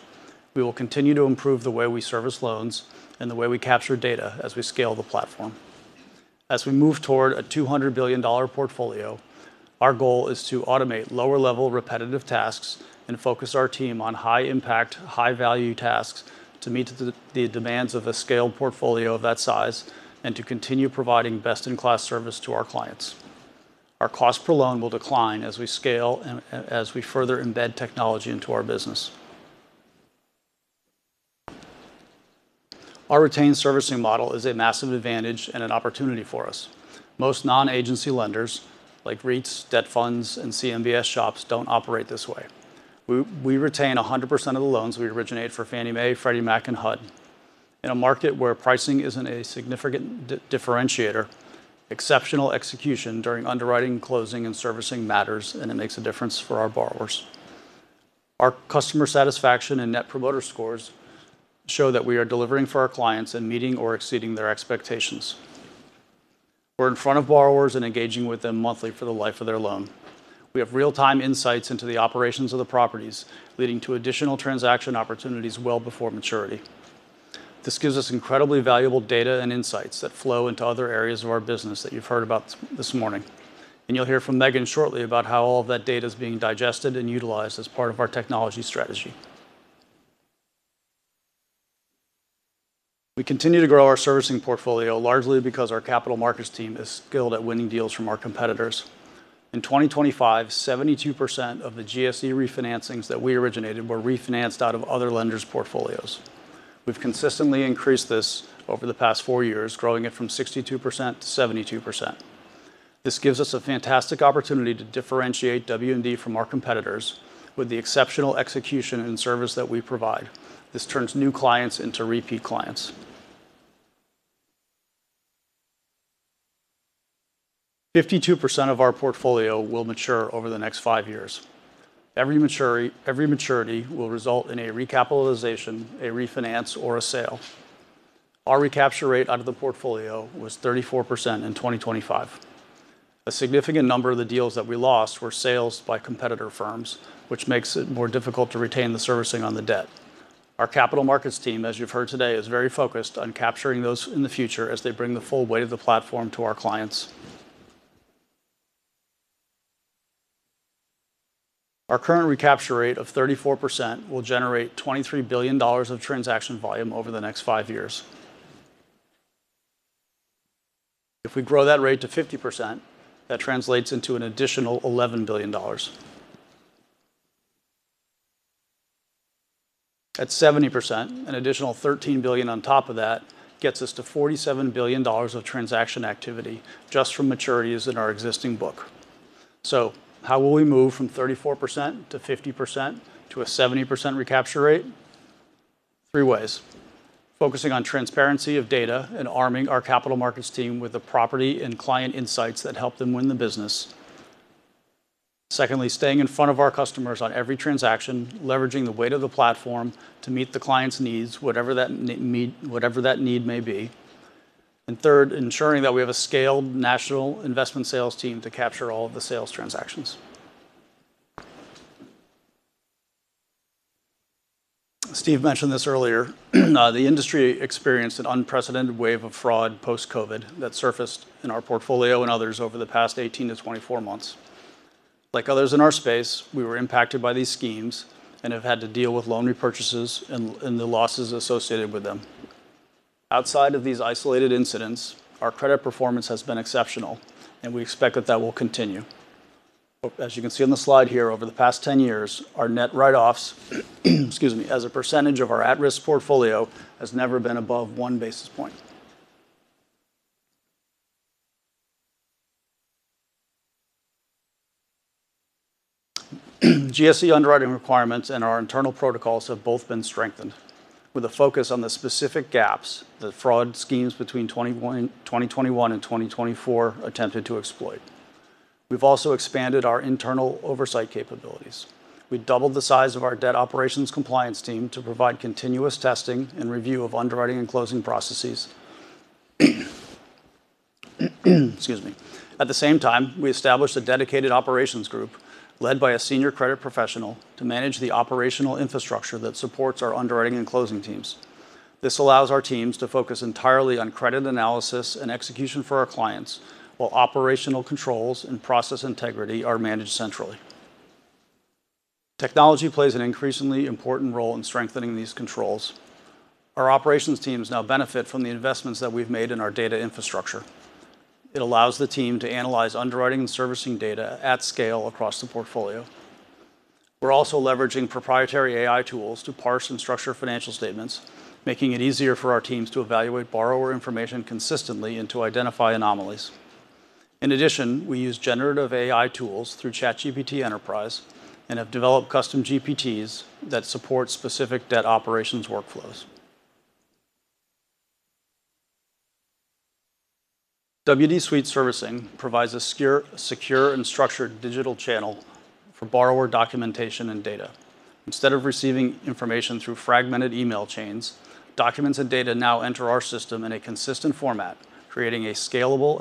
We will continue to improve the way we service loans and the way we capture data as we scale the platform. As we move toward a $200 billion portfolio, our goal is to automate lower-level repetitive tasks and focus our team on high-impact, high-value tasks to meet the demands of a scaled portfolio of that size and to continue providing best-in-class service to our clients. Our cost per loan will decline as we scale and as we further embed technology into our business. Our retained servicing model is a massive advantage and an opportunity for us. Most non-agency lenders, like REITs, debt funds, and CMBS shops, don't operate this way. We retain 100% of the loans we originate for Fannie Mae, Freddie Mac, and HUD. In a market where pricing isn't a significant differentiator, exceptional execution during underwriting, closing, and servicing matters, and it makes a difference for our borrowers. Our customer satisfaction and net promoter scores show that we are delivering for our clients and meeting or exceeding their expectations. We're in front of borrowers and engaging with them monthly for the life of their loan. We have real-time insights into the operations of the properties, leading to additional transaction opportunities well before maturity. This gives us incredibly valuable data and insights that flow into other areas of our business that you've heard about this morning. You'll hear from Megan shortly about how all of that data is being digested and utilized as part of our technology strategy. We continue to grow our servicing portfolio largely because our capital markets team is skilled at winning deals from our competitors. In 2025, 72% of the GSE refinancings that we originated were refinanced out of other lenders' portfolios. We've consistently increased this over the past four years, growing it from 62%-72%. This gives us a fantastic opportunity to differentiate W&D from our competitors with the exceptional execution and service that we provide. This turns new clients into repeat clients. 52% of our portfolio will mature over the next five years. Every maturity will result in a recapitalization, a refinance, or a sale. Our recapture rate out of the portfolio was 34% in 2025. A significant number of the deals that we lost were sales by competitor firms, which makes it more difficult to retain the servicing on the debt. Our capital markets team, as you've heard today, is very focused on capturing those in the future as they bring the full weight of the platform to our clients. Our current recapture rate of 34% will generate $23 billion of transaction volume over the next five years. If we grow that rate to 50%, that translates into an additional $11 billion. At 70%, an additional $13 billion on top of that gets us to $47 billion of transaction activity just from maturities in our existing book. How will we move from 34%-50% to a 70% recapture rate? Three ways. Focusing on transparency of data and arming our capital markets team with the property and client insights that help them win the business. Secondly, staying in front of our customers on every transaction, leveraging the weight of the platform to meet the client's needs, whatever that need may be. Third, ensuring that we have a scaled national investment sales team to capture all of the sales transactions. Steve mentioned this earlier. The industry experienced an unprecedented wave of fraud post-COVID that surfaced in our portfolio and others over the past 18-24 months. Like others in our space, we were impacted by these schemes and have had to deal with loan repurchases and the losses associated with them. Outside of these isolated incidents, our credit performance has been exceptional, and we expect that will continue. As you can see on the slide here, over the past 10-years, our net write-offs, excuse me, as a percentage of our at-risk portfolio has never been above one basis point. GSE underwriting requirements and our internal protocols have both been strengthened with a focus on the specific gaps that fraud schemes between 2021 and 2024 attempted to exploit. We've also expanded our internal oversight capabilities. We doubled the size of our debt operations compliance team to provide continuous testing and review of underwriting and closing processes. Excuse me. At the same time, we established a dedicated operations group led by a senior credit professional to manage the operational infrastructure that supports our underwriting and closing teams. This allows our teams to focus entirely on credit analysis and execution for our clients while operational controls and process integrity are managed centrally. Technology plays an increasingly important role in strengthening these controls. Our operations teams now benefit from the investments that we've made in our data infrastructure. It allows the team to analyze underwriting and servicing data at scale across the portfolio. We're also leveraging proprietary AI tools to parse and structure financial statements, making it easier for our teams to evaluate borrower information consistently and to identify anomalies. In addition, we use generative AI tools through ChatGPT Enterprise and have developed custom GPTs that support specific debt operations workflows. WD Suite Servicing provides a secure and structured digital channel for borrower documentation and data. Instead of receiving information through fragmented email chains, documents and data now enter our system in a consistent format, creating a scalable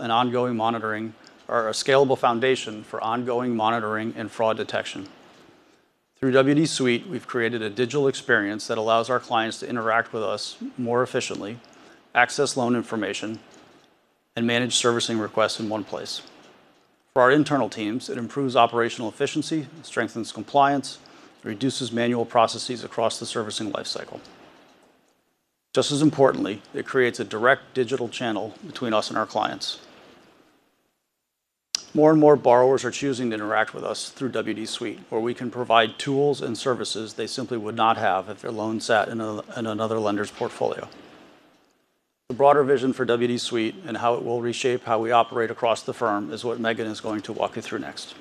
foundation for ongoing monitoring and fraud detection. Through WD Suite, we've created a digital experience that allows our clients to interact with us more efficiently, access loan information, and manage servicing requests in one place. For our internal teams, it improves operational efficiency, strengthens compliance, reduces manual processes across the servicing life cycle. Just as importantly, it creates a direct digital channel between us and our clients. More and more borrowers are choosing to interact with us through WD Suite, where we can provide tools and services they simply would not have if their loan sat in another lender's portfolio. The broader vision for WD Suite and how it will reshape how we operate across the firm is what Megan is going to walk you through next.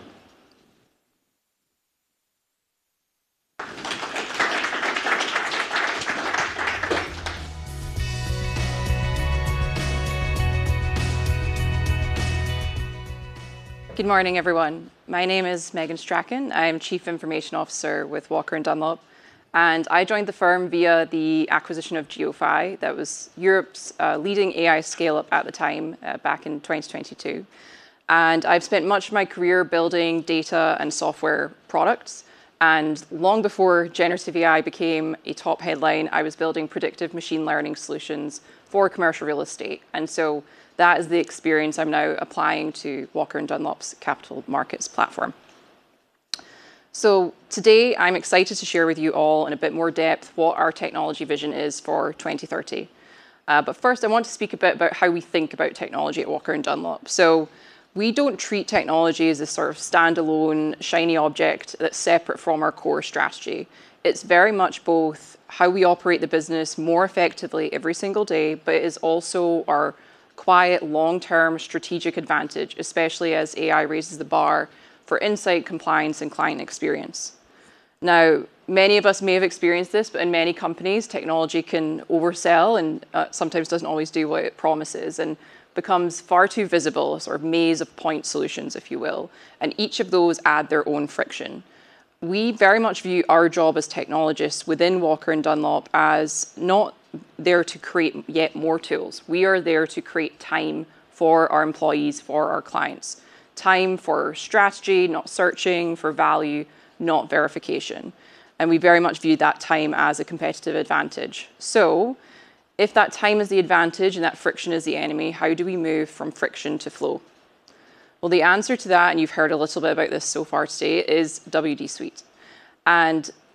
Good morning, everyone. My name is Megan Strachan. I am Chief Information Officer with Walker & Dunlop, and I joined the firm via the acquisition of GeoPhy. That was Europe's leading AI scale-up at the time back in 2022. I've spent much of my career building data and software products. Long before generative AI became a top headline, I was building predictive machine learning solutions for commercial real estate. That is the experience I'm now applying to Walker & Dunlop's capital markets platform. Today, I'm excited to share with you all in a bit more depth what our technology vision is for 2030. But first, I want to speak a bit about how we think about technology at Walker & Dunlop. We don't treat technology as a sort of standalone shiny object that's separate from our core strategy. It's very much both how we operate the business more effectively every single day, but it is also our quiet long-term strategic advantage, especially as AI raises the bar for insight, compliance, and client experience. Now, many of us may have experienced this, but in many companies, technology can oversell and sometimes doesn't always do what it promises and becomes far too visible, a sort of maze of point solutions, if you will, and each of those add their own friction. We very much view our job as technologists within Walker & Dunlop as not there to create yet more tools. We are there to create time for our employees, for our clients. Time for strategy, not searching. For value, not verification. We very much view that time as a competitive advantage. If that time is the advantage and that friction is the enemy, how do we move from friction to flow? Well, the answer to that, and you've heard a little bit about this so far today, is WD Suite.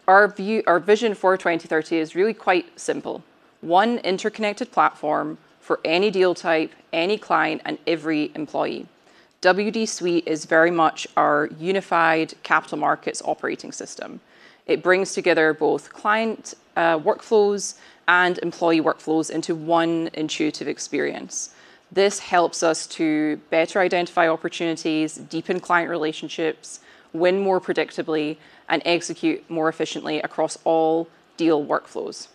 Our view, our vision for 2030 is really quite simple. One interconnected platform for any deal type, any client, and every employee. WD Suite is very much our unified capital markets operating system. It brings together both client workflows and employee workflows into one intuitive experience. This helps us to better identify opportunities, deepen client relationships, win more predictably, and execute more efficiently across all deal workflows.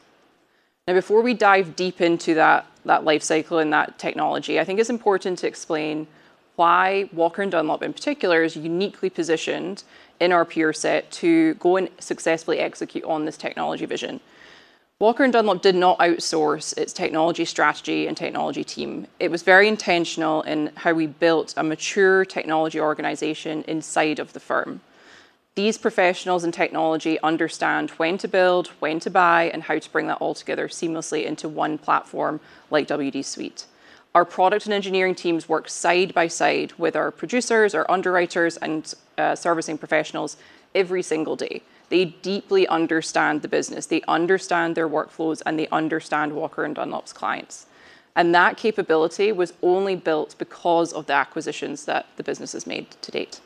Now, before we dive deep into that life cycle and that technology, I think it's important to explain why Walker & Dunlop in particular is uniquely positioned in our peer set to go and successfully execute on this technology vision. Walker & Dunlop did not outsource its technology strategy and technology team. It was very intentional in how we built a mature technology organization inside of the firm. These professionals in technology understand when to build, when to buy, and how to bring that all together seamlessly into one platform like WD Suite. Our product and engineering teams work side by side with our producers, our underwriters, and servicing professionals every single day. They deeply understand the business, they understand their workflows, and they understand Walker & Dunlop's clients. That capability was only built because of the acquisitions that the business has made to date.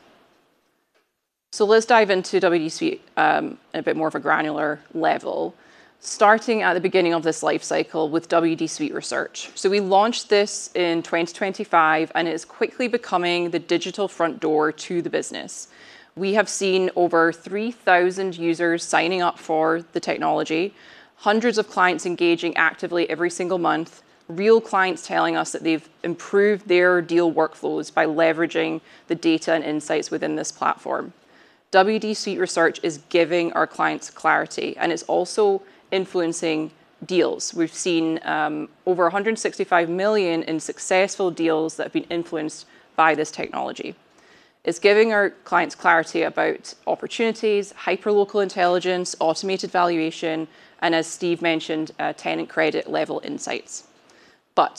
Let's dive into WD Suite in a bit more of a granular level, starting at the beginning of this life cycle with WD Suite Research. We launched this in 2025, and it is quickly becoming the digital front door to the business. We have seen over 3,000 users signing up for the technology, hundreds of clients engaging actively every single month, real clients telling us that they've improved their deal workflows by leveraging the data and insights within this platform. WD Suite Research is giving our clients clarity, and it's also influencing deals. We've seen over $165 million in successful deals that have been influenced by this technology. It's giving our clients clarity about opportunities, hyperlocal intelligence, automated valuation, and as Steve mentioned, tenant credit-level insights.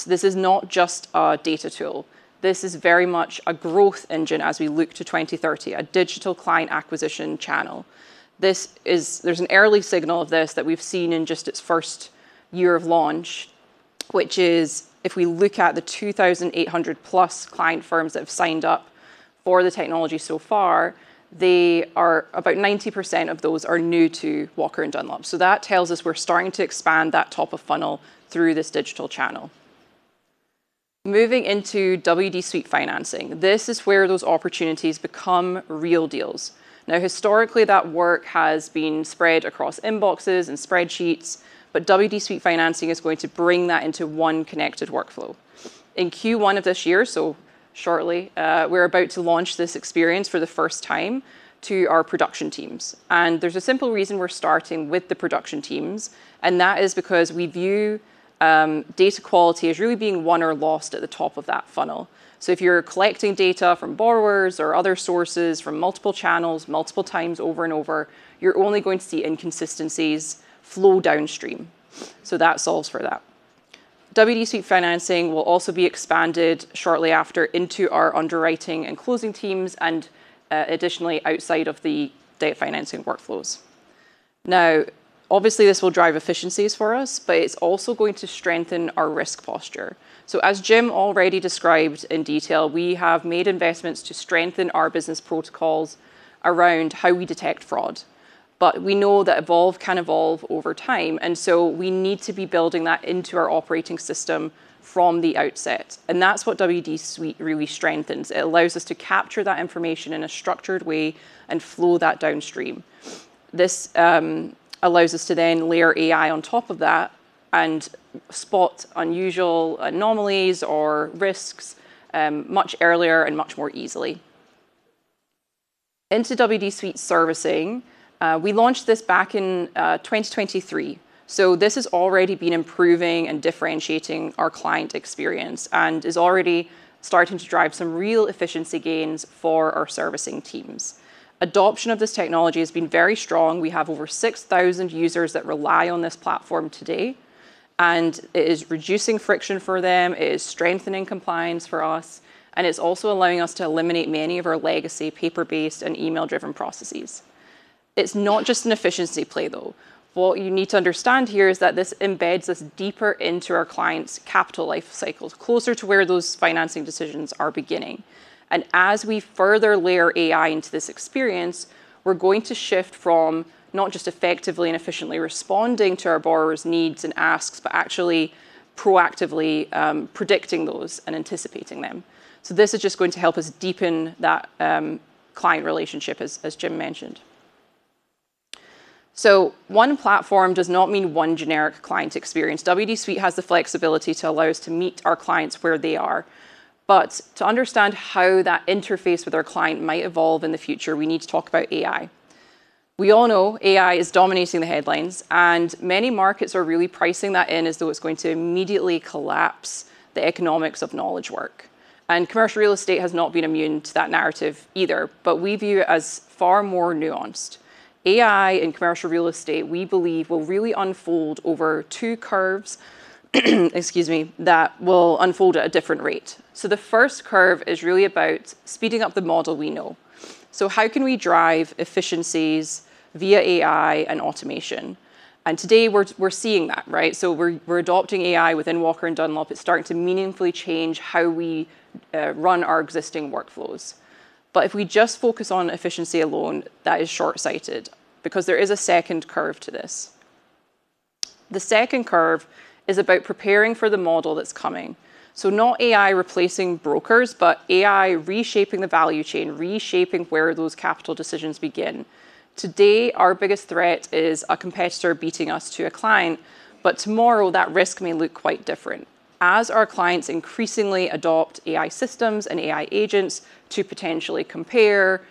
This is not just our data tool. This is very much a growth engine as we look to 2030, a digital client acquisition channel. There's an early signal of this that we've seen in just its first year of launch, which is if we look at the 2,800+ client firms that have signed up for the technology so far, about 90% of those are new to Walker & Dunlop. That tells us we're starting to expand that top of funnel through this digital channel. Moving into WD Suite Financing, this is where those opportunities become real deals. Historically, that work has been spread across inboxes and spreadsheets, but WD Suite Financing is going to bring that into one connected workflow. In Q1 of this year, shortly, we're about to launch this experience for the first time to our production teams. There's a simple reason we're starting with the production teams, and that is because we view data quality as really being won or lost at the top of that funnel. If you're collecting data from borrowers or other sources from multiple channels multiple times over and over, you're only going to see inconsistencies flow downstream. That solves for that. WD Suite Financing will also be expanded shortly after into our underwriting and closing teams and, additionally outside of the debt financing workflows. Now, obviously this will drive efficiencies for us, but it's also going to strengthen our risk posture. As Jim already described in detail, we have made investments to strengthen our business protocols around how we detect fraud. We know that evolution can evolve over time, and so we need to be building that into our operating system from the outset, and that's what WD Suite really strengthens. It allows us to capture that information in a structured way and flow that downstream. This allows us to then layer AI on top of that and spot unusual anomalies or risks much earlier and much more easily. Into WD Suite Servicing, we launched this back in 2023, so this has already been improving and differentiating our client experience and is already starting to drive some real efficiency gains for our servicing teams. Adoption of this technology has been very strong. We have over 6,000 users that rely on this platform today, and it is reducing friction for them, it is strengthening compliance for us, and it's also allowing us to eliminate many of our legacy paper-based and email-driven processes. It's not just an efficiency play, though. What you need to understand here is that this embeds us deeper into our clients' capital life cycles, closer to where those financing decisions are beginning. As we further layer AI into this experience, we're going to shift from not just effectively and efficiently responding to our borrowers' needs and asks, but actually proactively predicting those and anticipating them. This is just going to help us deepen that client relationship as Jim mentioned. One platform does not mean one generic client experience. WD Suite has the flexibility to allow us to meet our clients where they are. To understand how that interface with our client might evolve in the future, we need to talk about AI. We all know AI is dominating the headlines, and many markets are really pricing that in as though it's going to immediately collapse the economics of knowledge work. Commercial real estate has not been immune to that narrative either. We view it as far more nuanced. AI in commercial real estate, we believe, will really unfold over two curves, excuse me, that will unfold at a different rate. The first curve is really about speeding up the model we know. How can we drive efficiencies via AI and automation? Today we're seeing that, right? We're adopting AI within Walker & Dunlop. It's starting to meaningfully change how we run our existing workflows. If we just focus on efficiency alone, that is short-sighted because there is a second curve to this. The second curve is about preparing for the model that's coming. Not AI replacing brokers, but AI reshaping the value chain, reshaping where those capital decisions begin. Today, our biggest threat is a competitor beating us to a client, but tomorrow that risk may look quite different. As our clients increasingly adopt AI systems and AI agents to potentially compare,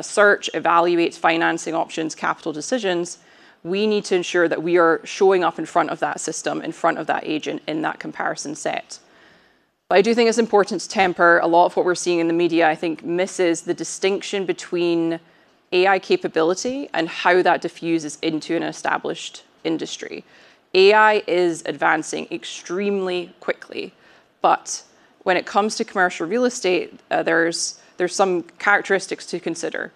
search, evaluate financing options, capital decisions, we need to ensure that we are showing up in front of that system, in front of that agent in that comparison set. I do think it's important to temper a lot of what we're seeing in the media, I think misses the distinction between AI capability and how that diffuses into an established industry. AI is advancing extremely quickly. When it comes to commercial real estate, there's some characteristics to consider.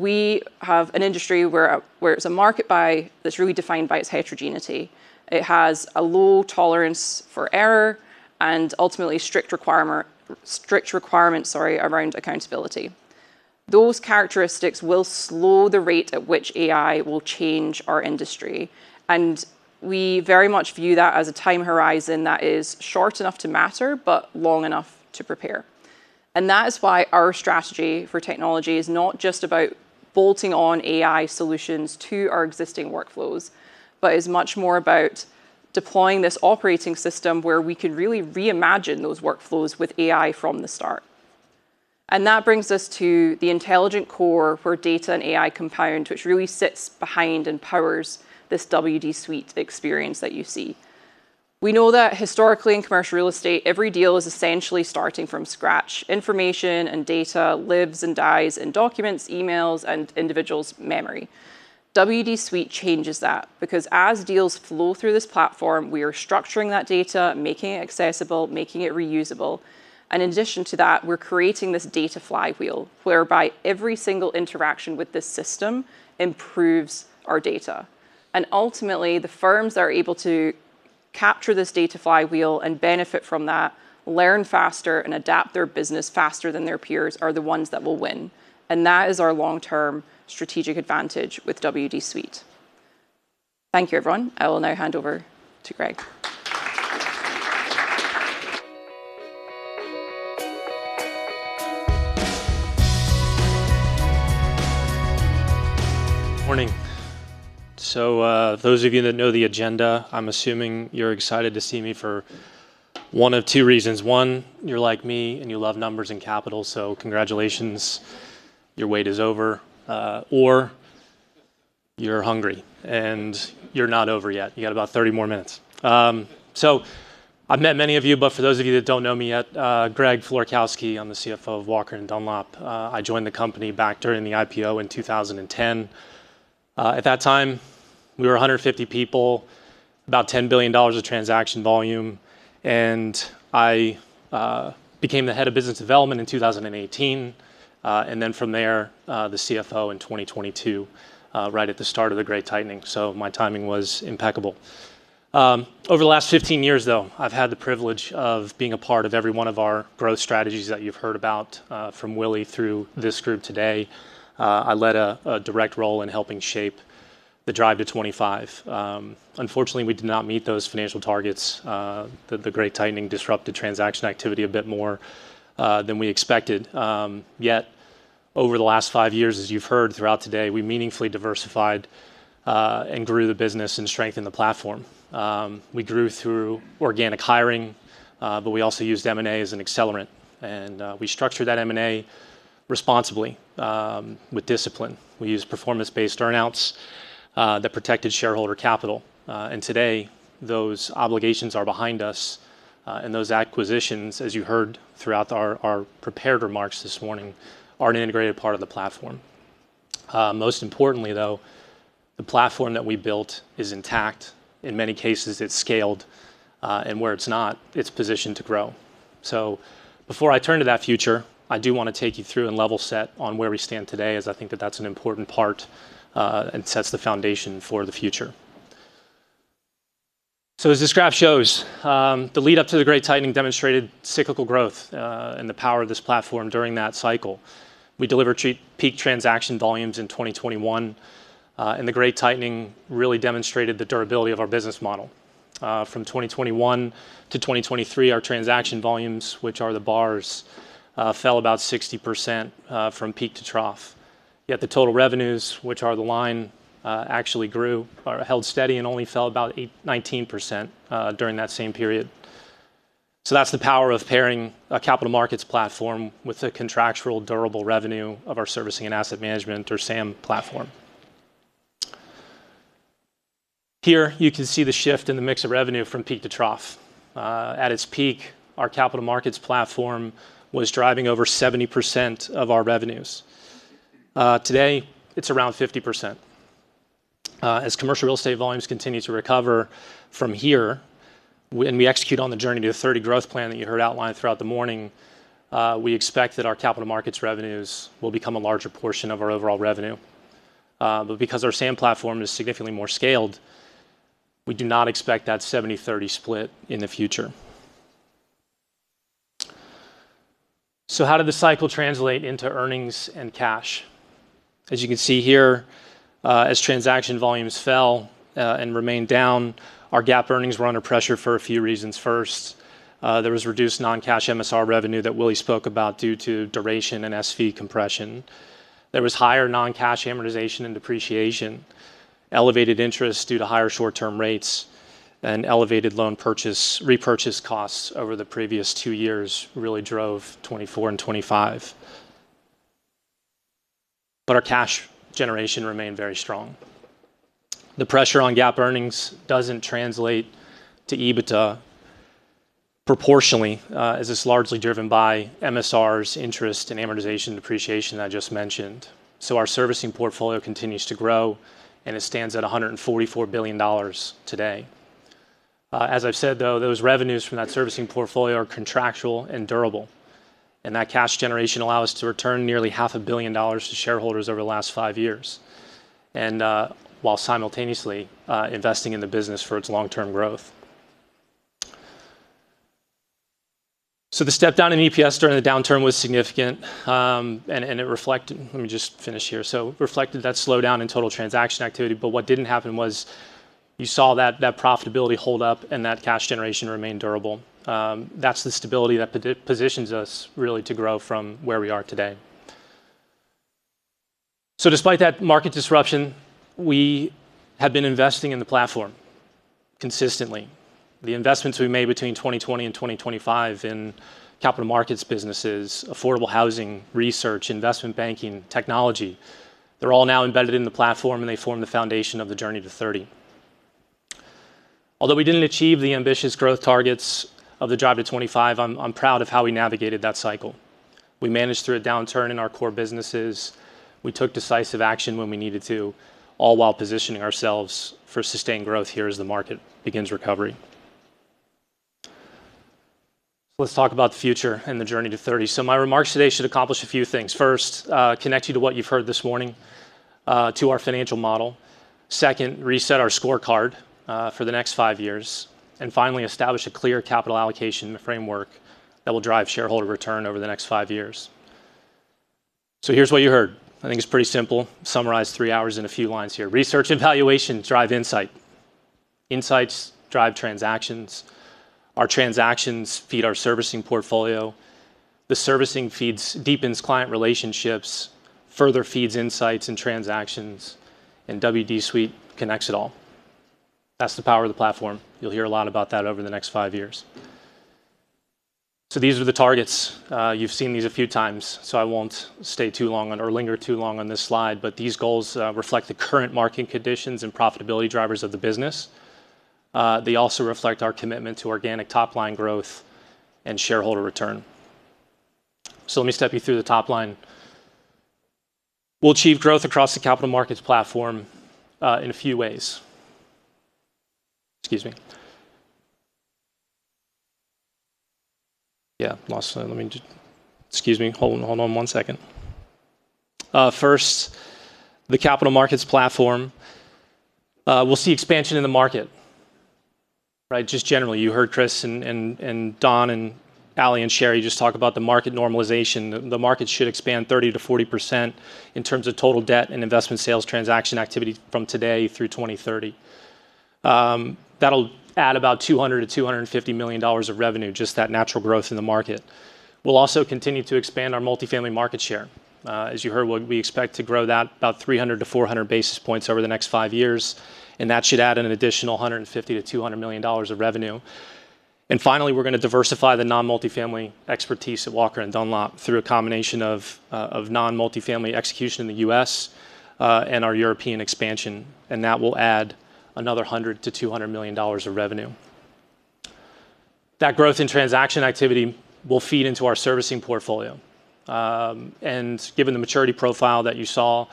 We have an industry where it's a market that's really defined by its heterogeneity. It has a low tolerance for error and ultimately strict requirements around accountability. Those characteristics will slow the rate at which AI will change our industry. We very much view that as a time horizon that is short enough to matter, but long enough to prepare. That is why our strategy for technology is not just about bolting on AI solutions to our existing workflows, but is much more about deploying this operating system where we can really reimagine those workflows with AI from the start. That brings us to the intelligent core for data and AI compound, which really sits behind and powers this WD Suite experience that you see. We know that historically in commercial real estate, every deal is essentially starting from scratch. Information and data lives and dies in documents, emails, and individuals' memory. WD Suite changes that because as deals flow through this platform, we are structuring that data, making it accessible, making it reusable. In addition to that, we're creating this data flywheel, whereby every single interaction with this system improves our data. Ultimately, the firms that are able to capture this data flywheel and benefit from that, learn faster and adapt their business faster than their peers are the ones that will win. That is our long-term strategic advantage with WD Suite. Thank you, everyone. I will now hand over to Greg. Morning. Those of you that know the agenda, I'm assuming you're excited to see me for one of two reasons. One, you're like me and you love numbers and capital, so congratulations, your wait is over. Or you're hungry and you're not over yet. You got about 30 more minutes. I've met many of you, but for those of you that don't know me yet, Greg Florkowski, I'm the CFO of Walker & Dunlop. I joined the company back during the IPO in 2010. At that time, we were 150 people, about $10 billion of transaction volume, and I became the head of business development in 2018. From there, the CFO in 2022, right at the start of the Great Tightening. My timing was impeccable. Over the last 15-years, though, I've had the privilege of being a part of every one of our growth strategies that you've heard about from Willy through this group today. I led a direct role in helping shape the Drive to '25. Unfortunately, we did not meet those financial targets. The Great Tightening disrupted transaction activity a bit more than we expected. Yet over the last five years, as you've heard throughout today, we meaningfully diversified and grew the business and strengthened the platform. We grew through organic hiring, but we also used M&A as an accelerant, and we structured that M&A responsibly with discipline. We used performance-based earn-outs that protected shareholder capital. Today, those obligations are behind us, and those acquisitions, as you heard throughout our prepared remarks this morning, are an integrated part of the platform. Most importantly, though, the platform that we built is intact. In many cases, it's scaled, and where it's not, it's positioned to grow. Before I turn to that future, I do wanna take you through and level set on where we stand today, as I think that that's an important part, and sets the foundation for the future. As this graph shows, the lead up to the Great Tightening demonstrated cyclical growth, and the power of this platform during that cycle. We delivered peak transaction volumes in 2021, and the Great Tightening really demonstrated the durability of our business model. From 2021 to 2023, our transaction volumes, which are the bars, fell about 60%, from peak to trough. Yet the total revenues, which are the line, actually grew or held steady and only fell about 19%, during that same period. That's the power of pairing a capital markets platform with the contractual durable revenue of our servicing and asset management or SAM platform. Here you can see the shift in the mix of revenue from peak to trough. At its peak, our capital markets platform was driving over 70% of our revenues. Today, it's around 50%. As commercial real estate volumes continue to recover from here, when we execute on the Journey to '30 growth plan that you heard outlined throughout the morning, we expect that our capital markets revenues will become a larger portion of our overall revenue. Because our SAM platform is significantly more scaled, we do not expect that 70-30 split in the future. How did the cycle translate into earnings and cash? As you can see here, as transaction volumes fell and remained down, our GAAP earnings were under pressure for a few reasons. First, there was reduced non-cash MSR revenue that Willy spoke about due to duration and spread compression. There was higher non-cash amortization and depreciation, elevated interest due to higher short-term rates, and elevated loan purchase repurchase costs over the previous two years really drove 2024 and 2025. Our cash generation remained very strong. The pressure on GAAP earnings doesn't translate to EBITDA proportionally, as it's largely driven by MSRs, interest and amortization, and depreciation I just mentioned. Our servicing portfolio continues to grow, and it stands at $144 billion today. As I've said, though, those revenues from that servicing portfolio are contractual and durable, and that cash generation allow us to return nearly half a billion dollars to shareholders over the last five years and, while simultaneously, investing in the business for its long-term growth. The step down in EPS during the downturn was significant, and it reflected that slowdown in total transaction activity. What didn't happen was you saw that profitability hold up and that cash generation remain durable. That's the stability that positions us really to grow from where we are today. Despite that market disruption, we have been investing in the platform consistently. The investments we made between 2020 and 2025 in capital markets businesses, affordable housing, research, investment banking, technology, they're all now embedded in the platform, and they form the foundation of the Journey to '30. Although we didn't achieve the ambitious growth targets of the Drive to '25, I'm proud of how we navigated that cycle. We managed through a downturn in our core businesses. We took decisive action when we needed to, all while positioning ourselves for sustained growth here as the market begins recovery. Let's talk about the future and the Journey to '30. My remarks today should accomplish a few things. First, connect you to what you've heard this morning, to our financial model. Second, reset our scorecard, for the next five years, and finally, establish a clear capital allocation framework that will drive shareholder return over the next five years. Here's what you heard. I think it's pretty simple. Summarize three hours in a few lines here. Research and valuation drive insight. Insights drive transactions. Our transactions feed our servicing portfolio. The servicing feeds, deepens client relationships, further feeds insights and transactions, and WD Suite connects it all. That's the power of the platform. You'll hear a lot about that over the next five years. These are the targets. You've seen these a few times, so I won't stay too long on or linger too long on this slide, but these goals reflect the current market conditions and profitability drivers of the business. They also reflect our commitment to organic top-line growth and shareholder return. Let me step you through the top line. We'll achieve growth across the capital markets platform in a few ways. First, the capital markets platform. We'll see expansion in the market, right? Just generally. You heard Kris and Don and Ali and Sheri just talk about the market normalization. The market should expand 30%-40% in terms of total debt and investment sales transaction activity from today through 2030. That'll add about $200 million-$250 million of revenue, just that natural growth in the market. We'll also continue to expand our multifamily market share. As you heard, we expect to grow that about 300-400 basis points over the next five years, and that should add an additional $150 million-$200 million of revenue. Finally, we're gonna diversify the non-multifamily expertise at Walker & Dunlop through a combination of non-multifamily execution in the U.S. and our European expansion, and that will add another $100 million-$200 million of revenue. That growth in transaction activity will feed into our servicing portfolio. Given the maturity profile that you saw,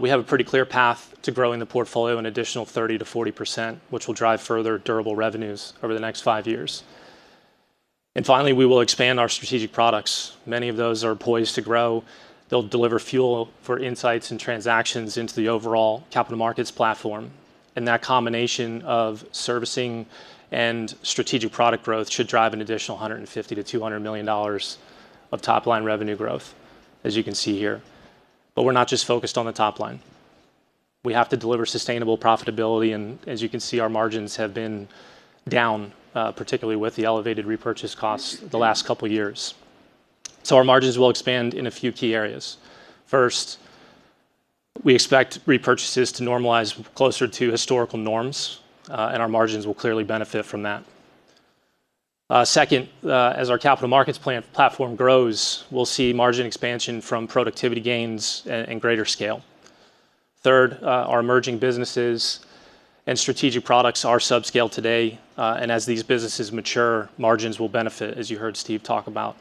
we have a pretty clear path to growing the portfolio an additional 30%-40%, which will drive further durable revenues over the next five years. Finally, we will expand our strategic products. Many of those are poised to grow. They'll deliver fuel for insights and transactions into the overall capital markets platform. That combination of servicing and strategic product growth should drive an additional $150 million-$200 million of top-line revenue growth, as you can see here. We're not just focused on the top line. We have to deliver sustainable profitability, and as you can see, our margins have been down, particularly with the elevated repurchase costs the last couple years. Our margins will expand in a few key areas. First, we expect repurchases to normalize closer to historical norms, and our margins will clearly benefit from that. Second, as our capital markets platform grows, we'll see margin expansion from productivity gains and greater scale. Third, our emerging businesses and strategic products are subscale today, and as these businesses mature, margins will benefit, as you heard Steve talk about.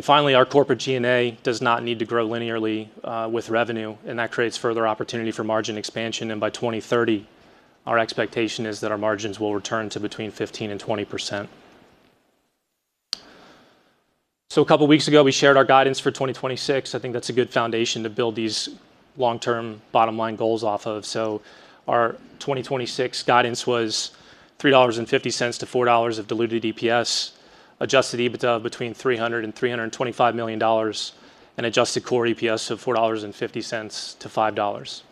Finally, our corporate G&A does not need to grow linearly with revenue, and that creates further opportunity for margin expansion. By 2030, our expectation is that our margins will return to between 15% and 20%. A couple weeks ago, we shared our guidance for 2026. I think that's a good foundation to build these long-term bottom line goals off of. Our 2026 guidance was $3.50-$4 of diluted EPS, Adjusted EBITDA between $300 million and $325 million, and adjusted core EPS of $4.50-$5.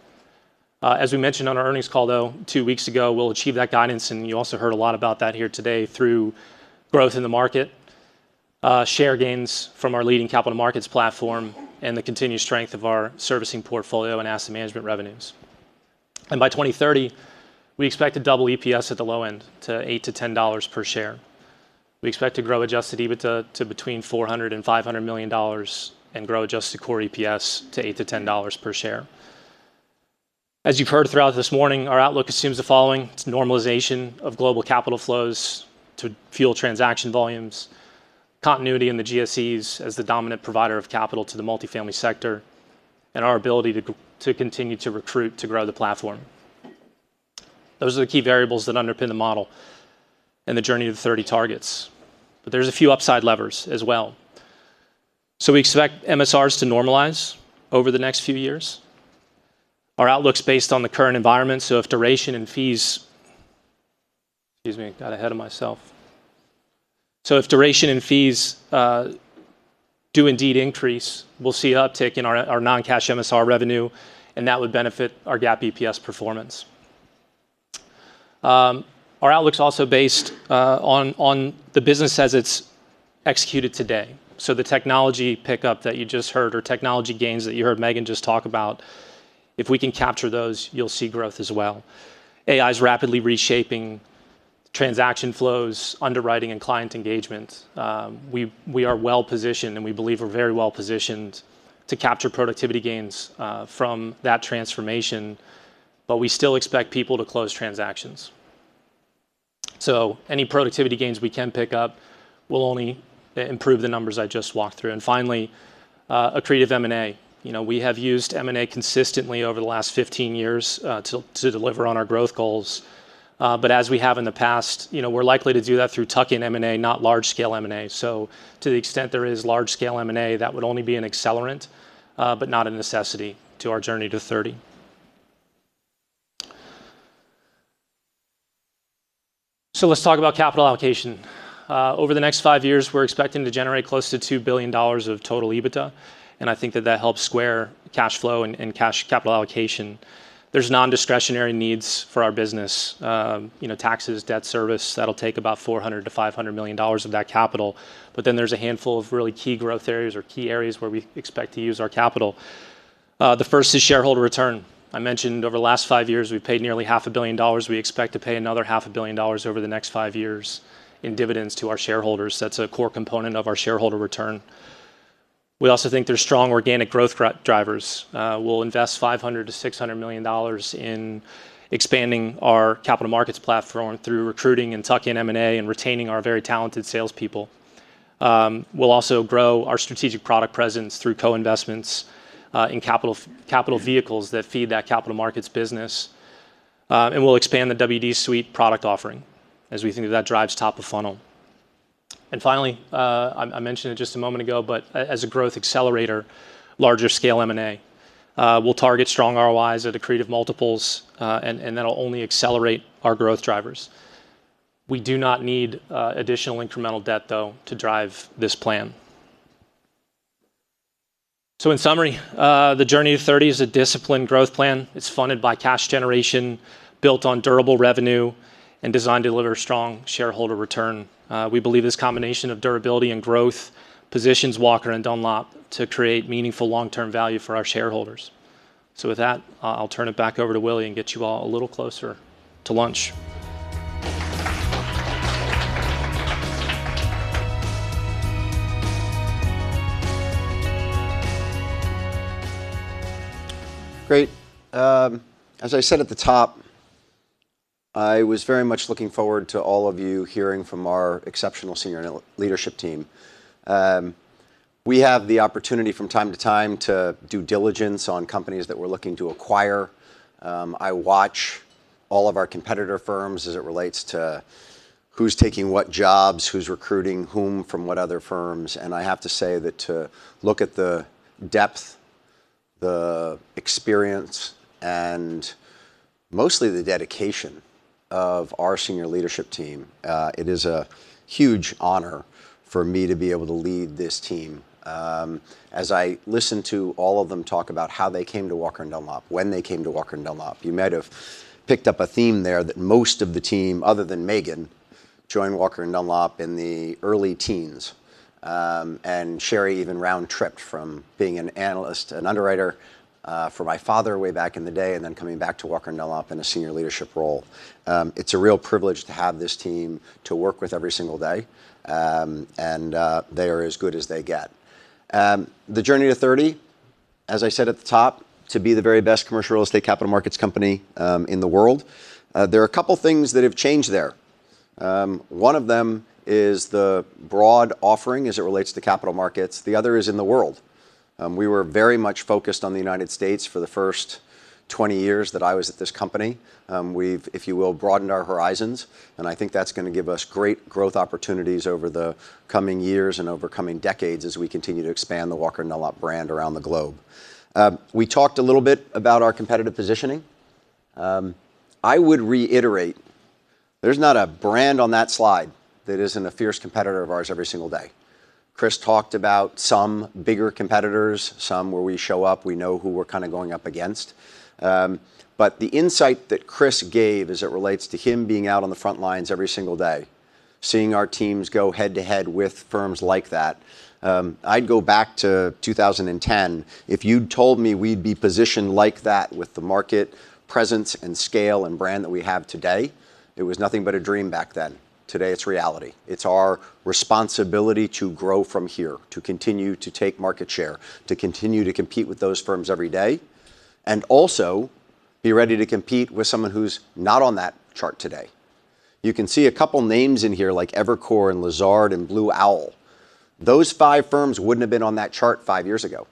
As we mentioned on our earnings call though, two weeks ago, we'll achieve that guidance, and you also heard a lot about that here today through growth in the market, share gains from our leading capital markets platform, and the continued strength of our servicing portfolio and asset management revenues. By 2030, we expect to double EPS at the low end to $8-$10 per share. We expect to grow Adjusted EBITDA to $400 million-$500 million and grow adjusted core EPS to $8-$10 per share. As you've heard throughout this morning, our outlook assumes the following. It's normalization of global capital flows to fuel transaction volumes, continuity in the GSEs as the dominant provider of capital to the multifamily sector, and our ability to continue to recruit to grow the platform. Those are the key variables that underpin the model and the Journey to '30 targets. There's a few upside levers as well. We expect MSRs to normalize over the next few years. Our outlook's based on the current environment, so if duration and fees do indeed increase, we'll see an uptick in our non-cash MSR revenue, and that would benefit our GAAP EPS performance. Our outlook's also based on the business as it's executed today. The technology pickup that you just heard or technology gains that you heard Megan just talk about, if we can capture those, you'll see growth as well. AI's rapidly reshaping transaction flows, underwriting, and client engagement. We are well-positioned, and we believe we're very well-positioned to capture productivity gains from that transformation, but we still expect people to close transactions. Any productivity gains we can pick up will only improve the numbers I just walked through. Finally, accretive M&A. You know, we have used M&A consistently over the last 1five years to deliver on our growth goals. As we have in the past, you know, we're likely to do that through tuck-in M&A, not large-scale M&A. To the extent there is large-scale M&A, that would only be an accelerant, but not a necessity to our Journey to '30. Let's talk about capital allocation. Over the next five years, we're expecting to generate close to $2 billion of total EBITDA, and I think that helps square cash flow and cash capital allocation. There's nondiscretionary needs for our business, you know, taxes, debt service. That'll take about $400 million-$500 million of that capital. There's a handful of really key growth areas or key areas where we expect to use our capital. The first is shareholder return. I mentioned over the last five years, we've paid nearly half a billion dollars. We expect to pay another half a billion dollars over the next five years in dividends to our shareholders. That's a core component of our shareholder return. We also think there's strong organic growth drivers. We'll invest $500 million-$600 million in expanding our capital markets platform through recruiting and tuck-in M&A and retaining our very talented salespeople. We'll also grow our strategic product presence through co-investments in capital vehicles that feed that capital markets business. We'll expand the WD Suite product offering as we think that that drives top of funnel. Finally, I mentioned it just a moment ago, but as a growth accelerator, larger scale M&A. We'll target strong ROIs at accretive multiples, and that'll only accelerate our growth drivers. We do not need additional incremental debt, though, to drive this plan. In summary, the Journey to '30 is a disciplined growth plan. It's funded by cash generation, built on durable revenue, and designed to deliver strong shareholder return. We believe this combination of durability and growth positions Walker & Dunlop to create meaningful long-term value for our shareholders. With that, I'll turn it back over to Willy and get you all a little closer to lunch. Great. As I said at the top, I was very much looking forward to all of you hearing from our exceptional senior leadership team. We have the opportunity from time to time to do diligence on companies that we're looking to acquire. I watch all of our competitor firms as it relates to who's taking what jobs, who's recruiting whom from what other firms. I have to say that to look at the depth, the experience, and mostly the dedication of our senior leadership team, it is a huge honor for me to be able to lead this team. As I listened to all of them talk about how they came to Walker & Dunlop, when they came to Walker & Dunlop, you might have picked up a theme there that most of the team, other than Megan, joined Walker & Dunlop in the early teens. Sheri even round-tripped from being an analyst and underwriter for my father way back in the day and then coming back to Walker & Dunlop in a senior leadership role. It's a real privilege to have this team to work with every single day. They are as good as they get. The Journey to '30, as I said at the top, to be the very best commercial real estate capital markets company in the world. There are a couple things that have changed there. One of them is the broad offering as it relates to capital markets. The other is in the world. We were very much focused on the United States for the first 20 years that I was at this company. We've, if you will, broadened our horizons, and I think that's gonna give us great growth opportunities over the coming years and over coming decades as we continue to expand the Walker & Dunlop brand around the globe. We talked a little bit about our competitive positioning. I would reiterate. There's not a brand on that slide that isn't a fierce competitor of ours every single day. Kris talked about some bigger competitors, some where we show up, we know who we're kinda going up against. The insight that Kris gave as it relates to him being out on the front lines every single day, seeing our teams go head-to-head with firms like that, I'd go back to 2010. If you'd told me we'd be positioned like that with the market presence and scale and brand that we have today, it was nothing but a dream back then. Today, it's reality. It's our responsibility to grow from here, to continue to take market share, to continue to compete with those firms every day, and also be ready to compete with someone who's not on that chart today. You can see a couple names in here like Evercore and Lazard and Blue Owl. Those five firms wouldn't have been on that chart five years ago.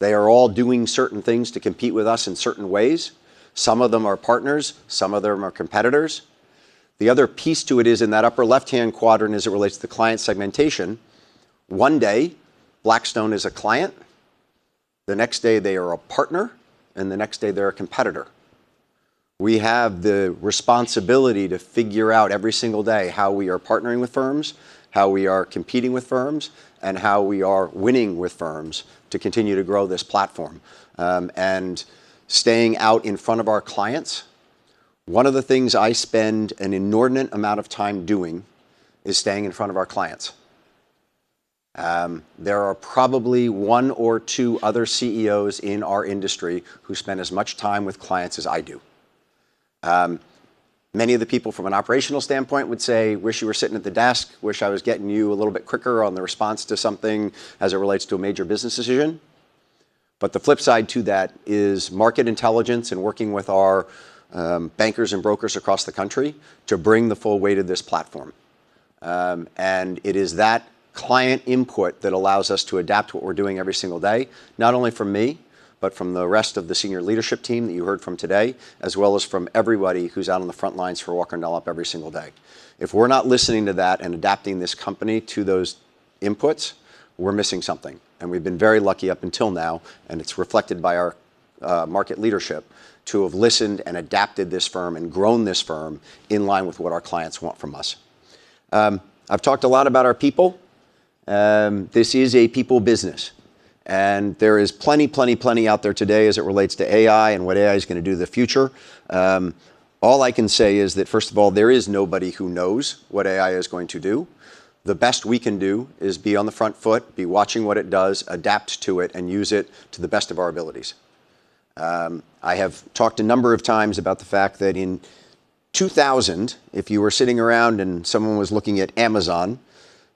They are all doing certain things to compete with us in certain ways. Some of them are partners, some of them are competitors. The other piece to it is in that upper left-hand quadrant as it relates to client segmentation, one day Blackstone is a client, the next day they are a partner, and the next day they're a competitor. We have the responsibility to figure out every single day how we are partnering with firms, how we are competing with firms, and how we are winning with firms to continue to grow this platform, and staying out in front of our clients. One of the things I spend an inordinate amount of time doing is staying in front of our clients. There are probably one or two other CEOs in our industry who spend as much time with clients as I do. Many of the people from an operational standpoint would say, "Wish you were sitting at the desk. Wish I was getting you a little bit quicker on the response to something as it relates to a major business decision." The flip side to that is market intelligence and working with our bankers and brokers across the country to bring the full weight of this platform. It is that client input that allows us to adapt what we're doing every single day, not only from me, but from the rest of the senior leadership team that you heard from today, as well as from everybody who's out on the front lines for Walker & Dunlop every single day. If we're not listening to that and adapting this company to those inputs, we're missing something. We've been very lucky up until now, and it's reflected by our market leadership to have listened and adapted this firm and grown this firm in line with what our clients want from us. I've talked a lot about our people. This is a people business, and there is plenty out there today as it relates to AI and what AI is gonna do in the future. All I can say is that, first of all, there is nobody who knows what AI is going to do. The best we can do is be on the front foot, be watching what it does, adapt to it, and use it to the best of our abilities. I have talked a number of times about the fact that in 2000, if you were sitting around and someone was looking at Amazon,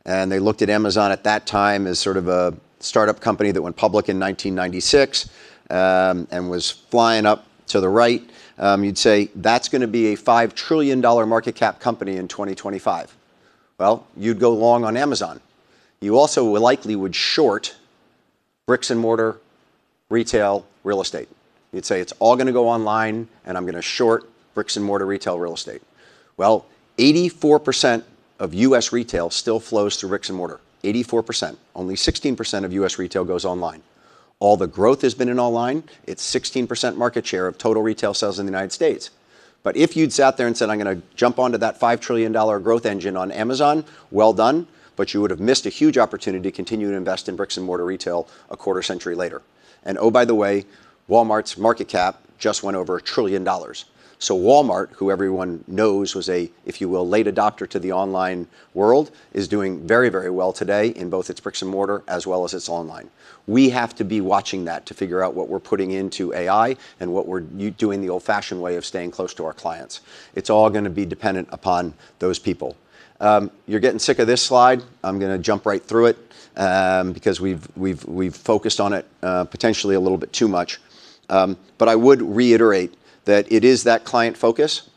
and they looked at Amazon at that time as sort of a startup company that went public in 1996, and was flying up to the right, you'd say, "That's gonna be a $5 trillion market cap company in 2025." Well, you'd go long on Amazon. You also would likely short bricks-and-mortar retail real estate. You'd say, "It's all gonna go online, and I'm gonna short bricks-and-mortar retail real estate." Well, 84% of U.S. retail still flows through bricks and mortar. 84%. Only 16% of U.S. retail goes online. All the growth has been in online. It's 16% market share of total retail sales in the United States. If you'd sat there and said, "I'm gonna jump onto that $5 trillion growth engine on Amazon," well done, but you would have missed a huge opportunity to continue to invest in bricks-and-mortar retail a quarter century later. Oh, by the way, Walmart's market cap just went over $1 trillion. Walmart, who everyone knows was a, if you will, late adopter to the online world, is doing very, very well today in both its bricks and mortar as well as its online. We have to be watching that to figure out what we're putting into AI and what we're doing the old-fashioned way of staying close to our clients. It's all gonna be dependent upon those people. You're getting sick of this slide. I'm gonna jump right through it, because we've focused on it, potentially a little bit too much. I would reiterate that it is that client focus.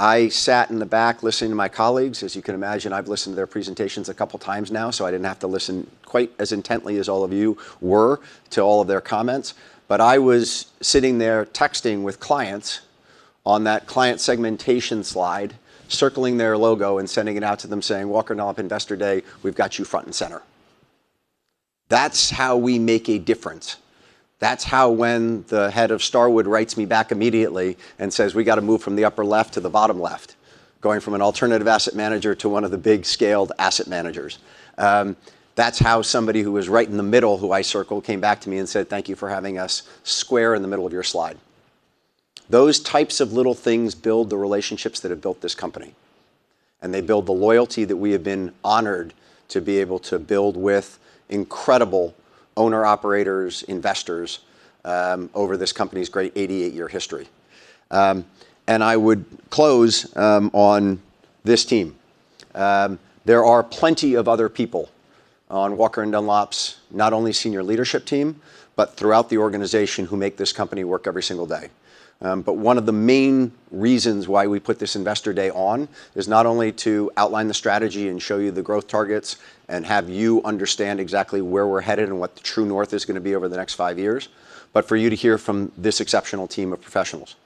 I sat in the back listening to my colleagues. As you can imagine, I've listened to their presentations a couple times now, so I didn't have to listen quite as intently as all of you were to all of their comments. I was sitting there texting with clients on that client segmentation slide, circling their logo and sending it out to them saying, "Walker & Dunlop Investor Day, we've got you front and center." That's how we make a difference. That's how when the head of Starwood writes me back immediately and says, "We gotta move from the upper left to the bottom left," going from an alternative asset manager to one of the big scaled asset managers. That's how somebody who was right in the middle who I circled came back to me and said, "Thank you for having us square in the middle of your slide." Those types of little things build the relationships that have built this company, and they build the loyalty that we have been honored to be able to build with incredible owner-operators, investors, over this company's great eight year history. I would close on this team. There are plenty of other people on Walker & Dunlop's not only senior leadership team, but throughout the organization who make this company work every single day. One of the main reasons why we put this investor day on is not only to outline the strategy and show you the growth targets and have you understand exactly where we're headed and what the true north is gonna be over the next five years, but for you to hear from this exceptional team of professionals.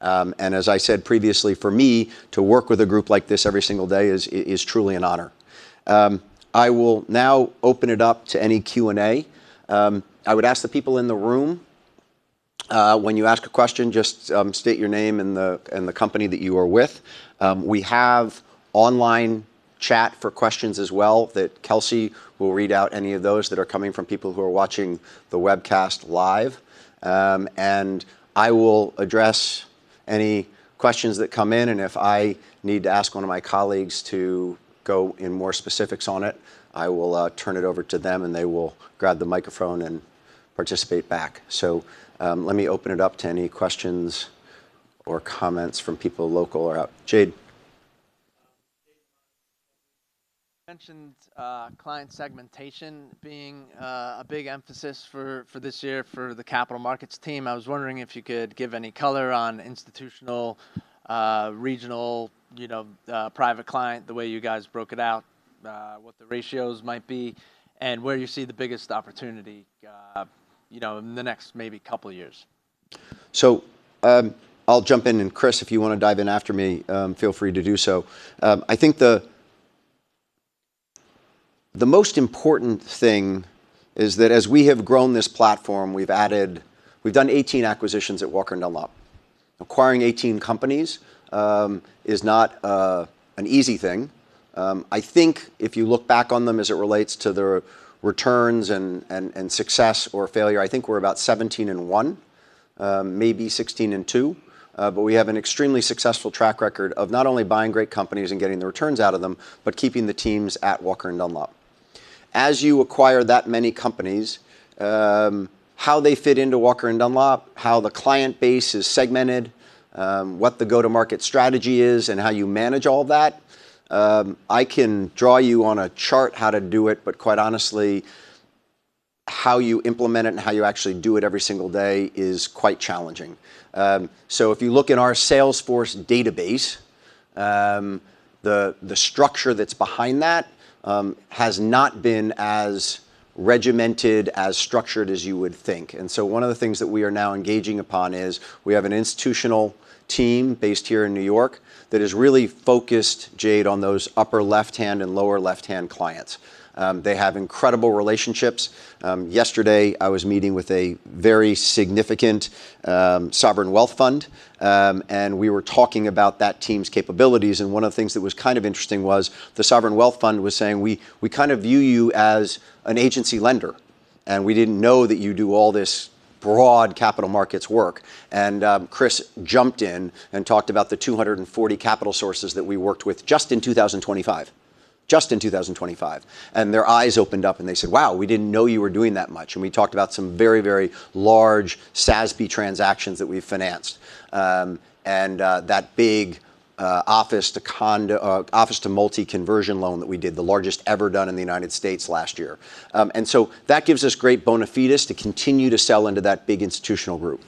As I said previously, for me to work with a group like this every single day is truly an honor. I will now open it up to any Q&A. I would ask the people in the room, when you ask a question, just state your name and the company that you are with. We have online chat for questions as well that Kelsey will read out any of those that are coming from people who are watching the webcast live. I will address any questions that come in, and if I need to ask one of my colleagues to go in more specifics on it, I will turn it over to them, and they will grab the microphone and participate back. Let me open it up to any questions or comments from people local or out. Jade. Jade Rahmani. You mentioned client segmentation being a big emphasis for this year for the capital markets team. I was wondering if you could give any color on institutional, regional, you know, private client, the way you guys broke it out, what the ratios might be, and where you see the biggest opportunity, you know, in the next maybe couple years? I'll jump in, and Kris, if you wanna dive in after me, feel free to do so. I think the most important thing is that as we have grown this platform, we've added. We've done 18 acquisitions at Walker & Dunlop. Acquiring 18 companies is not an easy thing. I think if you look back on them as it relates to the returns and success or failure, I think we're about 17 and one, maybe 16 and two. We have an extremely successful track record of not only buying great companies and getting the returns out of them, but keeping the teams at Walker & Dunlop. As you acquire that many companies, how they fit into Walker & Dunlop, how the client base is segmented, what the go-to-market strategy is, and how you manage all that, I can draw you on a chart how to do it, but quite honestly, how you implement it and how you actually do it every single day is quite challenging. If you look in our Salesforce database, the structure that's behind that has not been as regimented, as structured as you would think. One of the things that we are now engaging upon is we have an institutional team based here in New York that is really focused, Jade, on those upper left-hand and lower left-hand clients. They have incredible relationships. Yesterday I was meeting with a very significant sovereign wealth fund, and we were talking about that team's capabilities, and one of the things that was kind of interesting was the sovereign wealth fund was saying, "We kind of view you as an agency lender, and we didn't know that you do all this broad capital markets work." Kris jumped in and talked about the 240 capital sources that we worked with just in 2025. Just in 2025. Their eyes opened up, and they said, "Wow, we didn't know you were doing that much." We talked about some very, very large SAS-B transactions that we've financed, and that big office to multifamily conversion loan that we did, the largest ever done in the United States last year. That gives us great bona fides to continue to sell into that big institutional group.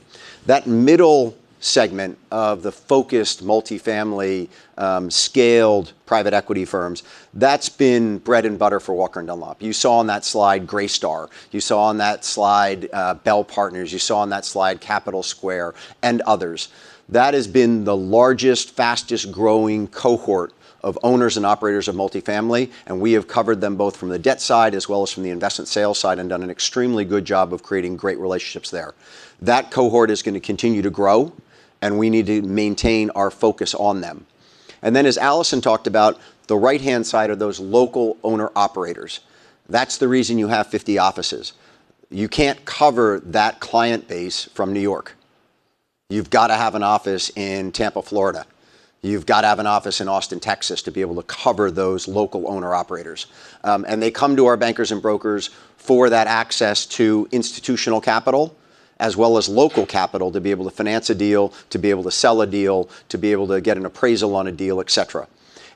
That middle segment of the focused multifamily, scaled private equity firms, that's been bread and butter for Walker & Dunlop. You saw on that slide Greystar. You saw on that slide, Bell Partners. You saw on that slide Capital Square and others. That has been the largest, fastest growing cohort of owners and operators of multifamily, and we have covered them both from the debt side as well as from the investment sales side and done an extremely good job of creating great relationships there. That cohort is gonna continue to grow, and we need to maintain our focus on them. As Alison talked about, the right-hand side are those local owner operators. That's the reason you have 50 offices. You can't cover that client base from New York. You've got to have an office in Tampa, Florida. You've got to have an office in Austin, Texas, to be able to cover those local owner operators. They come to our bankers and brokers for that access to institutional capital as well as local capital to be able to finance a deal, to be able to sell a deal, to be able to get an appraisal on a deal, et cetera.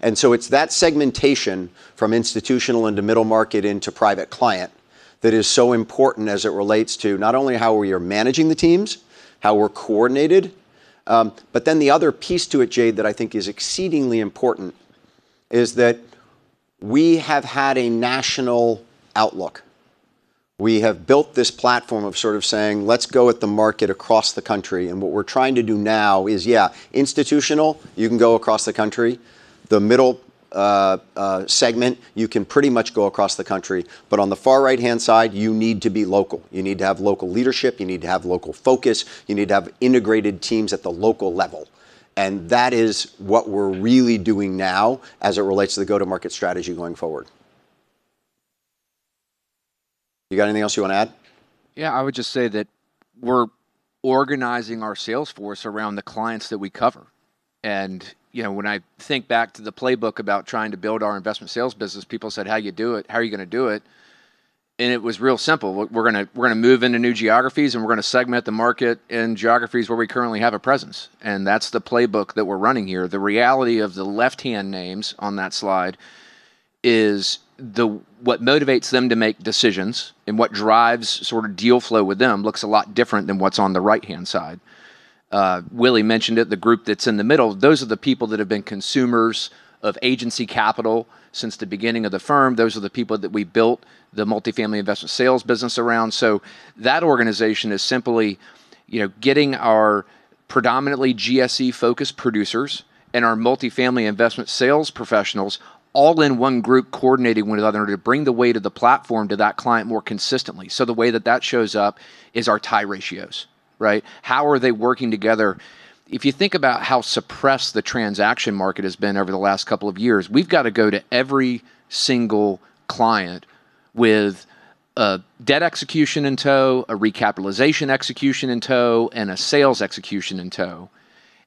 It's that segmentation from institutional into middle market into private client that is so important as it relates to not only how we are managing the teams, how we're coordinated, but then the other piece to it, Jade, that I think is exceedingly important is that we have had a national outlook. We have built this platform of sort of saying, "Let's go at the market across the country." What we're trying to do now is, yeah, institutional, you can go across the country. The middle segment, you can pretty much go across the country. On the far right-hand side, you need to be local. You need to have local leadership. You need to have local focus. You need to have integrated teams at the local level. That is what we're really doing now as it relates to the go-to-market strategy going forward. You got anything else you want to add? Yeah. I would just say that we're organizing our sales force around the clients that we cover. You know, when I think back to the playbook about trying to build our investment sales business, people said, "How you do it? How are you gonna do it?" It was real simple. We're gonna move into new geographies, and we're gonna segment the market in geographies where we currently have a presence. That's the playbook that we're running here. The reality of the left-hand names on that slide is what motivates them to make decisions and what drives sort of deal flow with them looks a lot different than what's on the right-hand side. Willy mentioned it, the group that's in the middle, those are the people that have been consumers of agency capital since the beginning of the firm. Those are the people that we built the multifamily investment sales business around. That organization is simply, you know, getting our Predominantly GSE-focused producers and our multifamily investment sales professionals all in one group coordinating with one another to bring the weight of the platform to that client more consistently. So the way that that shows up is our tie ratios, right? How are they working together? If you think about how suppressed the transaction market has been over the last couple of years, we've got to go to every single client with a debt execution in tow, a recapitalization execution in tow, and a sales execution in tow.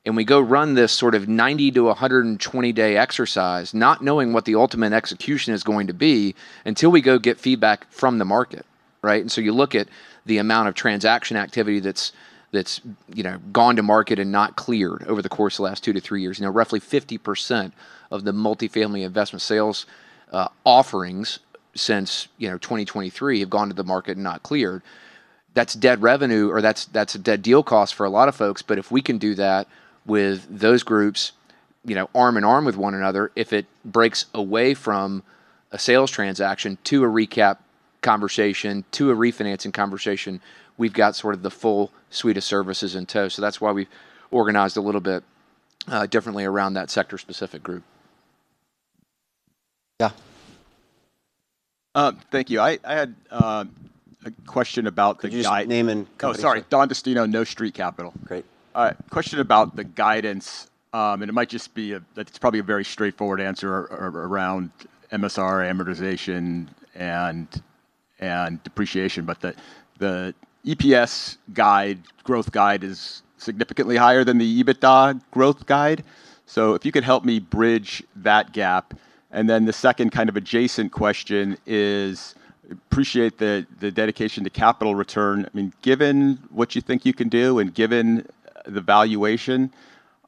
We go run this sort of 90- to 120-day exercise not knowing what the ultimate execution is going to be until we go get feedback from the market, right? You look at the amount of transaction activity that's, you know, gone to market and not cleared over the course of the 2-three years. you know, roughly 50% of the multifamily investment sales offerings since, you know, 2023 have gone to the market and not cleared. That's dead revenue or that's a dead deal cost for a lot of folks. If we can do that with those groups, you know, arm in arm with one another, if it breaks away from a sales transaction to a recap conversation, to a refinancing conversation, we've got sort of the full suite of services in tow. That's why we've organized a little bit differently around that sector-specific group. Yeah. Thank you. I had a question about the guide. Could you just name and company? Oh, sorry. Don Destino, No Street Capital. Great. All right. Question about the guidance, and it might just be that it's probably a very straightforward answer around MSR amortization and depreciation. But the EPS guide, growth guide is significantly higher than the EBITDA growth guide. So if you could help me bridge that gap. The second kind of adjacent question is I appreciate the dedication to capital return. I mean, given what you think you can do and given the valuation,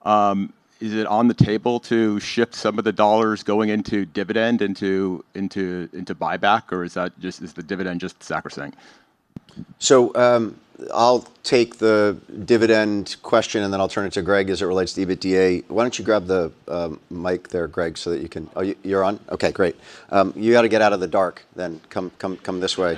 is it on the table to shift some of the dollars going into dividend into buyback, or is the dividend just sacrosanct? I'll take the dividend question, and then I'll turn it to Greg as it relates to EBITDA. Why don't you grab the mic there, Greg, so that you can. Oh, you're on? Okay, great. You gotta get out of the dark then. Come this way.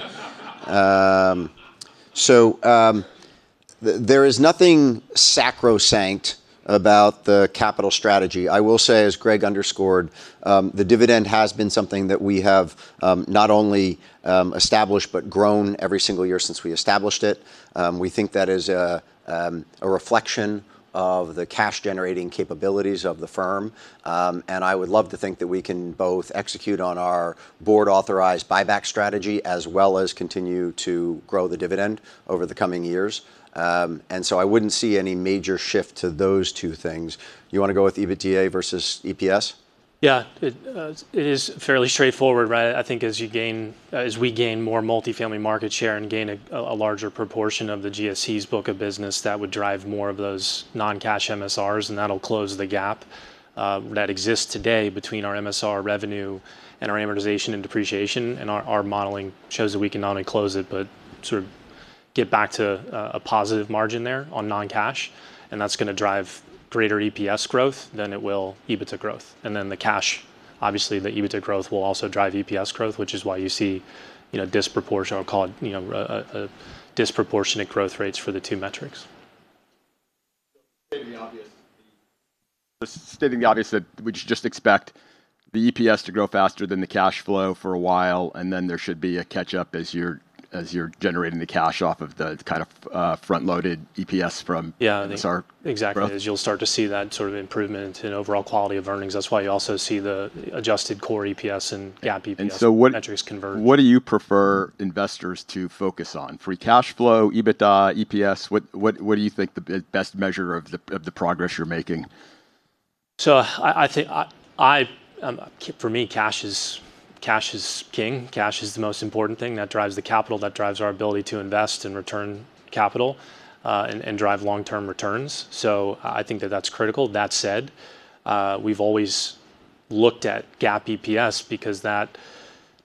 There is nothing sacrosanct about the capital strategy. I will say, as Greg underscored, the dividend has been something that we have not only established but grown every single year since we established it. We think that is a reflection of the cash-generating capabilities of the firm. I would love to think that we can both execute on our board-authorized buyback strategy as well as continue to grow the dividend over the coming years. I wouldn't see any major shift to those two things. You wanna go with EBITDA versus EPS? Yeah. It is fairly straightforward, right? I think as we gain more multifamily market share and gain a larger proportion of the GSE's book of business, that would drive more of those non-cash MSRs, and that'll close the gap that exists today between our MSR revenue and our amortization and depreciation. Our modeling shows that we can not only close it but sort of get back to a positive margin there on non-cash. That's gonna drive greater EPS growth than it will EBITDA growth. Then the cash, obviously, the EBITDA growth will also drive EPS growth, which is why you see, you know, disproportionate growth rates for the two metrics. Stating the obvious that we should just expect the EPS to grow faster than the cash flow for a while, and then there should be a catch-up as you're generating the cash off of the kind of front-loaded EPS from. Yeah. -MSR growth? Exactly. As you'll start to see that sort of improvement in overall quality of earnings. That's why you also see the adjusted core EPS and GAAP EPS. And so what. Metrics converge. What do you prefer investors to focus on? Free cash flow, EBITDA, EPS? What do you think the best measure of the progress you're making? I think for me, cash is king. Cash is the most important thing. That drives the capital, that drives our ability to invest and return capital, and drive long-term returns. I think that's critical. That said, we've always looked at GAAP EPS because that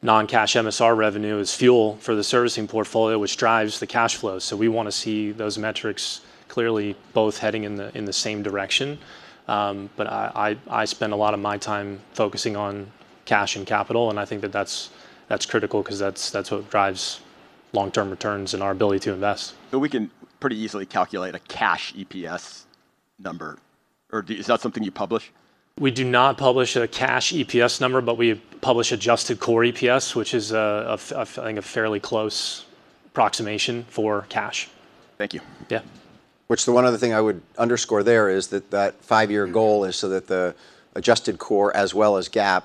non-cash MSR revenue is fuel for the servicing portfolio, which drives the cash flow. We wanna see those metrics clearly both heading in the same direction. I spend a lot of my time focusing on cash and capital, and I think that's critical because that's what drives long-term returns and our ability to invest. We can pretty easily calculate a cash EPS number. Or, is that something you publish? We do not publish a cash EPS number, but we publish adjusted core EPS, which is, I think, a fairly close approximation for cash. Thank you. Yeah. With the one other thing I would underscore there is that five year goal is so that the adjusted core as well as GAAP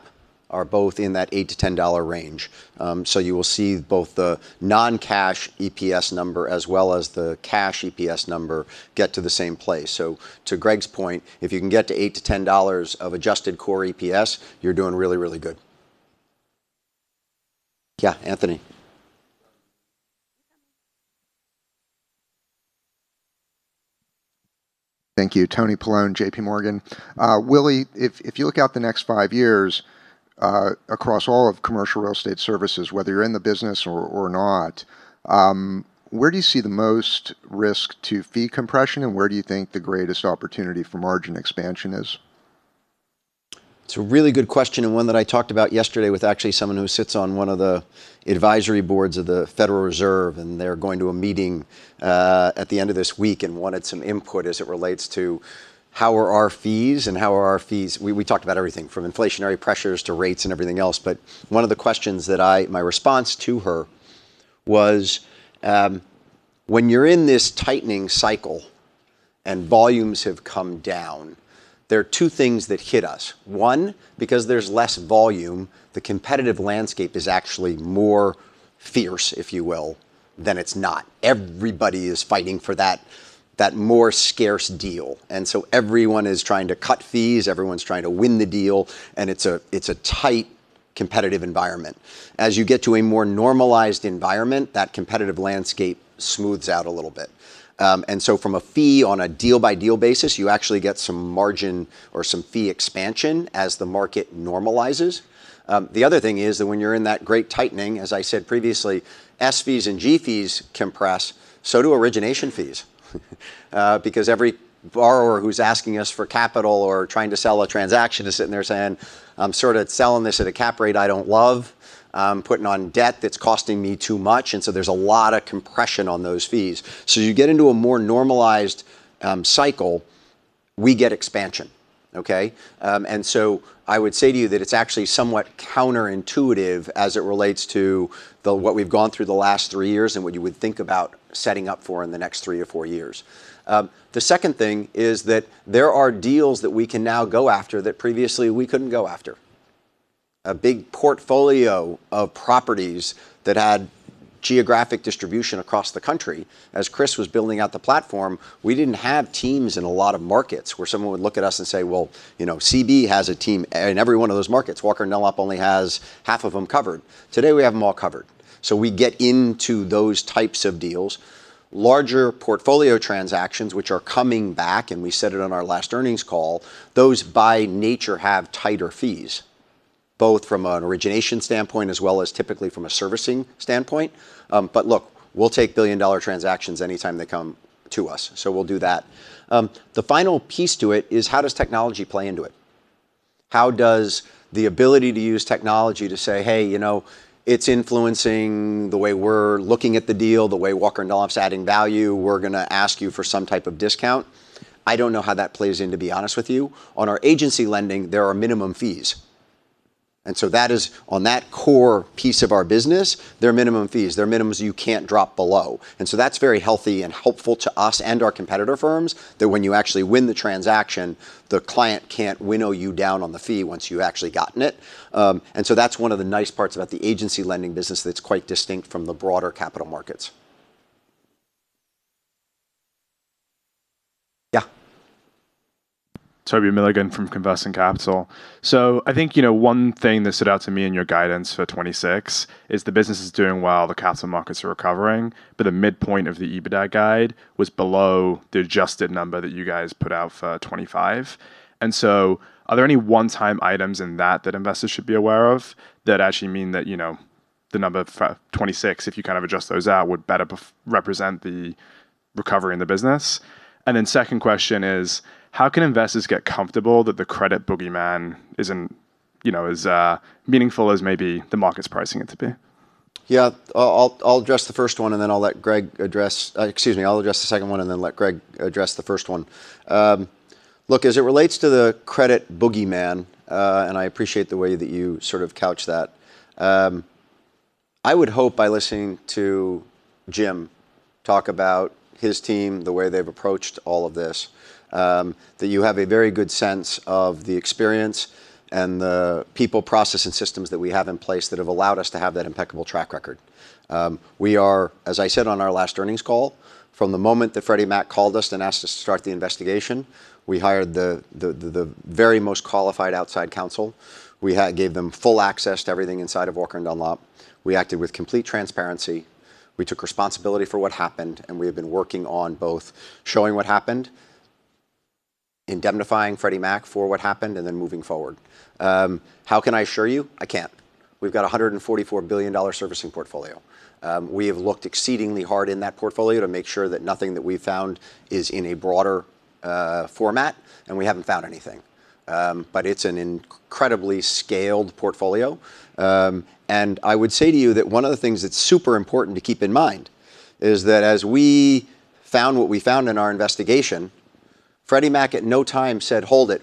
are both in that $8-$10 range. You will see both the non-cash EPS number as well as the cash EPS number get to the same place. To Greg's point, if you can get to 8-10 dollars of adjusted core EPS, you're doing really, really good. Yeah, Anthony. Thank you. Anthony Paolone, JPMorgan. Willy, if you look out the next five years, across all of commercial real estate services, whether you're in the business or not, where do you see the most risk to fee compression, and where do you think the greatest opportunity for margin expansion is? It's a really good question, and one that I talked about yesterday with actually someone who sits on one of the advisory boards of the Federal Reserve, and they're going to a meeting at the end of this week and wanted some input as it relates to how are our fees. We talked about everything from inflationary pressures to rates and everything else. One of the questions that my response to her was, when you're in this tightening cycle and volumes have come down, there are two things that hit us. One, because there's less volume, the competitive landscape is actually more fierce, if you will, than it's not. Everybody is fighting for that more scarce deal. Everyone is trying to cut fees. Everyone's trying to win the deal. It's a tight, competitive environment. As you get to a more normalized environment, that competitive landscape smooths out a little bit. From a fee on a deal-by-deal basis, you actually get some margin or some fee expansion as the market normalizes. The other thing is that when you're in that rate tightening, as I said previously, S fees and G fees compress, so do origination fees. Because every borrower who's asking us for capital or trying to sell a transaction is sitting there saying, "I'm sort of selling this at a cap rate I don't love, putting on debt that's costing me too much." There's a lot of compression on those fees. You get into a more normalized cycle, we get expansion, okay? I would say to you that it's actually somewhat counterintuitive as it relates to what we've gone through the last three years and what you would think about setting up for in the next three or four years. The second thing is that there are deals that we can now go after that previously we couldn't go after. A big portfolio of properties that had geographic distribution across the country. As Kris was building out the platform, we didn't have teams in a lot of markets where someone would look at us and say, "Well, you know, CB has a team in every one of those markets. Walker & Dunlop only has half of them covered." Today, we have them all covered. We get into those types of deals. Larger portfolio transactions which are coming back, and we said it on our last earnings call, those by nature have tighter fees, both from an origination standpoint as well as typically from a servicing standpoint. Look, we'll take billion-dollar transactions anytime they come to us. We'll do that. The final piece to it is how does technology play into it? How does the ability to use technology to say, "Hey, you know, it's influencing the way we're looking at the deal, the way Walker & Dunlop's adding value. We're gonna ask you for some type of discount." I don't know how that plays in, to be honest with you. On our agency lending, there are minimum fees. That is, on that core piece of our business, there are minimum fees. There are minimums you can't drop below. That's very healthy and helpful to us and our competitor firms that when you actually win the transaction, the client can't winnow you down on the fee once you've actually gotten it. That's one of the nice parts about the agency lending business that's quite distinct from the broader capital markets. Yeah. Toby Milligan from Conversant Capital. I think, you know, one thing that stood out to me in your guidance for 2026 is the business is doing well, the capital markets are recovering, but the midpoint of the EBITDA guide was below the adjusted number that you guys put out for 2025. Are there any one-time items in that that investors should be aware of that actually mean that, you know, the number for 2026, if you kind of adjust those out, would better represent the recovery in the business? Second question is. How can investors get comfortable that the credit boogeyman isn't, you know, as meaningful as maybe the market's pricing it to be? I'll address the second one and then let Greg address the first one. Look, as it relates to the credit boogeyman, and I appreciate the way that you sort of couch that, I would hope by listening to Jim talk about his team, the way they've approached all of this, that you have a very good sense of the experience and the people, process, and systems that we have in place that have allowed us to have that impeccable track record. We are, as I said on our last earnings call, from the moment that Freddie Mac called us and asked us to start the investigation, we hired the very most qualified outside counsel. We gave them full access to everything inside of Walker & Dunlop. We acted with complete transparency. We took responsibility for what happened, and we have been working on both showing what happened, indemnifying Freddie Mac for what happened, and then moving forward. How can I assure you? I can't. We've got a $144 billion servicing portfolio. We have looked exceedingly hard in that portfolio to make sure that nothing that we've found is in a broader format, and we haven't found anything. It's an incredibly scaled portfolio. I would say to you that one of the things that's super important to keep in mind is that as we found what we found in our investigation, Freddie Mac at no time said, "Hold it.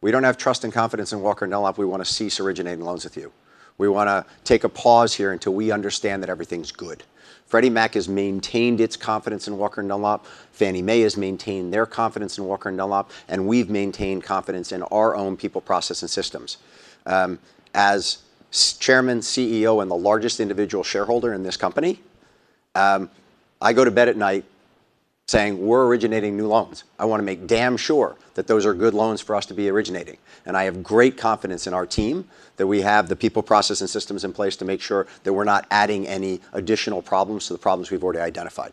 We don't have trust and confidence in Walker & Dunlop. We wanna cease originating loans with you. We wanna take a pause here until we understand that everything's good. Freddie Mac has maintained its confidence in Walker & Dunlop, Fannie Mae has maintained their confidence in Walker & Dunlop, and we've maintained confidence in our own people, process, and systems. As chairman, CEO, and the largest individual shareholder in this company, I go to bed at night saying, "We're originating new loans. I wanna make damn sure that those are good loans for us to be originating." I have great confidence in our team, that we have the people, process, and systems in place to make sure that we're not adding any additional problems to the problems we've already identified.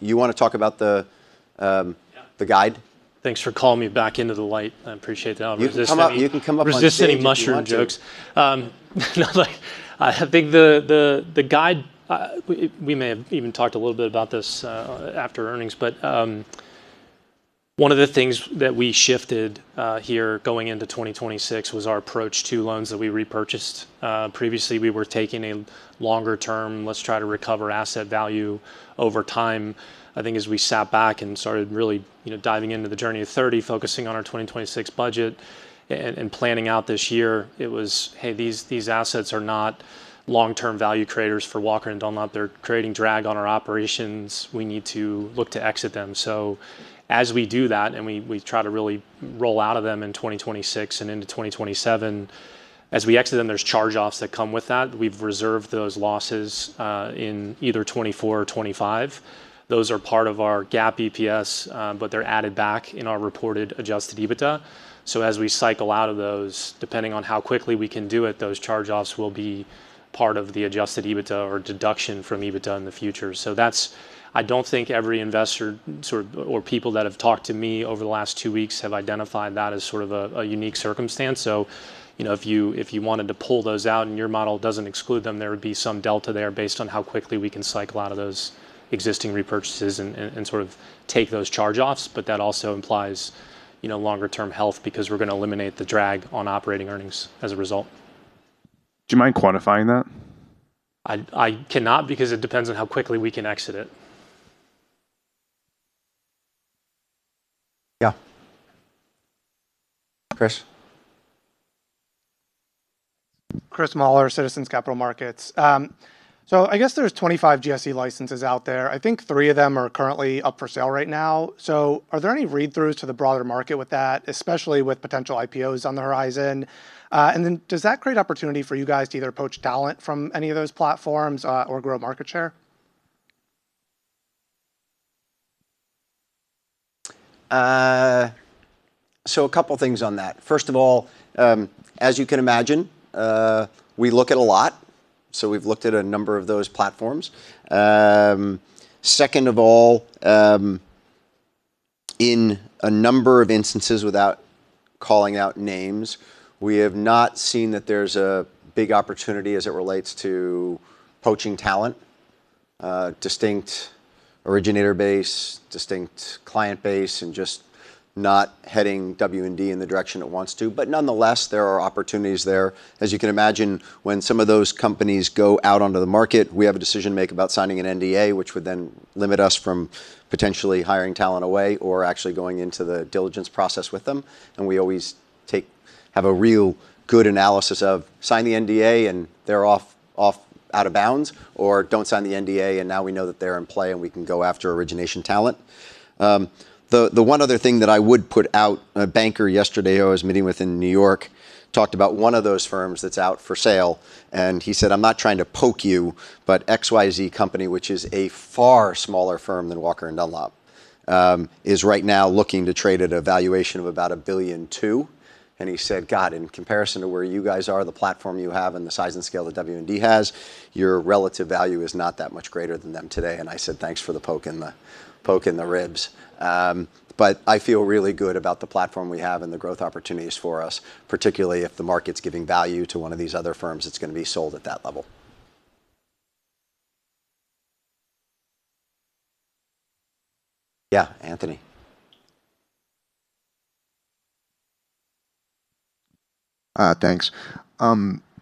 You wanna talk about the the guide? Thanks for calling me back into the light. I appreciate that. I'll resist any. You can come up on stage if you want to. Resist any mushroom jokes. No. I think the guide, we may have even talked a little bit about this after earnings. One of the things that we shifted here going into 2026 was our approach to loans that we repurchased. Previously, we were taking a longer term, let's try to recover asset value over time. I think as we sat back and started really, you know, diving into the Journey to '30, focusing on our 2026 budget and planning out this year, it was, hey, these assets are not long-term value creators for Walker & Dunlop. They're creating drag on our operations. We need to look to exit them. As we do that, we try to really roll out of them in 2026 and into 2027, as we exit them, there's charge-offs that come with that. We've reserved those losses in either 2024 or 2025. Those are part of our GAAP EPS, but they're added back in our reported Adjusted EBITDA. As we cycle out of those, depending on how quickly we can do it, those charge-offs will be part of the Adjusted EBITDA or deduction from EBITDA in the future. That's. I don't think every investor sort of or people that have talked to me over the last two weeks have identified that as sort of a unique circumstance. You know, if you wanted to pull those out and your model doesn't exclude them, there would be some delta there based on how quickly we can cycle out of those existing repurchases and sort of take those charge-offs. That also implies, you know, longer-term health because we're gonna eliminate the drag on operating earnings as a result. Do you mind quantifying that? I cannot because it depends on how quickly we can exit it. Yeah. Chris. Chris Mahler, Citizens Capital Markets. I guess there's 25 GSE licenses out there. I think 3 of them are currently up for sale right now. Are there any read-throughs to the broader market with that, especially with potential IPOs on the horizon? And then does that create opportunity for you guys to either poach talent from any of those platforms, or grow market share? A couple things on that. First of all, as you can imagine, we look at a lot, so we've looked at a number of those platforms. Second of all, in a number of instances, without calling out names, we have not seen that there's a big opportunity as it relates to poaching talent. Distinct originator base, distinct client base, and just not heading W&D in the direction it wants to. Nonetheless, there are opportunities there. As you can imagine, when some of those companies go out onto the market, we have a decision to make about signing an NDA, which would then limit us from potentially hiring talent away or actually going into the diligence process with them. We always have a real good analysis of signing the NDA, and they're off out of bounds, or don't sign the NDA, and now we know that they're in play, and we can go after origination talent. The one other thing that I would put out, a banker yesterday who I was meeting with in New York talked about one of those firms that's out for sale. He said, "I'm not trying to poke you, but XYZ company," which is a far smaller firm than Walker & Dunlop, is right now looking to trade at a valuation of about $1.2 billion. He said, "God, in comparison to where you guys are, the platform you have and the size and scale that W&D has, your relative value is not that much greater than them today." I said, "Thanks for the poke in the ribs." I feel really good about the platform we have and the growth opportunities for us, particularly if the market's giving value to one of these other firms that's gonna be sold at that level. Yeah, Anthony. Thanks.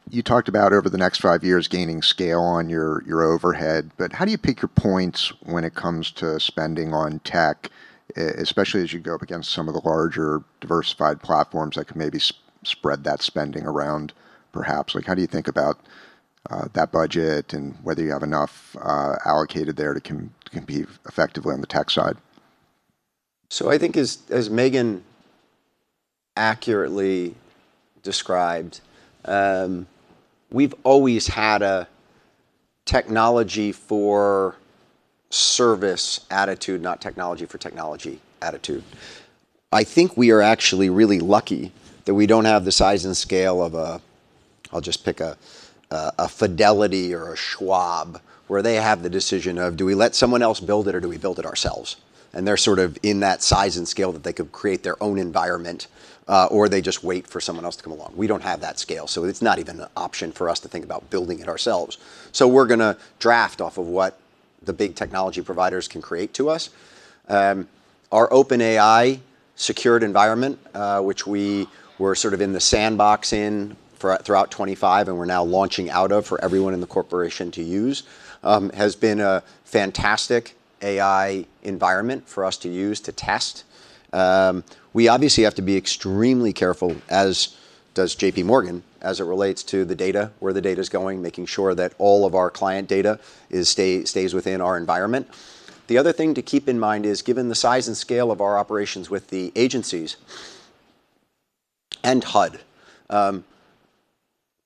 You talked about over the next five years gaining scale on your overhead, but how do you pick your points when it comes to spending on tech, especially as you go up against some of the larger diversified platforms that could maybe spread that spending around perhaps? Like, how do you think about that budget and whether you have enough allocated there to compete effectively on the tech side? I think as Megan accurately described, we've always had a technology for service attitude, not technology for technology attitude. I think we are actually really lucky that we don't have the size and scale of a, I'll just pick a Fidelity or a Schwab, where they have the decision of, "Do we let someone else build it or do we build it ourselves?" They're sort of in that size and scale that they could create their own environment, or they just wait for someone else to come along. We don't have that scale, so it's not even an option for us to think about building it ourselves. We're gonna draft off of what the big technology providers can create for us. Our OpenAI secured environment, which we were sort of in the sandbox in throughout 25 and we're now launching out of for everyone in the corporation to use, has been a fantastic AI environment for us to use to test. We obviously have to be extremely careful, as does JPMorgan, as it relates to the data, where the data's going, making sure that all of our client data stays within our environment. The other thing to keep in mind is, given the size and scale of our operations with the agencies and HUD,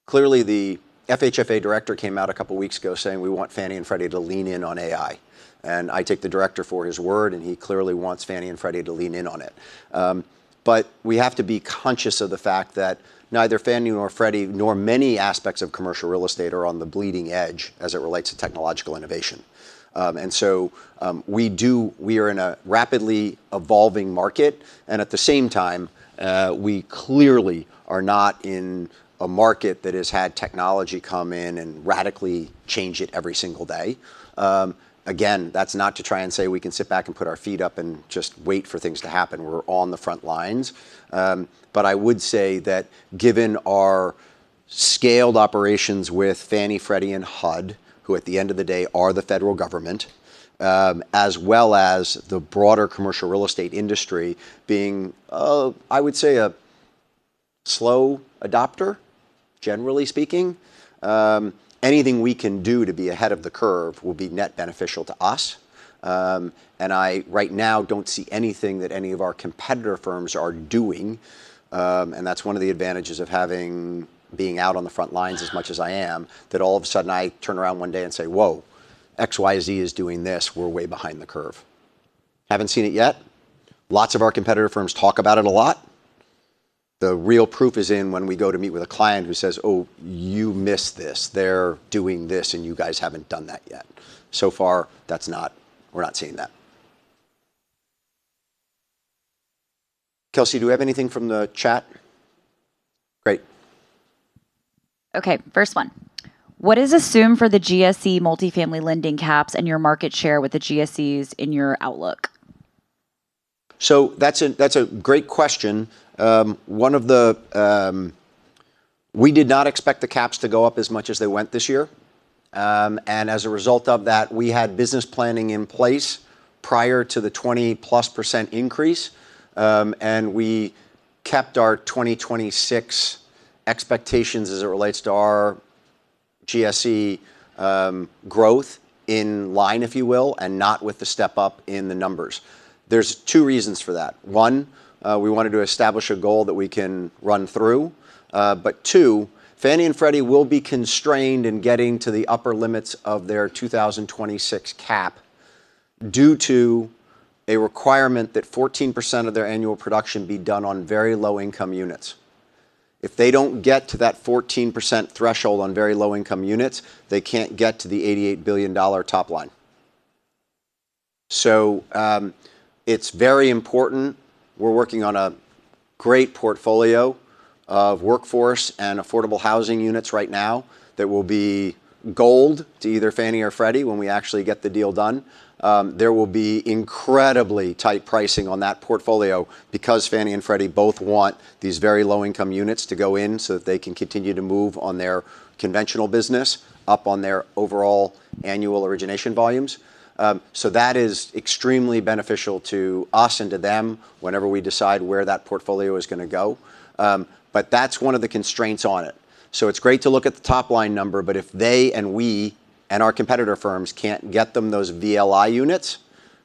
clearly the FHFA director came out a couple weeks ago saying, "We want Fannie and Freddie to lean in on AI." I take the director for his word, and he clearly wants Fannie and Freddie to lean in on it. We have to be conscious of the fact that neither Fannie nor Freddie, nor many aspects of commercial real estate are on the bleeding edge as it relates to technological innovation. We are in a rapidly evolving market, and at the same time, we clearly are not in a market that has had technology come in and radically change it every single day. Again, that's not to try and say we can sit back and put our feet up and just wait for things to happen. We're on the front lines. I would say that given our scaled operations with Fannie, Freddie, and HUD, who at the end of the day are the federal government, as well as the broader commercial real estate industry being, I would say a slow adopter, generally speaking. Anything we can do to be ahead of the curve will be net beneficial to us. I right now don't see anything that any of our competitor firms are doing, and that's one of the advantages of being out on the front lines as much as I am, that all of a sudden I turn around one day and say, "Whoa. XYZ is doing this. We're way behind the curve." Haven't seen it yet. Lots of our competitor firms talk about it a lot. The real proof is in when we go to meet with a client who says, "Oh, you missed this. They're doing this, and you guys haven't done that yet." So far that's not. We're not seeing that. Kelsey, do we have anything from the chat? Great. Okay, first one. What is assumed for the GSE multifamily lending caps and your market share with the GSEs in your outlook? That's a great question. We did not expect the caps to go up as much as they went this year, and as a result of that, we had business planning in place prior to the 20+% increase, and we kept our 2026 expectations as it relates to our GSE growth in line, if you will, and not with the step up in the numbers. There's two reasons for that. One, we wanted to establish a goal that we can run through, but two, Fannie and Freddie will be constrained in getting to the upper limits of their 2026 cap due to a requirement that 14% of their annual production be done on very low-income units. If they don't get to that 14% threshold on very low-income units, they can't get to the $88 billion top line. It's very important. We're working on a great portfolio of workforce and affordable housing units right now that will be gold to either Fannie or Freddie when we actually get the deal done. There will be incredibly tight pricing on that portfolio because Fannie and Freddie both want these very low-income units to go in so that they can continue to move on their conventional business up on their overall annual origination volumes. That is extremely beneficial to us and to them whenever we decide where that portfolio is gonna go. That's one of the constraints on it. It's great to look at the top-line number, but if they and we and our competitor firms can't get them those VLI units,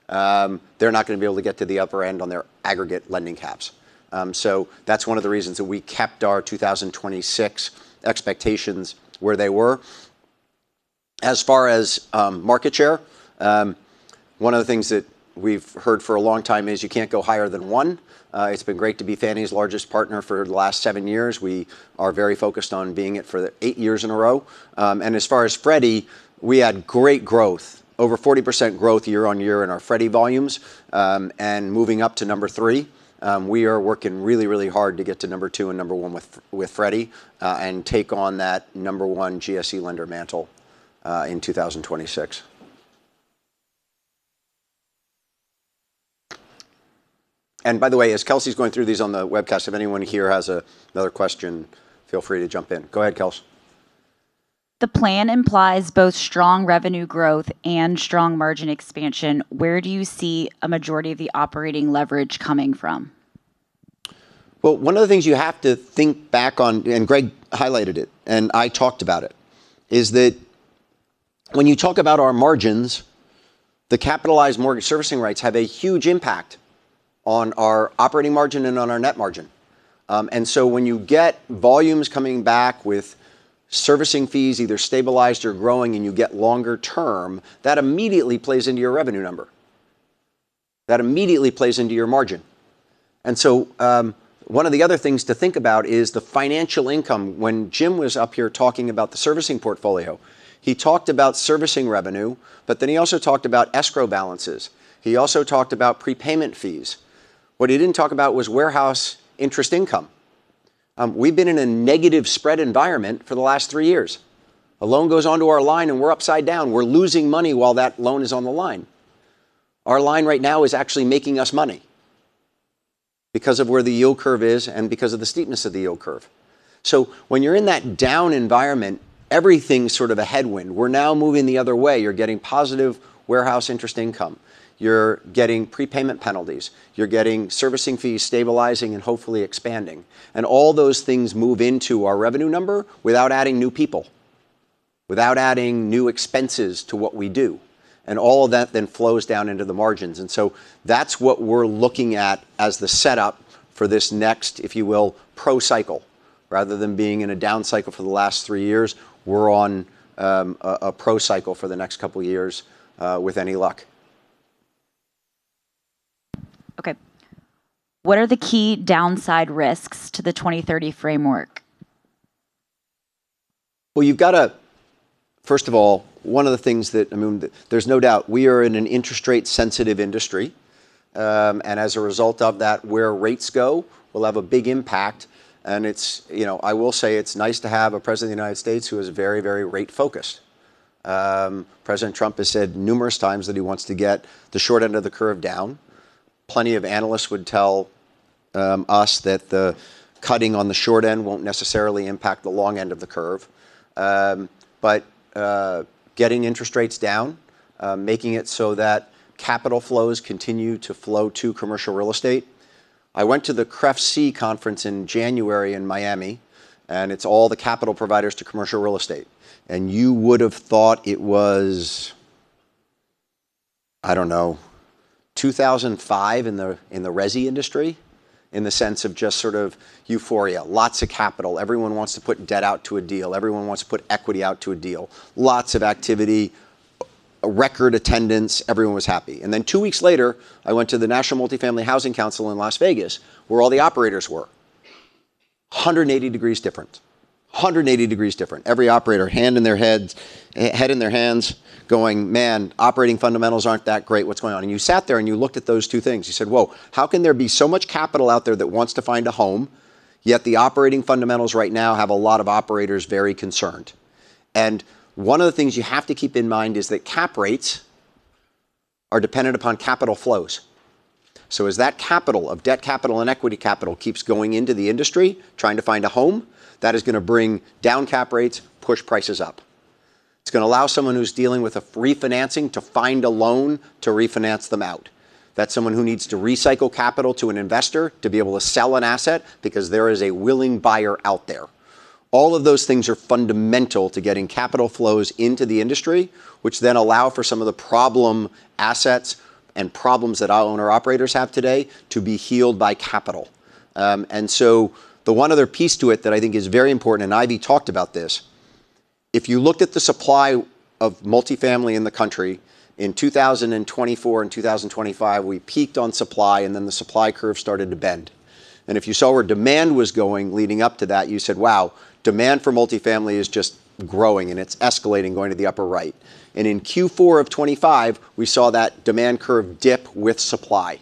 they're not gonna be able to get to the upper end on their aggregate lending caps. That's one of the reasons that we kept our 2026 expectations where they were. As far as market share, one of the things that we've heard for a long time is you can't go higher than one. It's been great to be Fannie's largest partner for the last seven years. We are very focused on being it for eight years in a row. As far as Freddie, we had great growth. Over 40% growth year-over-year in our Freddie volumes, and moving up to number three. We are working really, really hard to get to number two and number one with Freddie, and take on that number one GSE lender mantle, in 2026. By the way, as Kelsey's going through these on the webcast, if anyone here has another question, feel free to jump in. Go ahead, Kelsey. The plan implies both strong revenue growth and strong margin expansion. Where do you see a majority of the operating leverage coming from? Well, one of the things you have to think back on, and Greg highlighted it, and I talked about it, is that when you talk about our margins, the capitalized mortgage servicing rights have a huge impact on our operating margin and on our net margin. When you get volumes coming back with servicing fees either stabilized or growing and you get longer term, that immediately plays into your revenue number. That immediately plays into your margin. One of the other things to think about is the financial income. When Jim was up here talking about the servicing portfolio, he talked about servicing revenue, but then he also talked about escrow balances. He also talked about prepayment fees. What he didn't talk about was warehouse interest income. We've been in a negative spread environment for the last three years. A loan goes onto our line, and we're upside down. We're losing money while that loan is on the line. Our line right now is actually making us money because of where the yield curve is and because of the steepness of the yield curve. When you're in that down environment, everything's sort of a headwind. We're now moving the other way. You're getting positive warehouse interest income. You're getting prepayment penalties. You're getting servicing fees stabilizing and hopefully expanding. All those things move into our revenue number without adding new people, without adding new expenses to what we do, and all of that then flows down into the margins. That's what we're looking at as the setup for this next, if you will, up cycle. Rather than being in a down cycle for the last three years, we're on a pro cycle for the next couple years, with any luck. Okay. What are the key downside risks to the 2030 framework? First of all, one of the things that, I mean, there's no doubt we are in an interest rate sensitive industry. As a result of that, where rates go will have a big impact, and it's, you know, I will say it's nice to have a president of the United States who is very, very rate focused. President Trump has said numerous times that he wants to get the short end of the curve down. Plenty of analysts would tell us that the cutting on the short end won't necessarily impact the long end of the curve. Getting interest rates down, making it so that capital flows continue to flow to commercial real estate. I went to the CREFC conference in January in Miami, and it's all the capital providers to commercial real estate. You would've thought it was, I don't know, 2005 in the, in the resi industry, in the sense of just sort of euphoria. Lots of capital. Everyone wants to put debt out to a deal. Everyone wants to put equity out to a deal. Lots of activity, a record attendance. Everyone was happy. Then two weeks later, I went to the National Multifamily Housing Council in Las Vegas, where all the operators were. 180 degrees different. Every operator, head in their hands, going, "Man, operating fundamentals aren't that great. What's going on?" You sat there, and you looked at those two things. You said, "Whoa, how can there be so much capital out there that wants to find a home, yet the operating fundamentals right now have a lot of operators very concerned?" One of the things you have to keep in mind is that cap rates are dependent upon capital flows. As that capital, of debt capital and equity capital, keeps going into the industry, trying to find a home, that is gonna bring down cap rates, push prices up. It's gonna allow someone who's dealing with a refinancing to find a loan to refinance them out. That's someone who needs to recycle capital to an investor to be able to sell an asset, because there is a willing buyer out there. All of those things are fundamental to getting capital flows into the industry, which then allow for some of the problem assets and problems that our owner/operators have today to be healed by capital. The one other piece to it that I think is very important, and Ivy talked about this, if you looked at the supply of multifamily in the country in 2024 and 2025, we peaked on supply, and then the supply curve started to bend. If you saw where demand was going leading up to that, you said, "Wow, demand for multifamily is just growing, and it's escalating going to the upper right." In Q4 of 2025, we saw that demand curve dip with supply,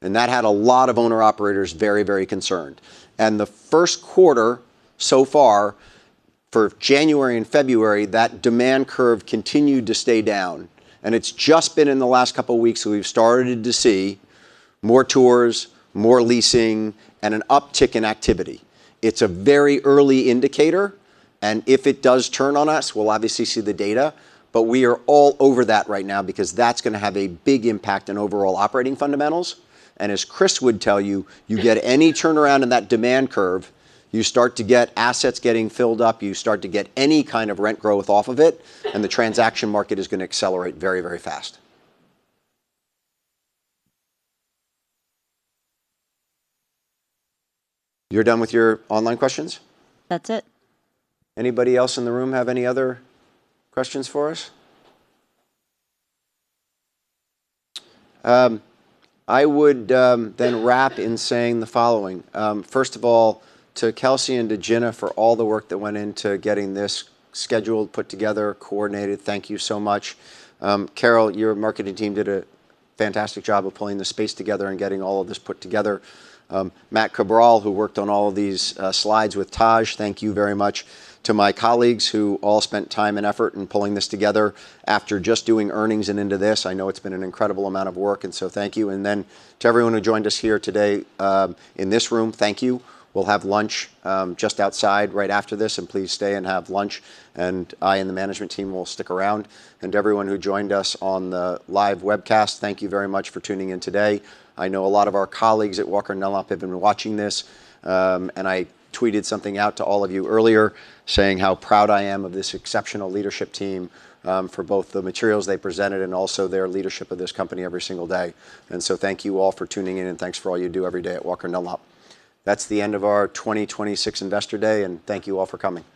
and that had a lot of owner/operators very, very concerned. The first quarter so far, for January and February, that demand curve continued to stay down, and it's just been in the last couple weeks we've started to see more tours, more leasing, and an uptick in activity. It's a very early indicator, and if it does turn on us, we'll obviously see the data, but we are all over that right now, because that's gonna have a big impact on overall operating fundamentals. As Kris would tell you get any turnaround in that demand curve, you start to get assets getting filled up, you start to get any kind of rent growth off of it, and the transaction market is gonna accelerate very, very fast. You're done with your online questions? That's it. Anybody else in the room have any other questions for us? I would then wrap in saying the following. First of all, to Kelsey and to Jenna for all the work that went into getting this scheduled, put together, coordinated, thank you so much. Carol, your marketing team did a fantastic job of pulling this space together and getting all of this put together. Matt Cabral, who worked on all of these slides with Taj, thank you very much. To my colleagues, who all spent time and effort in pulling this together after just doing earnings and into this, I know it's been an incredible amount of work, and so thank you. To everyone who joined us here today, in this room, thank you. We'll have lunch just outside right after this, and please stay and have lunch. I and the management team will stick around. To everyone who joined us on the live webcast, thank you very much for tuning in today. I know a lot of our colleagues at Walker & Dunlop have been watching this, and I tweeted something out to all of you earlier saying how proud I am of this exceptional leadership team, for both the materials they presented and also their leadership of this company every single day. Thank you all for tuning in, and thanks for all you do every day at Walker & Dunlop. That's the end of our 2026 Investor Day, and thank you all for coming.